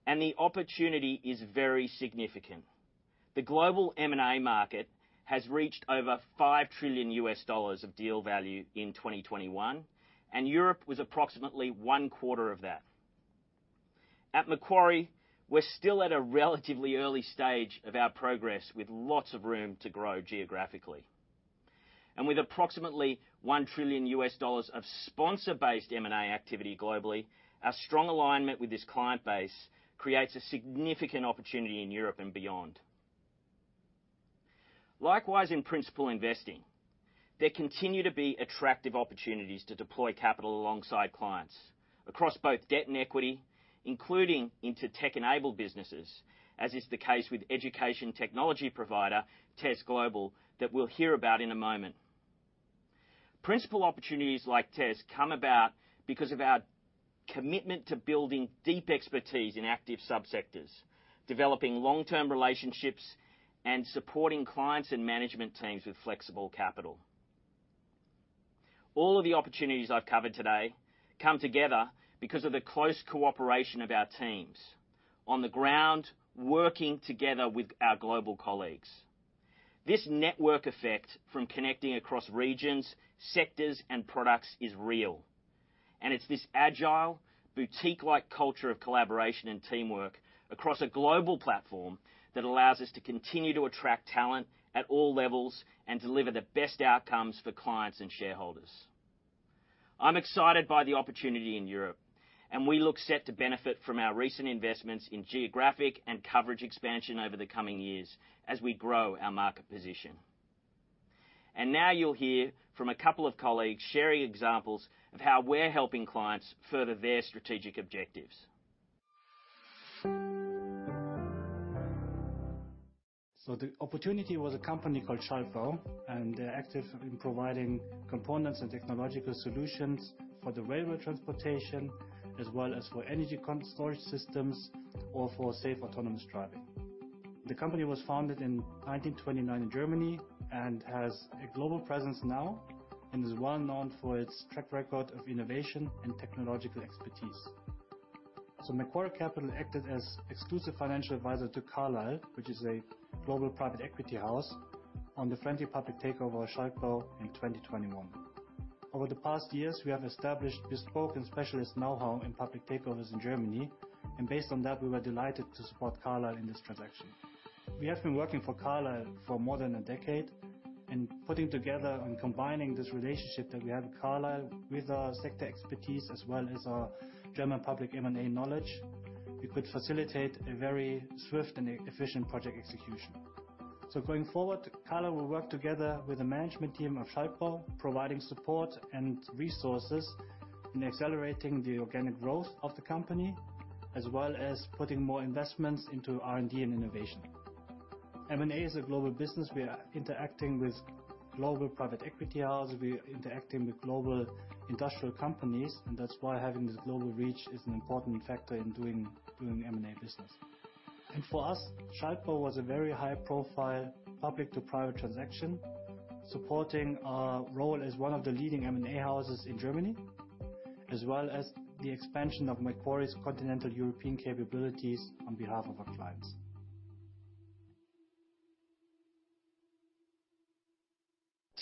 The opportunity is very significant. The global M&A market has reached over $5 trillion of deal value in 2021, and Europe was approximately one quarter of that. At Macquarie, we're still at a relatively early stage of our progress with lots of room to grow geographically. With approximately $1 trillion of sponsor-based M&A activity globally, our strong alignment with this client base creates a significant opportunity in Europe and beyond. Likewise, in principal investing, there continue to be attractive opportunities to deploy capital alongside clients across both debt and equity, including into tech-enabled businesses, as is the case with education technology provider, Tes Global, that we'll hear about in a moment. Principal opportunities like Tes come about because of our commitment to building deep expertise in active subsectors, developing long-term relationships and supporting clients and management teams with flexible capital. All of the opportunities I've covered today come together because of the close cooperation of our teams on the ground, working together with our global colleagues. This network effect from connecting across regions, sectors, and products is real, and it's this agile, boutique-like culture of collaboration and teamwork across a global platform that allows us to continue to attract talent at all levels and deliver the best outcomes for clients and shareholders. I'm excited by the opportunity in Europe, and we look set to benefit from our recent investments in geographic and coverage expansion over the coming years as we grow our market position. Now you'll hear from a couple of colleagues sharing examples of how we're helping clients further their strategic objectives. The opportunity was a company called Schaltbau, and they're active in providing components and technological solutions for the railway transportation, as well as for energy storage systems or for safe autonomous driving. The company was founded in 1929 in Germany and has a global presence now and is well-known for its track record of innovation and technological expertise. Macquarie Capital acted as exclusive financial advisor to Carlyle, which is a global private equity house, on the friendly public takeover of Schaltbau in 2021. Over the past years, we have established bespoke and specialist know-how in public takeovers in Germany, and based on that, we were delighted to support Carlyle in this transaction. We have been working for Carlyle for more than a decade and putting together and combining this relationship that we have with Carlyle, with our sector expertise as well as our German public M&A knowledge, we could facilitate a very swift and efficient project execution. Going forward, Carlyle will work together with the management team of Schaltbau, providing support and resources in accelerating the organic growth of the company, as well as putting more investments into R&D and innovation. M&A is a global business. We are interacting with global private equity houses. We are interacting with global industrial companies, and that's why having this global reach is an important factor in doing M&A business. For us, Schaltbau was a very high profile public to private transaction, supporting our role as one of the leading M&A houses in Germany, as well as the expansion of Macquarie's continental European capabilities on behalf of our clients.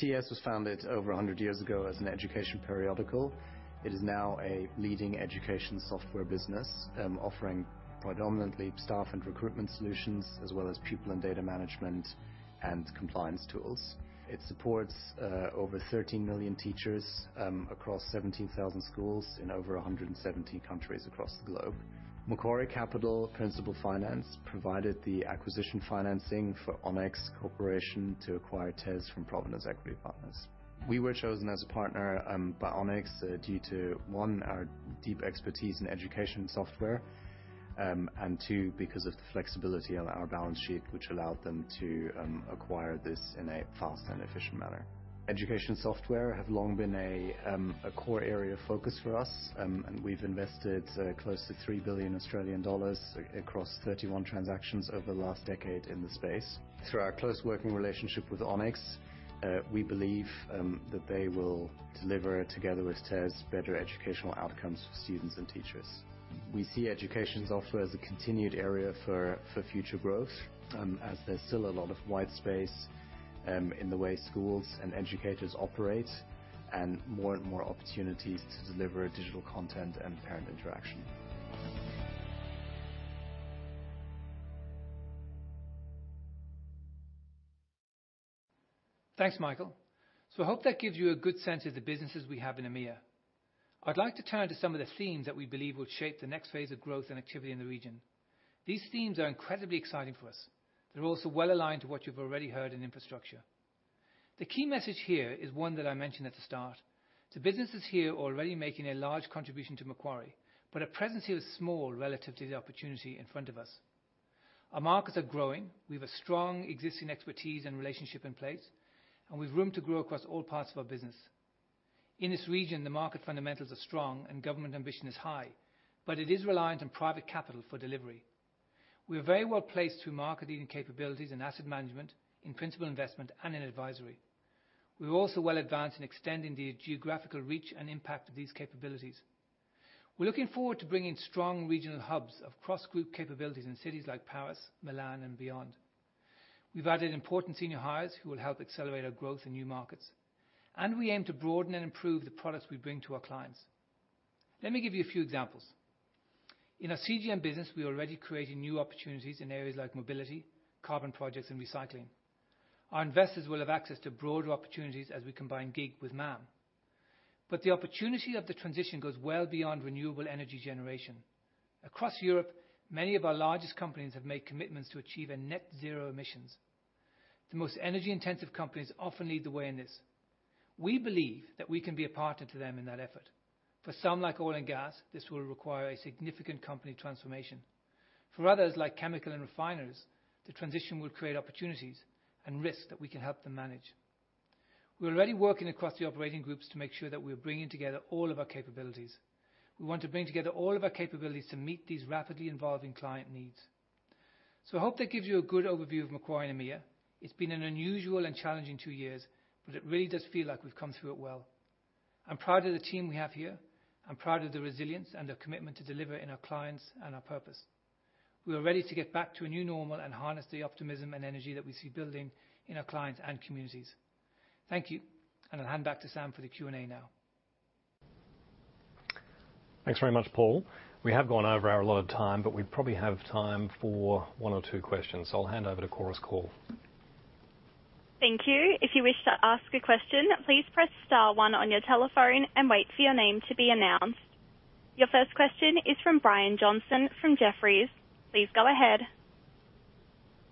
TES was founded over 100 years ago as an education periodical. It is now a leading education software business, offering predominantly staff and recruitment solutions, as well as pupil and data management and compliance tools. It supports over 13 million teachers across 17,000 schools in over 117 countries across the globe. Macquarie Capital Principal Finance provided the acquisition financing for Onex Corporation to acquire TES from Providence Equity Partners. We were chosen as a partner by Onex due to, one, our deep expertise in education software and two, because of the flexibility of our balance sheet, which allowed them to acquire this in a fast and efficient manner. Education software have long been a core area of focus for us, and we've invested close to 3 billion Australian dollars across 31 transactions over the last decade in the space. Through our close working relationship with Onex, we believe that they will deliver together with TES better educational outcomes for students and teachers. We see education software as a continued area for future growth, as there's still a lot of white space in the way schools and educators operate, and more and more opportunities to deliver digital content and parent interaction. Thanks, Michael. I hope that gives you a good sense of the businesses we have in EMEA. I'd like to turn to some of the themes that we believe will shape the next phase of growth and activity in the region. These themes are incredibly exciting for us. They're also well aligned to what you've already heard in infrastructure. The key message here is one that I mentioned at the start. The businesses here are already making a large contribution to Macquarie, but our presence here is small relative to the opportunity in front of us. Our markets are growing. We have a strong existing expertise and relationship in place, and we've room to grow across all parts of our business. In this region, the market fundamentals are strong and government ambition is high, but it is reliant on private capital for delivery. We are very well placed through market-leading capabilities in asset management, in principal investment, and in advisory. We're also well advanced in extending the geographical reach and impact of these capabilities. We're looking forward to bringing strong regional hubs of cross-group capabilities in cities like Paris, Milan, and beyond. We've added important senior hires who will help accelerate our growth in new markets, and we aim to broaden and improve the products we bring to our clients. Let me give you a few examples. In our CGM business, we're already creating new opportunities in areas like mobility, carbon projects, and recycling. Our investors will have access to broader opportunities as we combine GIG with MAM. The opportunity of the transition goes well beyond renewable energy generation. Across Europe, many of our largest companies have made commitments to achieve net-zero emissions. The most energy-intensive companies often lead the way in this. We believe that we can be a partner to them in that effort. For some, like oil and gas, this will require a significant company transformation. For others, like chemical and refiners, the transition will create opportunities and risks that we can help them manage. We're already working across the operating groups to make sure that we're bringing together all of our capabilities. We want to bring together all of our capabilities to meet these rapidly evolving client needs. I hope that gives you a good overview of Macquarie and EMEA. It's been an unusual and challenging two years, but it really does feel like we've come through it well. I'm proud of the team we have here. I'm proud of the resilience and the commitment to deliver in our clients and our purpose. We are ready to get back to a new normal and harness the optimism and energy that we see building in our clients and communities. Thank you. I'll hand back to Sam for the Q&A now. Thanks very much, Paul. We have gone over our allotted time, but we probably have time for one or two questions. I'll hand over to Chorus Call. Thank you. If you wish to ask a question, please press star one on your telephone and wait for your name to be announced. Your first question is from Brian Johnson from Jefferies. Please go ahead.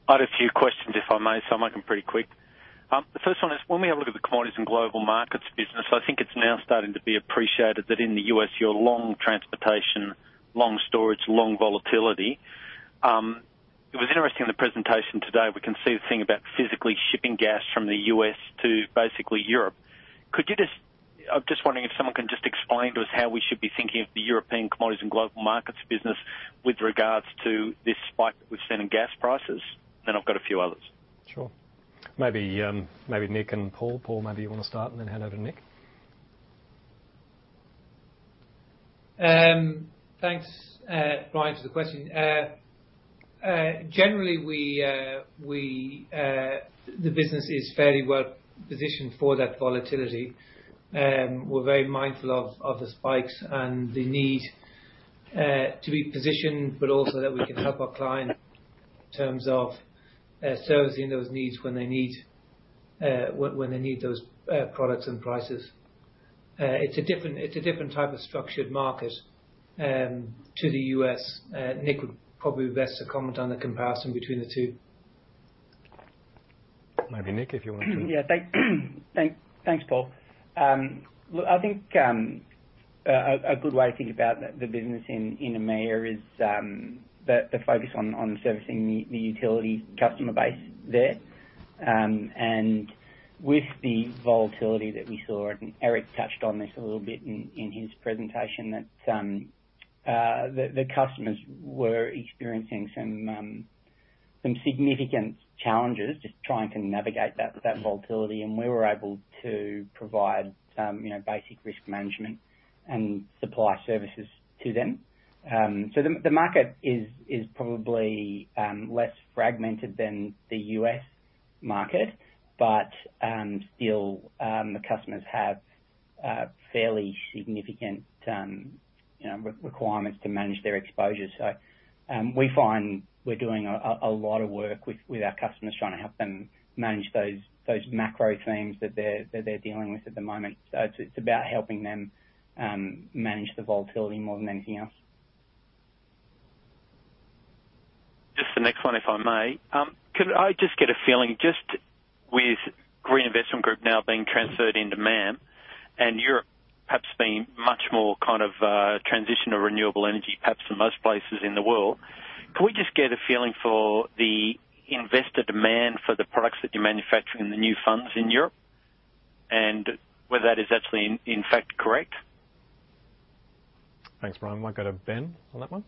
I had a few questions, if I may, so I'll make them pretty quick. The first one is, when we have a look at the commodities and global markets business, I think it's now starting to be appreciated that in the U.S., your long transportation, long storage, long volatility, it was interesting in the presentation today, we can see the thing about physically shipping gas from the U.S. to basically Europe. I'm just wondering if someone can just explain to us how we should be thinking of the European commodities and global markets business with regards to this spike that we've seen in gas prices, then I've got a few others. Sure. Maybe Nick and Paul. Paul, maybe you want to start and then hand over to Nick. Thanks, Brian, for the question. Generally, the business is fairly well-positioned for that volatility. We're very mindful of the spikes and the need to be positioned, but also that we can help our clients in terms of servicing those needs when they need those products and prices. It's a different type of structured market to the U.S. Nick would probably be best to comment on the comparison between the two. Maybe Nick, if you want to. Thanks, Paul. Look, I think a good way to think about the business in EMEA is the focus on servicing the utility customer base there. With the volatility that we saw, and Eric touched on this a little bit in his presentation, that the customers were experiencing some significant challenges just trying to navigate that volatility, and we were able to provide basic risk management and supply services to them. The market is probably less fragmented than the U.S. market, but still, the customers have fairly significant requirements to manage their exposure. We find we're doing a lot of work with our customers, trying to help them manage those macro themes that they're dealing with at the moment. It's about helping them manage the volatility more than anything else. Just the next one, if I may. Could I just get a feeling, just with Green Investment Group now being transferred into MAM and Europe perhaps being much more kind of transition to renewable energy perhaps than most places in the world? Can we just get a feeling for the investor demand for the products that you manufacture in the new funds in Europe and whether that is actually in fact correct? Thanks, Brian. Might go to Ben on that one.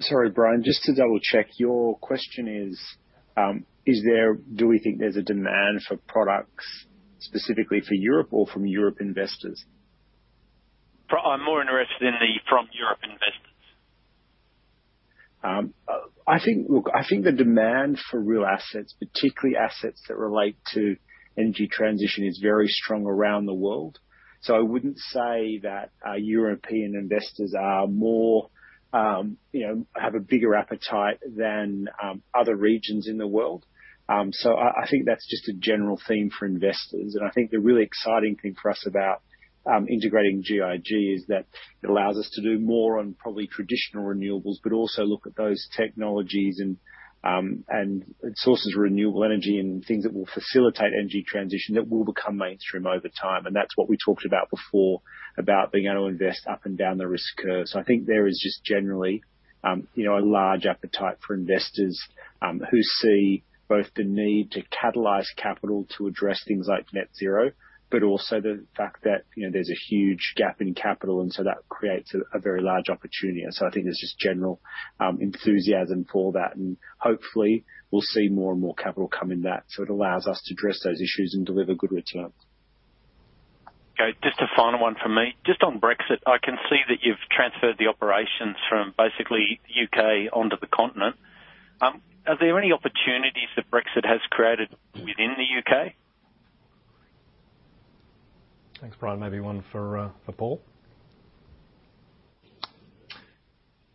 Sorry, Brian. Just to double-check, your question is, Do we think there's a demand for products specifically for Europe or from European investors? I'm more interested in the investments from Europe. Look, I think the demand for real assets, particularly assets that relate to energy transition, is very strong around the world. I wouldn't say that European investors are more, have a bigger appetite than other regions in the world. I think that's just a general theme for investors. I think the really exciting thing for us about integrating GIG is that it allows us to do more on probably traditional renewables, but also look at those technologies and sources of renewable energy and things that will facilitate energy transition that will become mainstream over time. That's what we talked about before, about being able to invest up and down the risk curve. I think there is just generally, a large appetite for investors, who see both the need to catalyze capital to address things like net zero, but also the fact that, there's a huge gap in capital, and so that creates a very large opportunity. I think there's just general enthusiasm for that, and hopefully we'll see more and more capital come in that, so it allows us to address those issues and deliver good returns. Okay, just a final one from me. Just on Brexit, I can see that you've transferred the operations from basically U.K. onto the continent. Are there any opportunities that Brexit has created within the U.K.? Thanks, Brian. Maybe one for Paul.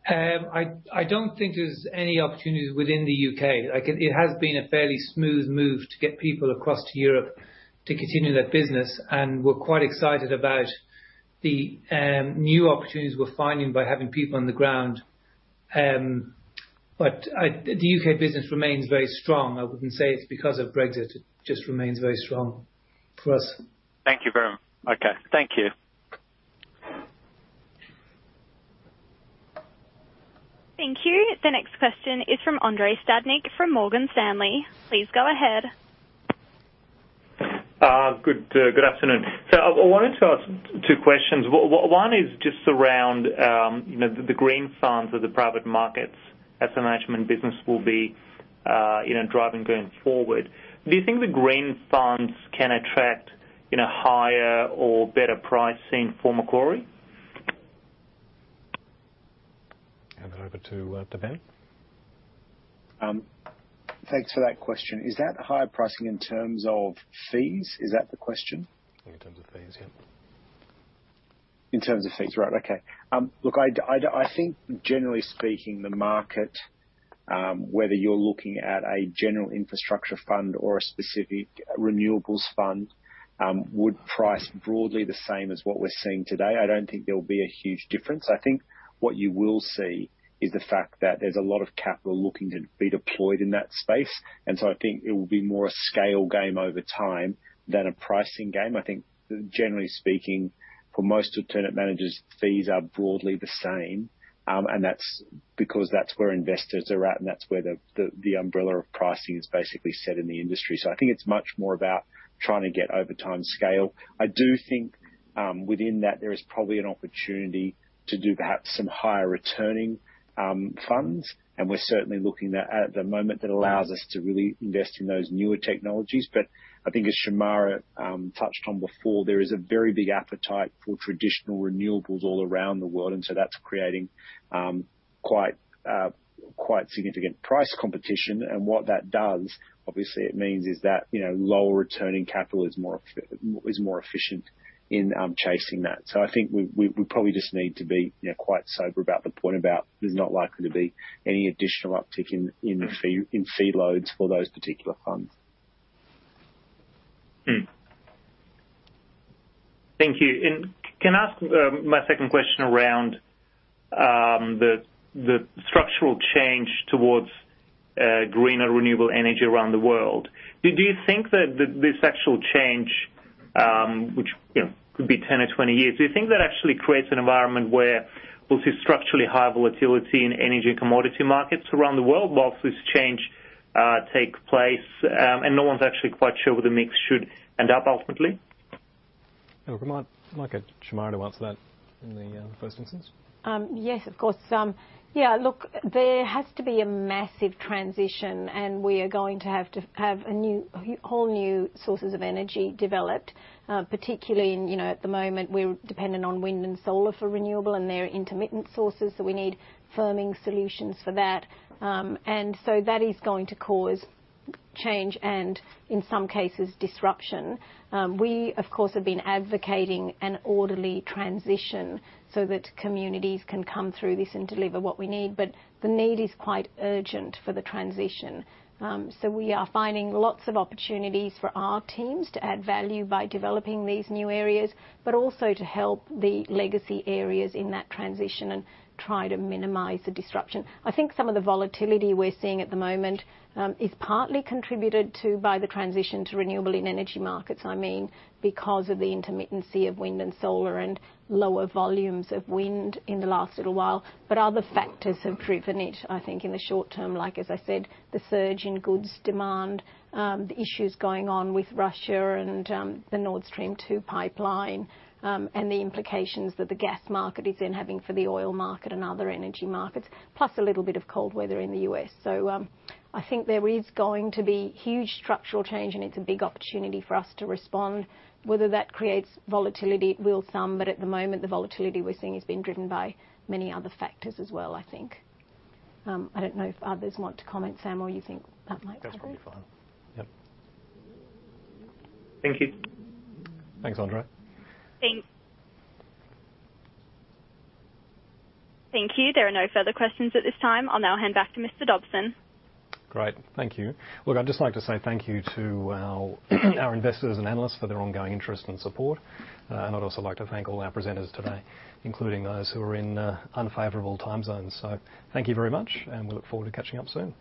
I don't think there's any opportunities within the U.K. Like, it has been a fairly smooth move to get people across to Europe to continue that business, and we're quite excited about the new opportunities we're finding by having people on the ground. The U.K. business remains very strong. I wouldn't say it's because of Brexit, it just remains very strong for us. Thank you very much. Okay, thank you. Thank you. The next question is from Andrei Stadnik from Morgan Stanley. Please go ahead. Good afternoon. I wanted to ask two questions. One is just around the green funds or the private markets asset management business will be driving going forward. Do you think the green funds can attract higher or better pricing for Macquarie? Hand that over to Ben Way. Thanks for that question. Is that higher pricing in terms of fees? Is that the question? In terms of fees. In terms of fees. Right. Okay. Look, I think generally speaking, the market, whether you're looking at a general infrastructure fund or a specific renewables fund, would price broadly the same as what we're seeing today. I don't think there'll be a huge difference. I think what you will see is the fact that there's a lot of capital looking to be deployed in that space. I think it will be more a scale game over time than a pricing game. I think generally speaking, for most alternate managers, fees are broadly the same. And that's because that's where investors are at, and that's where the umbrella of pricing is basically set in the industry. I think it's much more about trying to get over time scale. I do think within that there is probably an opportunity to do perhaps some higher returning funds. We're certainly looking at the moment that allows us to really invest in those newer technologies. I think as Shemara touched on before, there is a very big appetite for traditional renewables all around the world. That's creating quite significant price competition. What that does, obviously it means is that, lower returning capital is more efficient in chasing that. I think we probably just need to be, quite sober about the point about there's not likely to be any additional uptick in the fee loads for those particular funds. Thank you. Can I ask my second question around the structural change towards greener renewable energy around the world? Do you think that this actual change, which, could be 10 or 20 years, do you think that actually creates an environment where we'll see structurally higher volatility in energy commodity markets around the world while this change takes place, and no one's actually quite sure where the mix should end up ultimately? Look, I'd like Shemara to answer that in the first instance. Yes, of course. Yeah, look, there has to be a massive transition, and we are going to have to have a whole new sources of energy developed, particularly in, at the moment, we're dependent on wind and solar for renewable, and they're intermittent sources, so we need firming solutions for that. That is going to cause change and in some cases disruption. We of course have been advocating an orderly transition so that communities can come through this and deliver what we need. The need is quite urgent for the transition. We are finding lots of opportunities for our teams to add value by developing these new areas, but also to help the legacy areas in that transition and try to minimize the disruption. I think some of the volatility we're seeing at the moment is partly contributed to by the transition to renewable in energy markets, I mean, because of the intermittency of wind and solar and lower volumes of wind in the last little while. Other factors have driven it, I think in the short term, like as I said, the surge in goods demand, the issues going on with Russia and, the Nord Stream 2 pipeline, and the implications that the gas market is then having for the oil market and other energy markets, plus a little bit of cold weather in the U.S. I think there is going to be huge structural change and it's a big opportunity for us to respond. Whether that creates volatility, it will some, but at the moment the volatility we're seeing is being driven by many other factors as well, I think. I don't know if others want to comment, Sam, or you think that might cover it. That's probably fine. Yep. Thank you. Thanks, Andrei. Thank you. There are no further questions at this time. I'll now hand back to Mr. Dobson. Great. Thank you. Look, I'd just like to say thank you to our investors and analysts for their ongoing interest and support. And I'd also like to thank all our presenters today, including those who are in unfavorable time zones. Thank you very much, and we look forward to catching up soon.